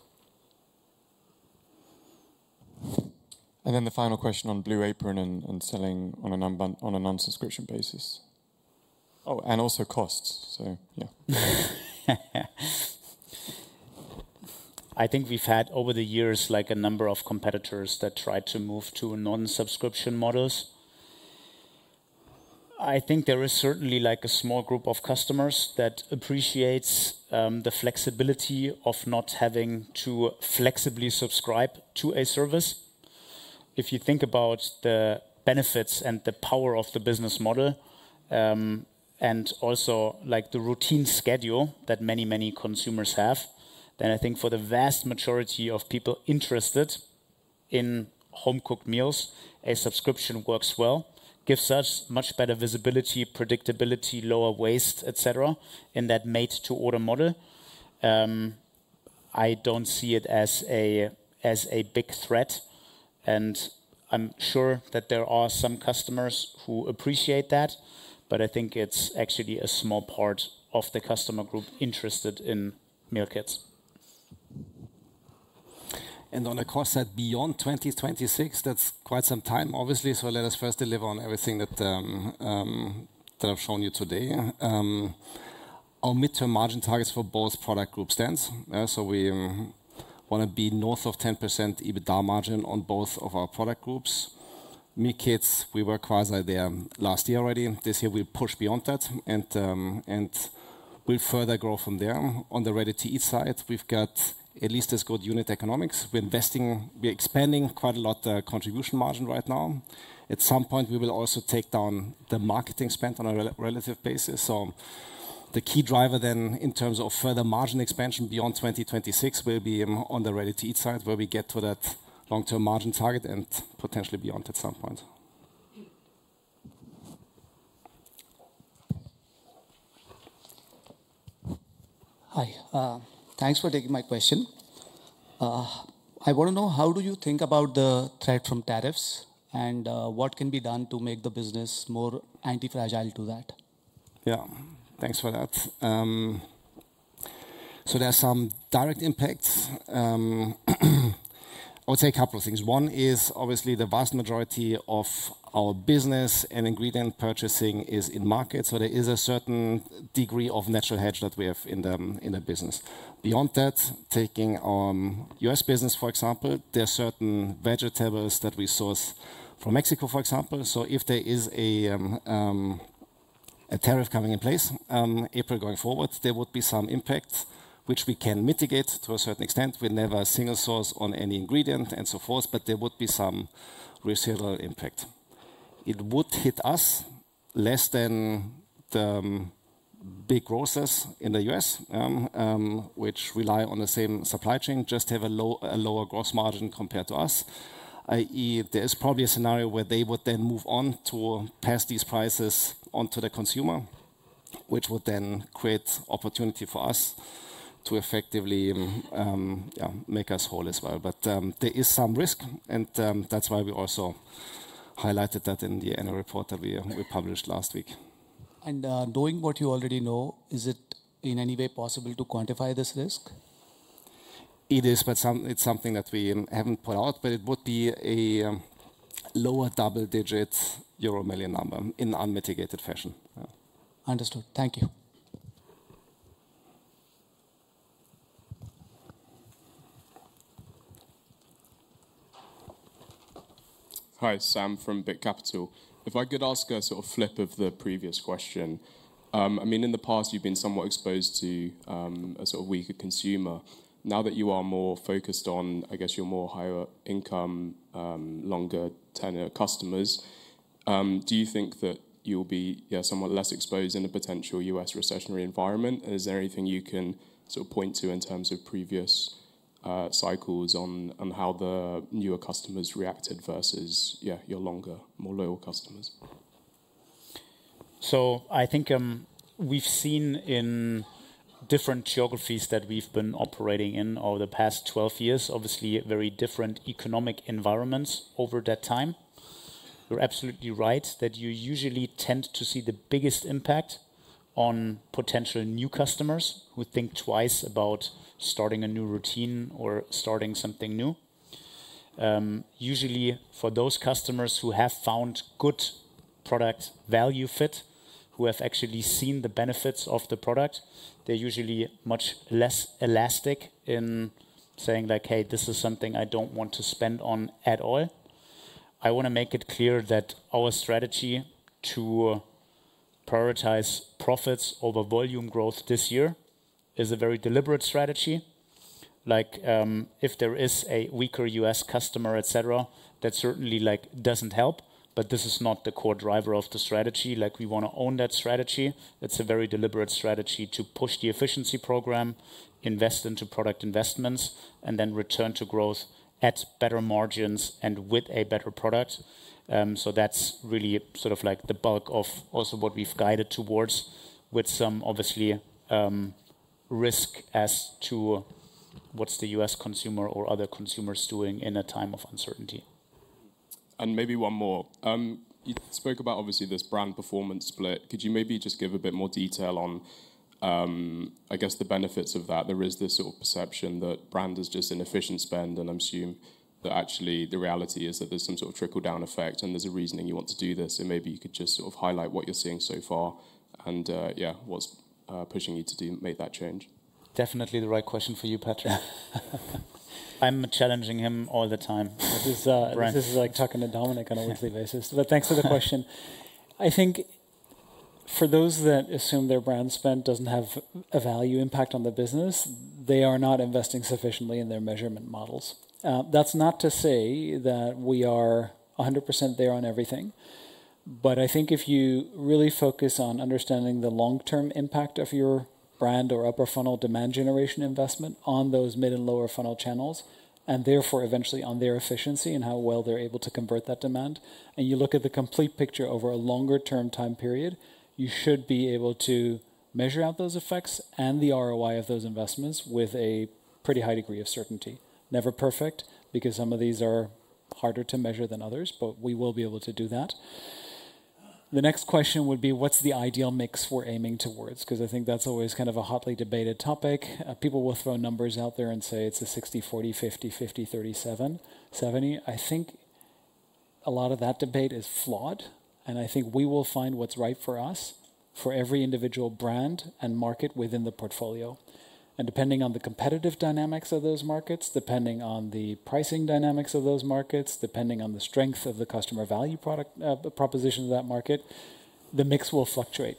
The final question on Blue Apron and selling on a non-subscription basis. Oh, and also costs, yeah. I think we've had over the years a number of competitors that tried to move to non-subscription models. I think there is certainly a small group of customers that appreciates the flexibility of not having to flexibly subscribe to a service. If you think about the benefits and the power of the business model and also the routine schedule that many, many consumers have, I think for the vast majority of people interested in home-cooked meals, a subscription works well, gives us much better visibility, predictability, lower waste, et cetera, in that made-to-order model. I don't see it as a big threat. I'm sure that there are some customers who appreciate that, but I think it's actually a small part of the customer group interested in meal kits. On a cost set beyond 2026, that's quite some time, obviously. Let us first deliver on everything that I've shown you today. Our mid-term margin targets for both product groups stands. We want to be north of 10% EBITDA margin on both of our product groups. Meal kits, we were quite there last year already. This year we push beyond that and we'll further grow from there. On the ready-to-eat side, we've got at least this good unit economics. We're expanding quite a lot the contribution margin right now. At some point, we will also take down the marketing spend on a relative basis. The key driver then in terms of further margin expansion beyond 2026 will be on the ready-to-eat side where we get to that long-term margin target and potentially beyond at some point. Hi, thanks for taking my question. I want to know how do you think about the threat from tariffs and what can be done to make the business more anti-fragile to that? Yeah, thanks for that. There are some direct impacts. I would say a couple of things. One is obviously the vast majority of our business and ingredient purchasing is in market. There is a certain degree of natural hedge that we have in the business. Beyond that, taking our U.S. business, for example, there are certain vegetables that we source from Mexico, for example. If there is a tariff coming in place, April going forward, there would be some impact, which we can mitigate to a certain extent. We'll never single source on any ingredient and so forth, but there would be some residual impact. It would hit us less than the big grocers in the U.S., which rely on the same supply chain, just have a lower gross margin compared to us, i.e. There is probably a scenario where they would then move on to pass these prices onto the consumer, which would then create opportunity for us to effectively make us whole as well. There is some risk, and that's why we also highlighted that in the annual report that we published last week. Knowing what you already know, is it in any way possible to quantify this risk? It is, but it's something that we haven't put out, but it would be a lower double-digit euro million number in unmitigated fashion. Understood. Thank you. Hi, Sam from BIT Capital. If I could ask a sort of flip of the previous question. I mean, in the past, you've been somewhat exposed to a sort of weaker consumer. Now that you are more focused on, I guess, your more higher income, longer tenured customers, do you think that you'll be somewhat less exposed in a potential U.S. recessionary environment? Is there anything you can sort of point to in terms of previous cycles on how the newer customers reacted versus your longer, more loyal customers? I think we've seen in different geographies that we've been operating in over the past 12 years, obviously very different economic environments over that time. You're absolutely right that you usually tend to see the biggest impact on potential new customers who think twice about starting a new routine or starting something new. Usually, for those customers who have found good product value fit, who have actually seen the benefits of the product, they're usually much less elastic in saying like, "Hey, this is something I don't want to spend on at all." I want to make it clear that our strategy to prioritize profits over volume growth this year is a very deliberate strategy. If there is a weaker U.S. customer, et cetera, that certainly doesn't help, but this is not the core driver of the strategy. We want to own that strategy. It's a very deliberate strategy to push the efficiency program, invest into product investments, and then return to growth at better margins and with a better product. That is really sort of like the bulk of also what we've guided towards with some obviously risk as to what is the U.S. consumer or other consumers doing in a time of uncertainty. Maybe one more. You spoke about obviously this brand performance split. Could you maybe just give a bit more detail on, I guess, the benefits of that? There is this sort of perception that brand is just inefficient spend, and I'm assuming that actually the reality is that there's some sort of trickle-down effect and there's a reasoning you want to do this. Maybe you could just sort of highlight what you're seeing so far and what's pushing you to make that change. Definitely the right question for you, Patrick. I'm challenging him all the time. This is like talking to Dominik on a weekly basis, but thanks for the question. I think for those that assume their brand spend doesn't have a value impact on the business, they are not investing sufficiently in their measurement models. That's not to say that we are 100% there on everything, but I think if you really focus on understanding the long-term impact of your brand or upper funnel demand generation investment on those mid and lower funnel channels, and therefore eventually on their efficiency and how well they're able to convert that demand, and you look at the complete picture over a longer-term time period, you should be able to measure out those effects and the ROI of those investments with a pretty high degree of certainty. Never perfect because some of these are harder to measure than others, but we will be able to do that. The next question would be, what's the ideal mix we're aiming towards? Because I think that's always kind of a hotly debated topic. People will throw numbers out there and say it's a 60/40, 50/50, 30/70. I think a lot of that debate is flawed, and I think we will find what's right for us for every individual brand and market within the portfolio. Depending on the competitive dynamics of those markets, depending on the pricing dynamics of those markets, depending on the strength of the customer value proposition of that market, the mix will fluctuate.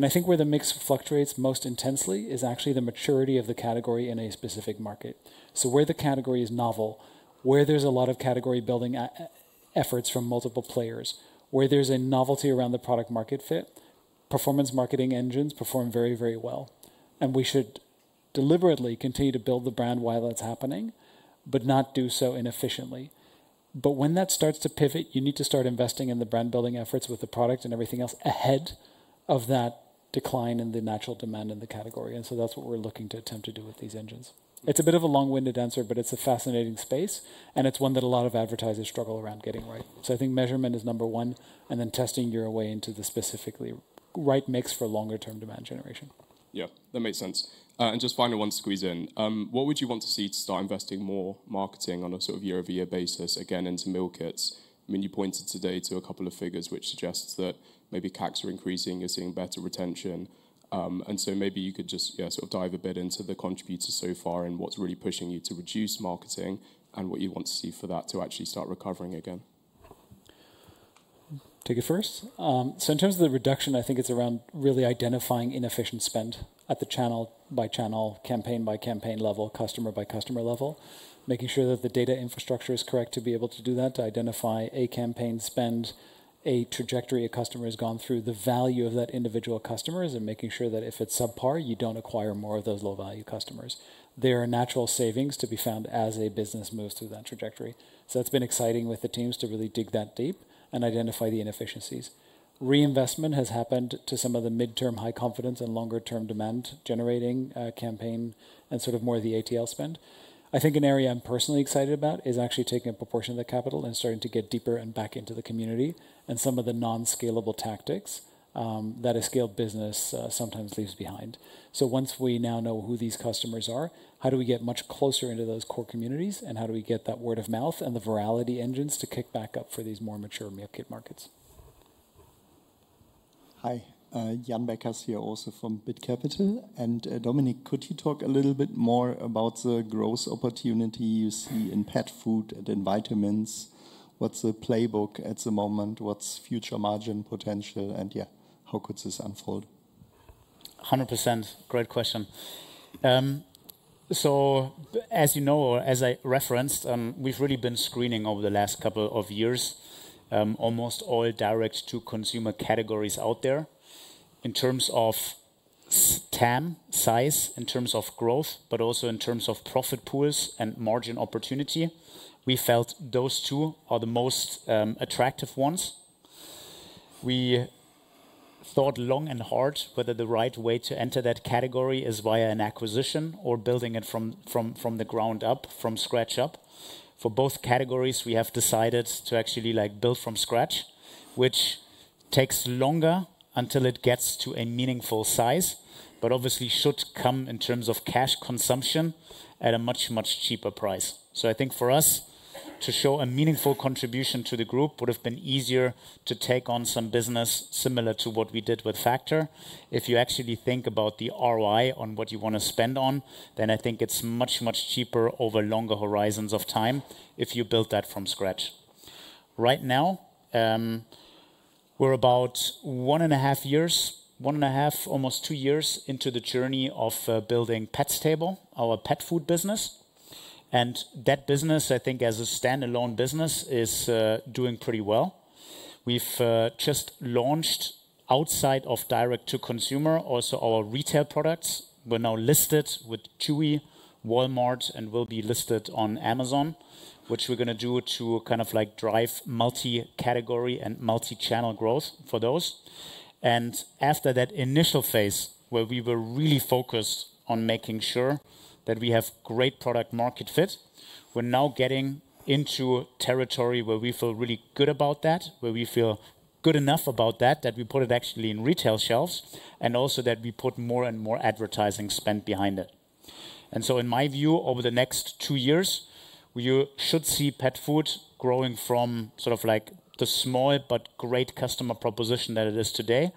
I think where the mix fluctuates most intensely is actually the maturity of the category in a specific market. Where the category is novel, where there's a lot of category building efforts from multiple players, where there's a novelty around the product market fit, performance marketing engines perform very, very well. We should deliberately continue to build the brand while that's happening, but not do so inefficiently. When that starts to pivot, you need to start investing in the brand building efforts with the product and everything else ahead of that decline in the natural demand in the category. That's what we're looking to attempt to do with these engines. It's a bit of a long-winded answer, but it's a fascinating space, and it's one that a lot of advertisers struggle around getting right. I think measurement is number one, and then testing your way into the specifically right mix for longer-term demand generation. Yeah, that makes sense. Just finally, one squeeze in. What would you want to see to start investing more marketing on a sort of year-over-year basis, again, into meal kits? I mean, you pointed today to a couple of figures which suggest that maybe CACs are increasing, you're seeing better retention. Maybe you could just sort of dive a bit into the contributors so far and what's really pushing you to reduce marketing and what you want to see for that to actually start recovering again. Take it first. In terms of the reduction, I think it's around really identifying inefficient spend at the channel by channel, campaign by campaign level, customer by customer level, making sure that the data infrastructure is correct to be able to do that, to identify a campaign spend, a trajectory a customer has gone through, the value of that individual customer, and making sure that if it's subpar, you don't acquire more of those low-value customers. There are natural savings to be found as a business moves through that trajectory. That's been exciting with the teams to really dig that deep and identify the inefficiencies. Reinvestment has happened to some of the mid-term high confidence and longer-term demand generating campaign and sort of more of the ATL spend. I think an area I'm personally excited about is actually taking a proportion of the capital and starting to get deeper and back into the community and some of the non-scalable tactics that a scaled business sometimes leaves behind. Once we now know who these customers are, how do we get much closer into those core communities and how do we get that word of mouth and the virality engines to kick back up for these more mature meal kit markets? Hi, Jan Beckers here also from BIT Capital. Dominik, could you talk a little bit more about the growth opportunity you see in pet food and in vitamins? What's the playbook at the moment? What's future margin potential? Yeah, how could this unfold? 100%. Great question. As you know, as I referenced, we've really been screening over the last couple of years, almost all direct-to-consumer categories out there in terms of TAM size, in terms of growth, but also in terms of profit pools and margin opportunity. We felt those two are the most attractive ones. We thought long and hard whether the right way to enter that category is via an acquisition or building it from the ground up, from scratch up. For both categories, we have decided to actually build from scratch, which takes longer until it gets to a meaningful size, but obviously should come in terms of cash consumption at a much, much cheaper price. I think for us, to show a meaningful contribution to the group would have been easier to take on some business similar to what we did with Factor. If you actually think about the ROI on what you want to spend on, then I think it's much, much cheaper over longer horizons of time if you build that from scratch. Right now, we're about one and a half years, one and a half, almost two years into the journey of building Pets Table, our pet food business. That business, I think as a standalone business, is doing pretty well. We've just launched outside of direct-to-consumer also our retail products. We're now listed with Chewy, Walmart, and will be listed on Amazon, which we're going to do to kind of drive multi-category and multi-channel growth for those. After that initial phase where we were really focused on making sure that we have great product market fit, we're now getting into territory where we feel really good about that, where we feel good enough about that, that we put it actually in retail shelves, and also that we put more and more advertising spend behind it. In my view, over the next two years, we should see pet food growing from sort of the small but great customer proposition that it is today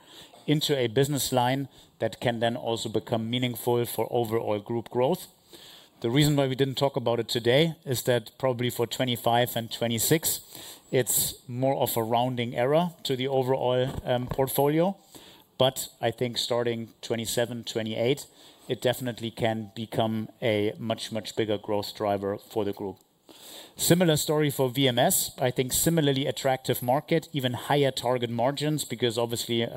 into a business line that can then also become meaningful for overall group growth. The reason why we didn't talk about it today is that probably for 2025 and 2026, it's more of a rounding error to the overall portfolio, but I think starting 2027, 2028, it definitely can become a much, much bigger growth driver for the group. Similar story for VMS, I think similarly attractive market, even higher target margins because obviously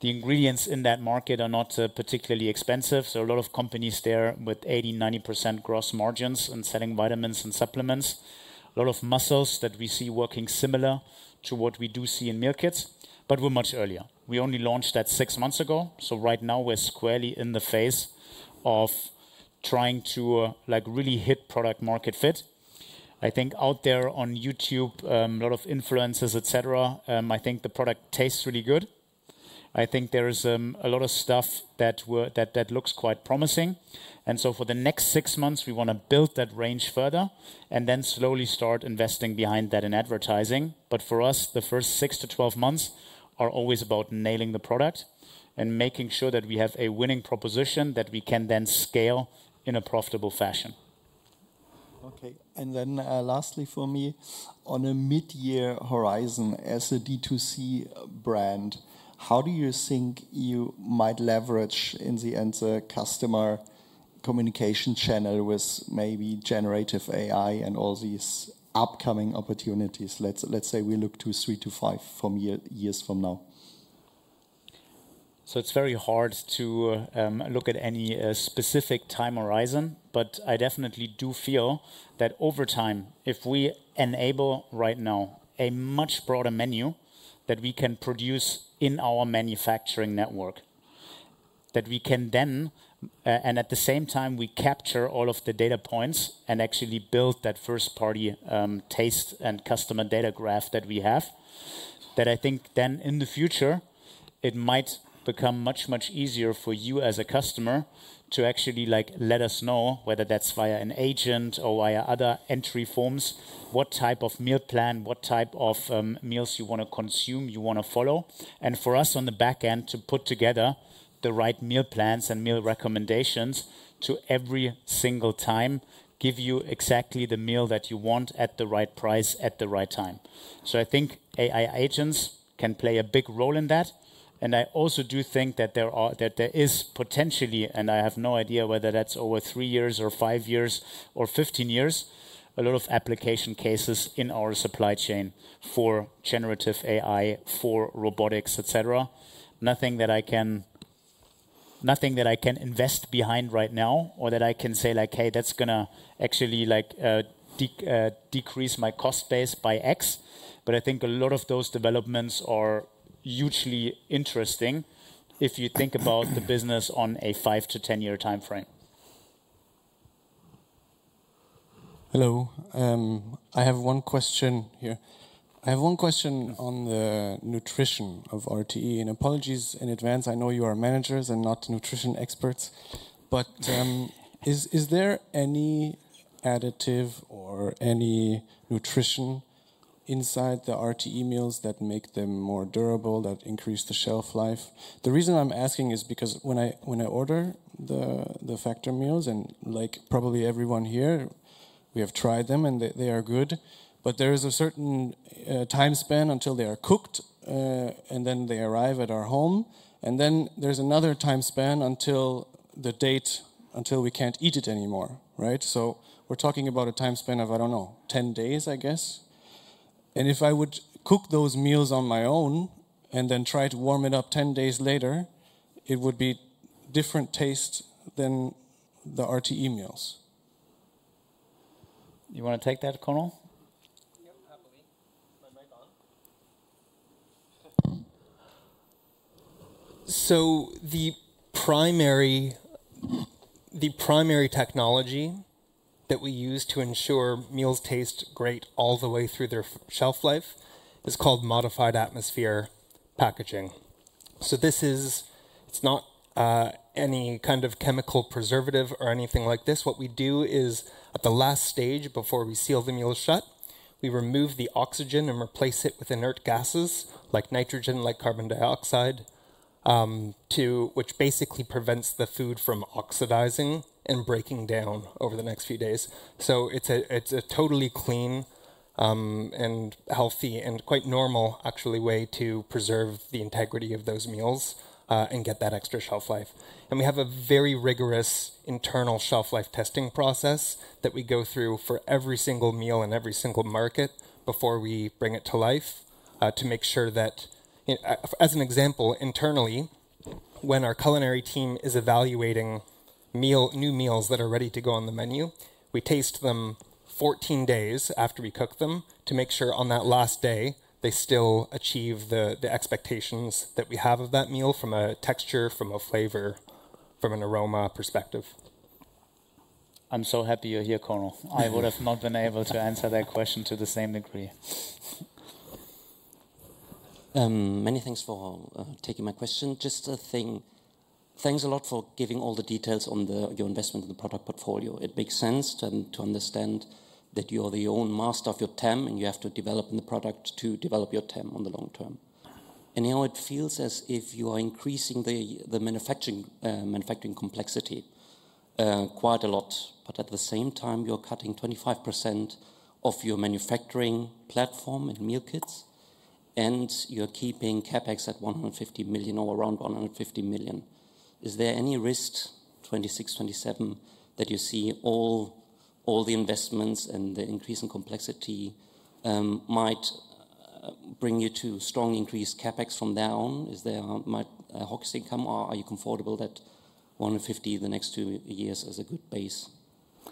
the ingredients in that market are not particularly expensive. A lot of companies there with 80%-90% gross margins and selling vitamins and supplements, a lot of muscles that we see working similar to what we do see in meal kits, but we're much earlier. We only launched that six months ago. Right now, we're squarely in the phase of trying to really hit product market fit. I think out there on YouTube, a lot of influencers, et cetera, I think the product tastes really good. I think there is a lot of stuff that looks quite promising. For the next six months, we want to build that range further and then slowly start investing behind that in advertising. For us, the first 6-12 months are always about nailing the product and making sure that we have a winning proposition that we can then scale in a profitable fashion. Okay. Lastly for me, on a mid-year horizon as a D2C brand, how do you think you might leverage in the end the customer communication channel with maybe generative AI and all these upcoming opportunities? Let's say we look to three to five years from now. It is very hard to look at any specific time horizon, but I definitely do feel that over time, if we enable right now a much broader menu that we can produce in our manufacturing network, that we can then, and at the same time, we capture all of the data points and actually build that first-party taste and customer data graph that we have, that I think then in the future, it might become much, much easier for you as a customer to actually let us know whether that is via an agent or via other entry forms, what type of meal plan, what type of meals you want to consume, you want to follow. For us on the back end to put together the right meal plans and meal recommendations to every single time give you exactly the meal that you want at the right price at the right time. I think AI agents can play a big role in that. I also do think that there is potentially, and I have no idea whether that's over three years or five years or fifteen years, a lot of application cases in our supply chain for generative AI, for robotics, et cetera. Nothing that I can invest behind right now or that I can say like, hey, that's going to actually decrease my cost base by X. I think a lot of those developments are hugely interesting if you think about the business on a 5–10-year time frame. Hello. I have one question here. I have one question on the nutrition of RTE. And apologies in advance. I know you are managers and not nutrition experts, but is there any additive or any nutrition inside the RTE meals that make them more durable, that increase the shelf life? The reason I'm asking is because when I order the Factor meals, and like probably everyone here, we have tried them and they are good, but there is a certain time span until they are cooked and then they arrive at our home. And then there's another time span until the date until we can't eat it anymore. So we're talking about a time span of, I don't know, 10 days, I guess. If I would cook those meals on my own and then try to warm it up 10 days later, it would be a different taste than the RTE meals. You want to take that, Conal? Yep, happily. My mic on. The primary technology that we use to ensure meals taste great all the way through their shelf life is called modified atmosphere packaging. This is not any kind of chemical preservative or anything like this. What we do is at the last stage before we seal the meals shut, we remove the oxygen and replace it with inert gases like nitrogen, like carbon dioxide, which basically prevents the food from oxidizing and breaking down over the next few days. It is a totally clean and healthy and quite normal actually way to preserve the integrity of those meals and get that extra shelf life. We have a very rigorous internal shelf life testing process that we go through for every single meal and every single market before we bring it to life to make sure that, as an example, internally, when our culinary team is evaluating new meals that are ready to go on the menu, we taste them 14 days after we cook them to make sure on that last day they still achieve the expectations that we have of that meal from a texture, from a flavor, from an aroma perspective. I'm so happy you're here, Conal. I would have not been able to answer that question to the same degree. Many thanks for taking my question. Just a thing. Thanks a lot for giving all the details on your investment in the product portfolio. It makes sense to understand that you are the own master of your TAM and you have to develop in the product to develop your TAM on the long term. Now it feels as if you are increasing the manufacturing complexity quite a lot, but at the same time, you're cutting 25% of your manufacturing platform and meal kits, and you're keeping CapEx at 150 million or around 150 million. Is there any risk in 2026, 2027 that you see all the investments and the increase in complexity might bring you to strongly increase CapEx from now on? Is there a hawkish income or are you comfortable that 150 million in the next two years is a good base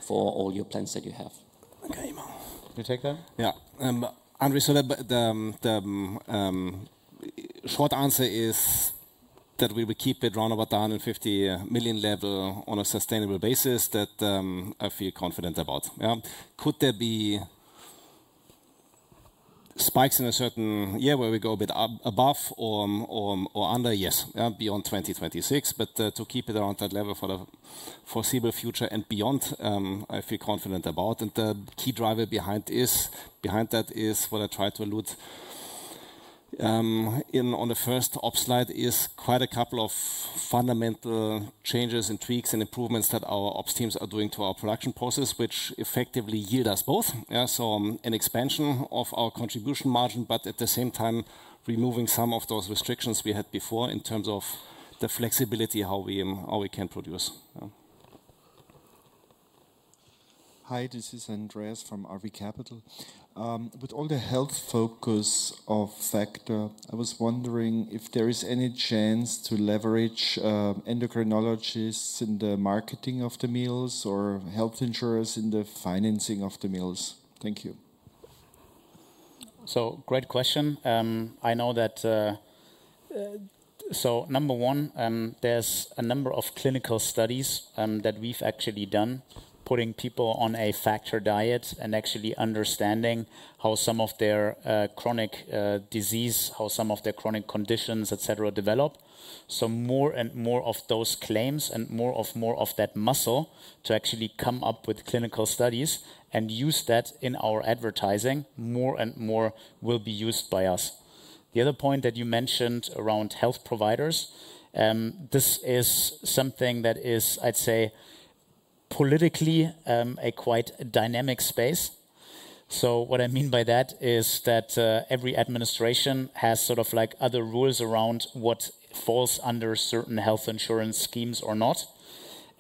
for all your plans that you have? Okay. Can you take that? Yeah. Tthe short answer is that we will keep it around about the 150 million level on a sustainable basis that I feel confident about. Could there be spikes in a certain year where we go a bit above or under? Yes, beyond 2026, but to keep it around that level for the foreseeable future and beyond, I feel confident about. The key driver behind that is what I tried to allude on the first ops slide is quite a couple of fundamental changes and tweaks and improvements that our ops teams are doing to our production process, which effectively yield us both. An expansion of our contribution margin, but at the same time, removing some of those restrictions we had before in terms of the flexibility how we can produce. Hi, this is Andreas from RV Capital. With all the health focus of Factor, I was wondering if there is any chance to leverage endocrinologists in the marketing of the meals or health insurers in the financing of the meals? Thank you. Great question. I know that number one, there's a number of clinical studies that we've actually done putting people on a Factor diet and actually understanding how some of their chronic disease, how some of their chronic conditions, et cetera, develop. More and more of those claims and more of that muscle to actually come up with clinical studies and use that in our advertising more and more will be used by us. The other point that you mentioned around health providers, this is something that is, I'd say, politically a quite dynamic space. What I mean by that is that every administration has sort of other rules around what falls under certain health insurance schemes or not.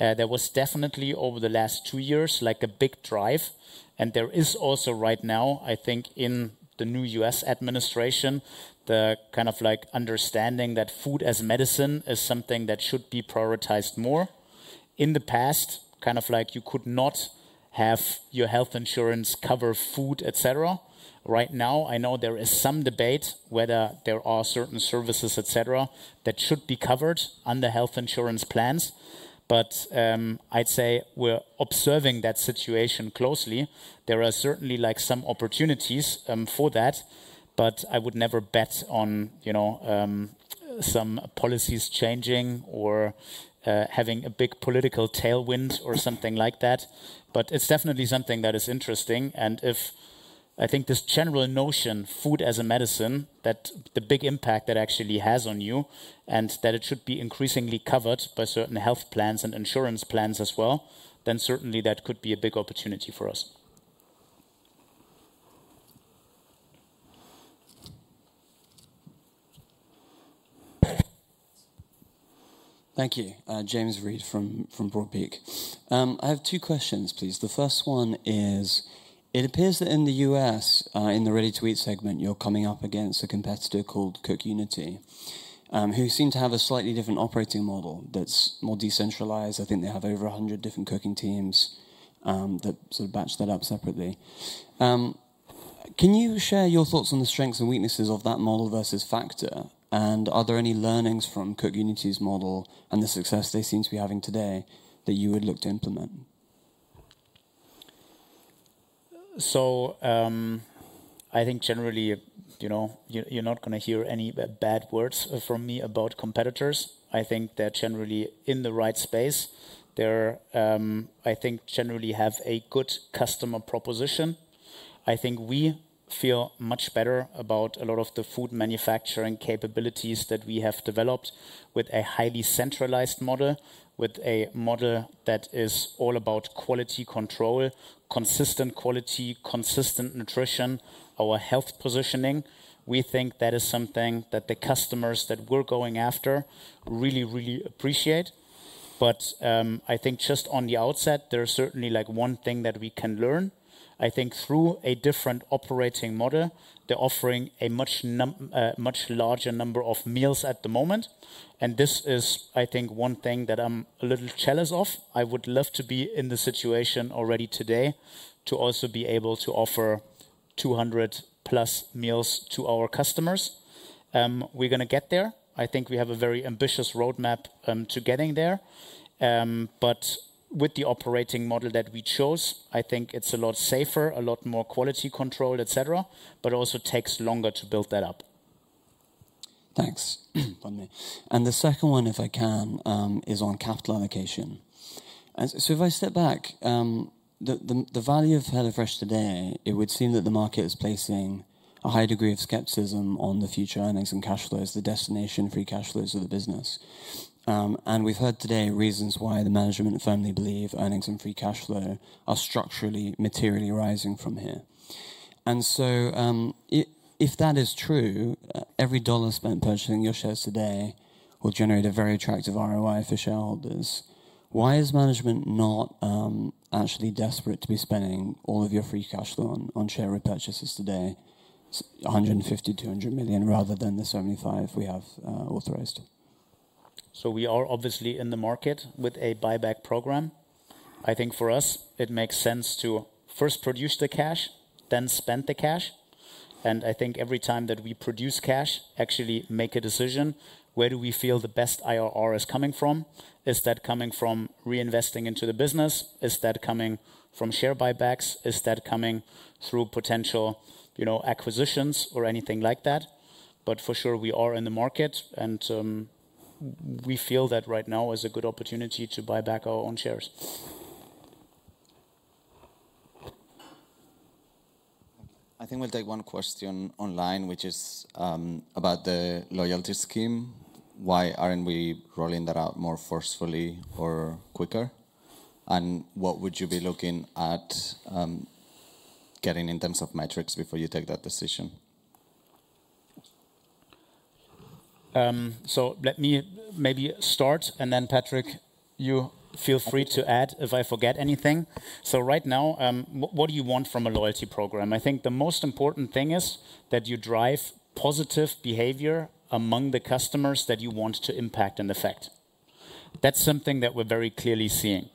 There was definitely over the last two years a big drive. There is also right now, I think, in the new U.S. administration, the kind of understanding that food as medicine is something that should be prioritized more. In the past, kind of you could not have your health insurance cover food, et cetera. Right now, I know there is some debate whether there are certain services, et cetera, that should be covered under health insurance plans. I'd say we're observing that situation closely. There are certainly some opportunities for that, but I would never bet on some policies changing or having a big political tailwind or something like that. It's definitely something that is interesting. I think this general notion, food as a medicine, that the big impact that actually has on you and that it should be increasingly covered by certain health plans and insurance plans as well, certainly that could be a big opportunity for us. Thank you, James Reid from Broad Peak. I have two questions, please. The first one is, it appears that in the U.S., in the Ready-to-Eat segment, you're coming up against a competitor called CookUnity, who seem to have a slightly different operating model that's more decentralized. I think they have over 100 different cooking teams that sort of batch that up separately. Can you share your thoughts on the strengths and weaknesses of that model versus Factor? Are there any learnings from CookUnity's model and the success they seem to be having today that you would look to implement? I think generally, you're not going to hear any bad words from me about competitors. I think they're generally in the right space. I think they generally have a good customer proposition. I think we feel much better about a lot of the food manufacturing capabilities that we have developed with a highly centralized model, with a model that is all about quality control, consistent quality, consistent nutrition, our health positioning. We think that is something that the customers that we're going after really, really appreciate. I think just on the outset, there's certainly one thing that we can learn. I think through a different operating model, they're offering a much larger number of meals at the moment. This is, I think, one thing that I'm a little jealous of. I would love to be in the situation already today to also be able to offer 200+ meals to our customers. We are going to get there. I think we have a very ambitious roadmap to getting there. With the operating model that we chose, I think it is a lot safer, a lot more quality control, et cetera, but also takes longer to build that up. Thanks. The second one, if I can, is on capital allocation. If I step back, the value of HelloFresh today, it would seem that the market is placing a high degree of skepticism on the future earnings and cash flows, the destination free cash flows of the business. We have heard today reasons why the management firmly believe earnings and free cash flow are structurally, materially rising from here. If that is true, every dollar spent purchasing your shares today will generate a very attractive ROI for shareholders. Why is management not actually desperate to be spending all of your free cash flow on share repurchases today, 150 million-200 million, rather than the 75 million we have authorized? We are obviously in the market with a buyback program. I think for us, it makes sense to first produce the cash, then spend the cash. I think every time that we produce cash, actually make a decision, where do we feel the best IRR is coming from? Is that coming from reinvesting into the business? Is that coming from share buybacks? Is that coming through potential acquisitions or anything like that? For sure, we are in the market and we feel that right now is a good opportunity to buy back our own shares. I think we'll take one question online, which is about the loyalty scheme. Why aren't we rolling that out more forcefully or quicker? What would you be looking at getting in terms of metrics before you take that decision? Let me maybe start and then Patrick, you feel free to add if I forget anything. Right now, what do you want from a loyalty program? I think the most important thing is that you drive positive behavior among the customers that you want to impact and affect. That's something that we're very clearly seeing.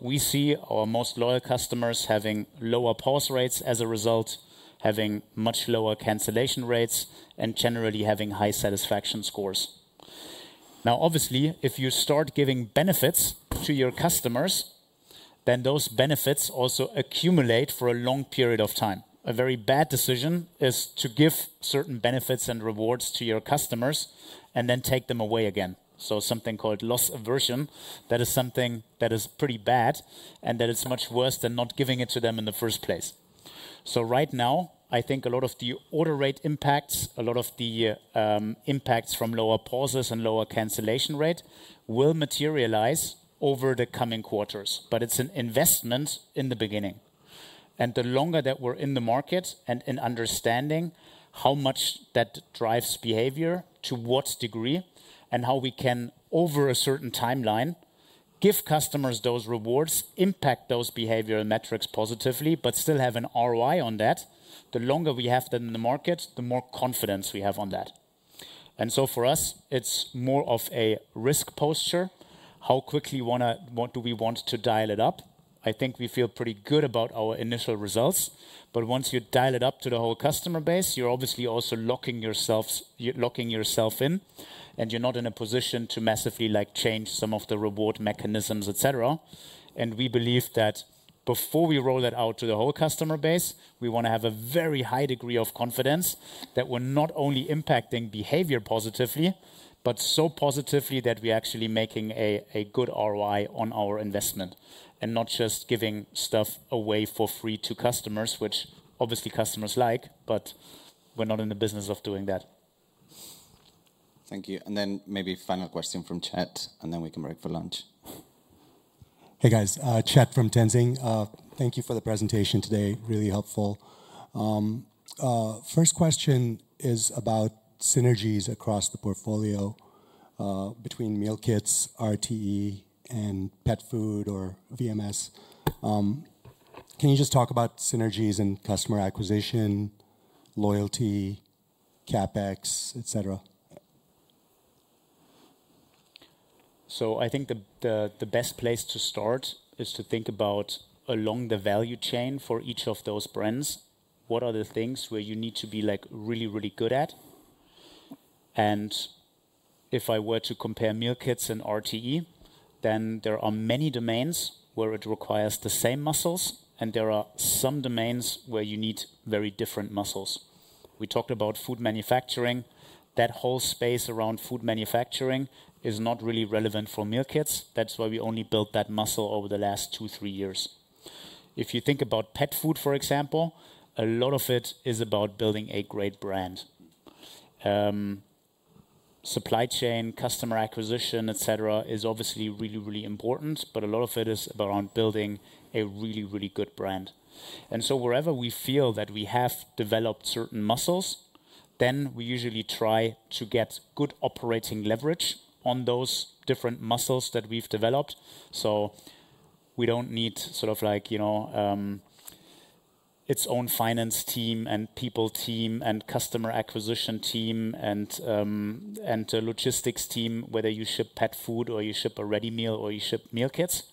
We see our most loyal customers having lower pause rates as a result, having much lower cancellation rates, and generally having high satisfaction scores. Obviously, if you start giving benefits to your customers, then those benefits also accumulate for a long period of time. A very bad decision is to give certain benefits and rewards to your customers and then take them away again. Something called loss aversion, that is something that is pretty bad and that is much worse than not giving it to them in the first place. Right now, I think a lot of the order rate impacts, a lot of the impacts from lower pauses and lower cancellation rate will materialize over the coming quarters. It is an investment in the beginning. The longer that we are in the market and in understanding how much that drives behavior, to what degree, and how we can, over a certain timeline, give customers those rewards, impact those behavioral metrics positively, but still have an ROI on that, the longer we have them in the market, the more confidence we have on that. For us, it is more of a risk posture. How quickly do we want to dial it up? I think we feel pretty good about our initial results. Once you dial it up to the whole customer base, you're obviously also locking yourself in and you're not in a position to massively change some of the reward mechanisms, et cetera. We believe that before we roll that out to the whole customer base, we want to have a very high degree of confidence that we're not only impacting behavior positively, but so positively that we're actually making a good ROI on our investment and not just giving stuff away for free to customers, which obviously customers like, but we're not in the business of doing that. Thank you. Maybe final question from Chat, and then we can break for lunch. Hey, guys. Chat from Tenzing. Thank you for the presentation today. Really helpful. First question is about synergies across the portfolio between meal kits, RTE, and pet food or VMS. Can you just talk about synergies in customer acquisition, loyalty, CapEx, et cetera? I think the best place to start is to think about along the value chain for each of those brands, what are the things where you need to be really, really good at? If I were to compare meal kits and RTE, then there are many domains where it requires the same muscles and there are some domains where you need very different muscles. We talked about food manufacturing. That whole space around food manufacturing is not really relevant for meal kits. That's why we only built that muscle over the last two, three years. If you think about pet food, for example, a lot of it is about building a great brand. Supply chain, customer acquisition, et cetera, is obviously really, really important, but a lot of it is around building a really, really good brand. Wherever we feel that we have developed certain muscles, we usually try to get good operating leverage on those different muscles that we've developed. We don't need sort of its own finance team and people team and customer acquisition team and logistics team, whether you ship pet food or you ship a ready meal or you ship meal kits.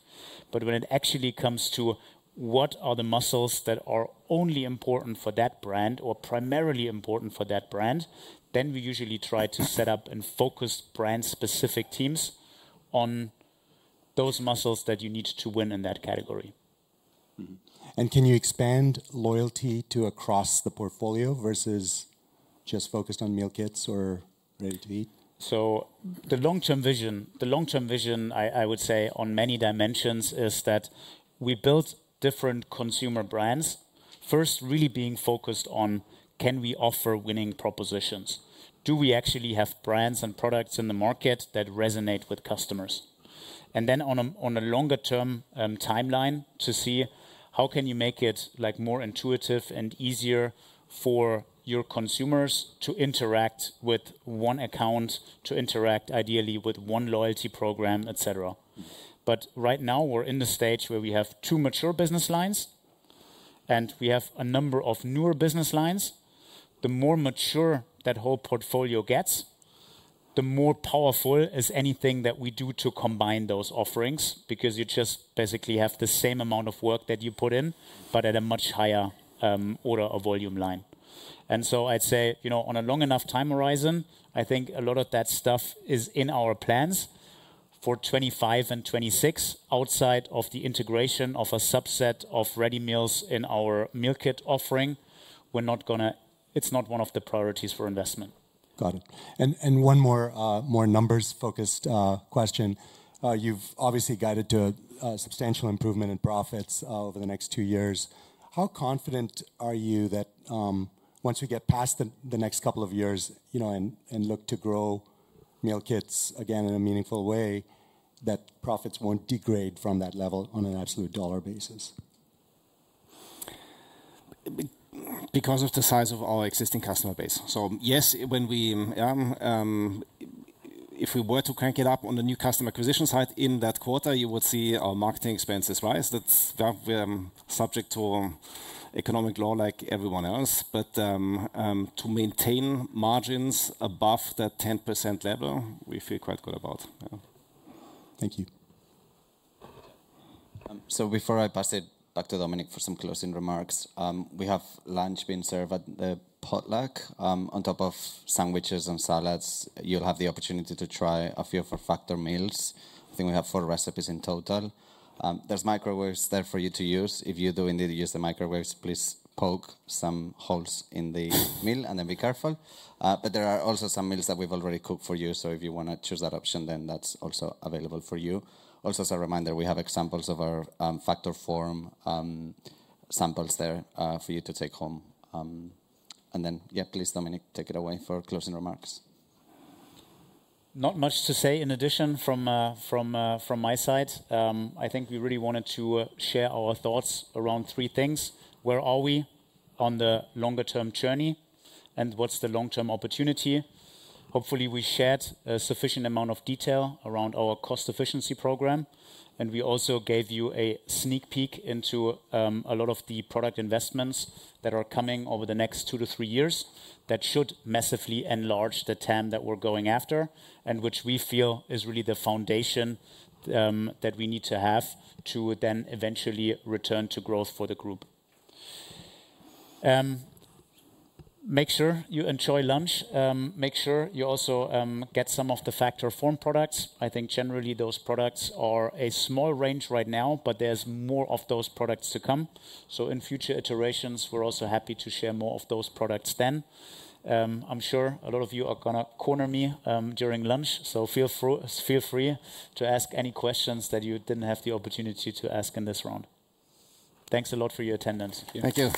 When it actually comes to what are the muscles that are only important for that brand or primarily important for that brand, we usually try to set up and focus brand-specific teams on those muscles that you need to win in that category. Can you expand loyalty to across the portfolio versus just focused on Meal Kits or Ready-to-Eat? The long-term vision, I would say on many dimensions, is that we build different consumer brands, first really being focused on can we offer winning propositions? Do we actually have brands and products in the market that resonate with customers? And then on a longer-term timeline to see how can you make it more intuitive and easier for your consumers to interact with one account, to interact ideally with one loyalty program, et cetera. Right now, we're in the stage where we have two mature business lines and we have a number of newer business lines. The more mature that whole portfolio gets, the more powerful is anything that we do to combine those offerings because you just basically have the same amount of work that you put in, but at a much higher order of volume line. I'd say on a long enough time horizon, I think a lot of that stuff is in our plans for 2025 and 2026. Outside of the integration of a subset of ready meals in our meal kit offering, we're not going to, it's not one of the priorities for investment. Got it. One more numbers-focused question. You've obviously guided to substantial improvement in profits over the next two years. How confident are you that once we get past the next couple of years and look to grow meal kits again in a meaningful way, that profits won't degrade from that level on an absolute dollar basis? Because of the size of our existing customer base. Yes, if we were to crank it up on the new customer acquisition side in that quarter, you would see our marketing expenses rise. That is subject to economic law like everyone else. To maintain margins above that 10% level, we feel quite good about. Thank you. Before I pass it back to Dominik for some closing remarks, we have lunch being served at the potluck. On top of sandwiches and salads, you'll have the opportunity to try a few of our Factor meals. I think we have four recipes in total. There are microwaves there for you to use. If you do indeed use the microwaves, please poke some holes in the meal and then be careful. There are also some meals that we've already cooked for you. If you want to choose that option, that's also available for you. Also, as a reminder, we have examples of our Factor Form samples there for you to take home. Please, Dominik, take it away for closing remarks. Not much to say in addition from my side. I think we really wanted to share our thoughts around three things. Where are we on the longer-term journey and what's the long-term opportunity? Hopefully, we shared a sufficient amount of detail around our cost efficiency program. We also gave you a sneak peek into a lot of the product investments that are coming over the next two to three years that should massively enlarge the TAM that we're going after and which we feel is really the foundation that we need to have to then eventually return to growth for the group. Make sure you enjoy lunch. Make sure you also get some of the Factor Form products. I think generally those products are a small range right now, but there's more of those products to come. In future iterations, we're also happy to share more of those products then. I'm sure a lot of you are going to corner me during lunch. Feel free to ask any questions that you didn't have the opportunity to ask in this round. Thanks a lot for your attendance. Thank you.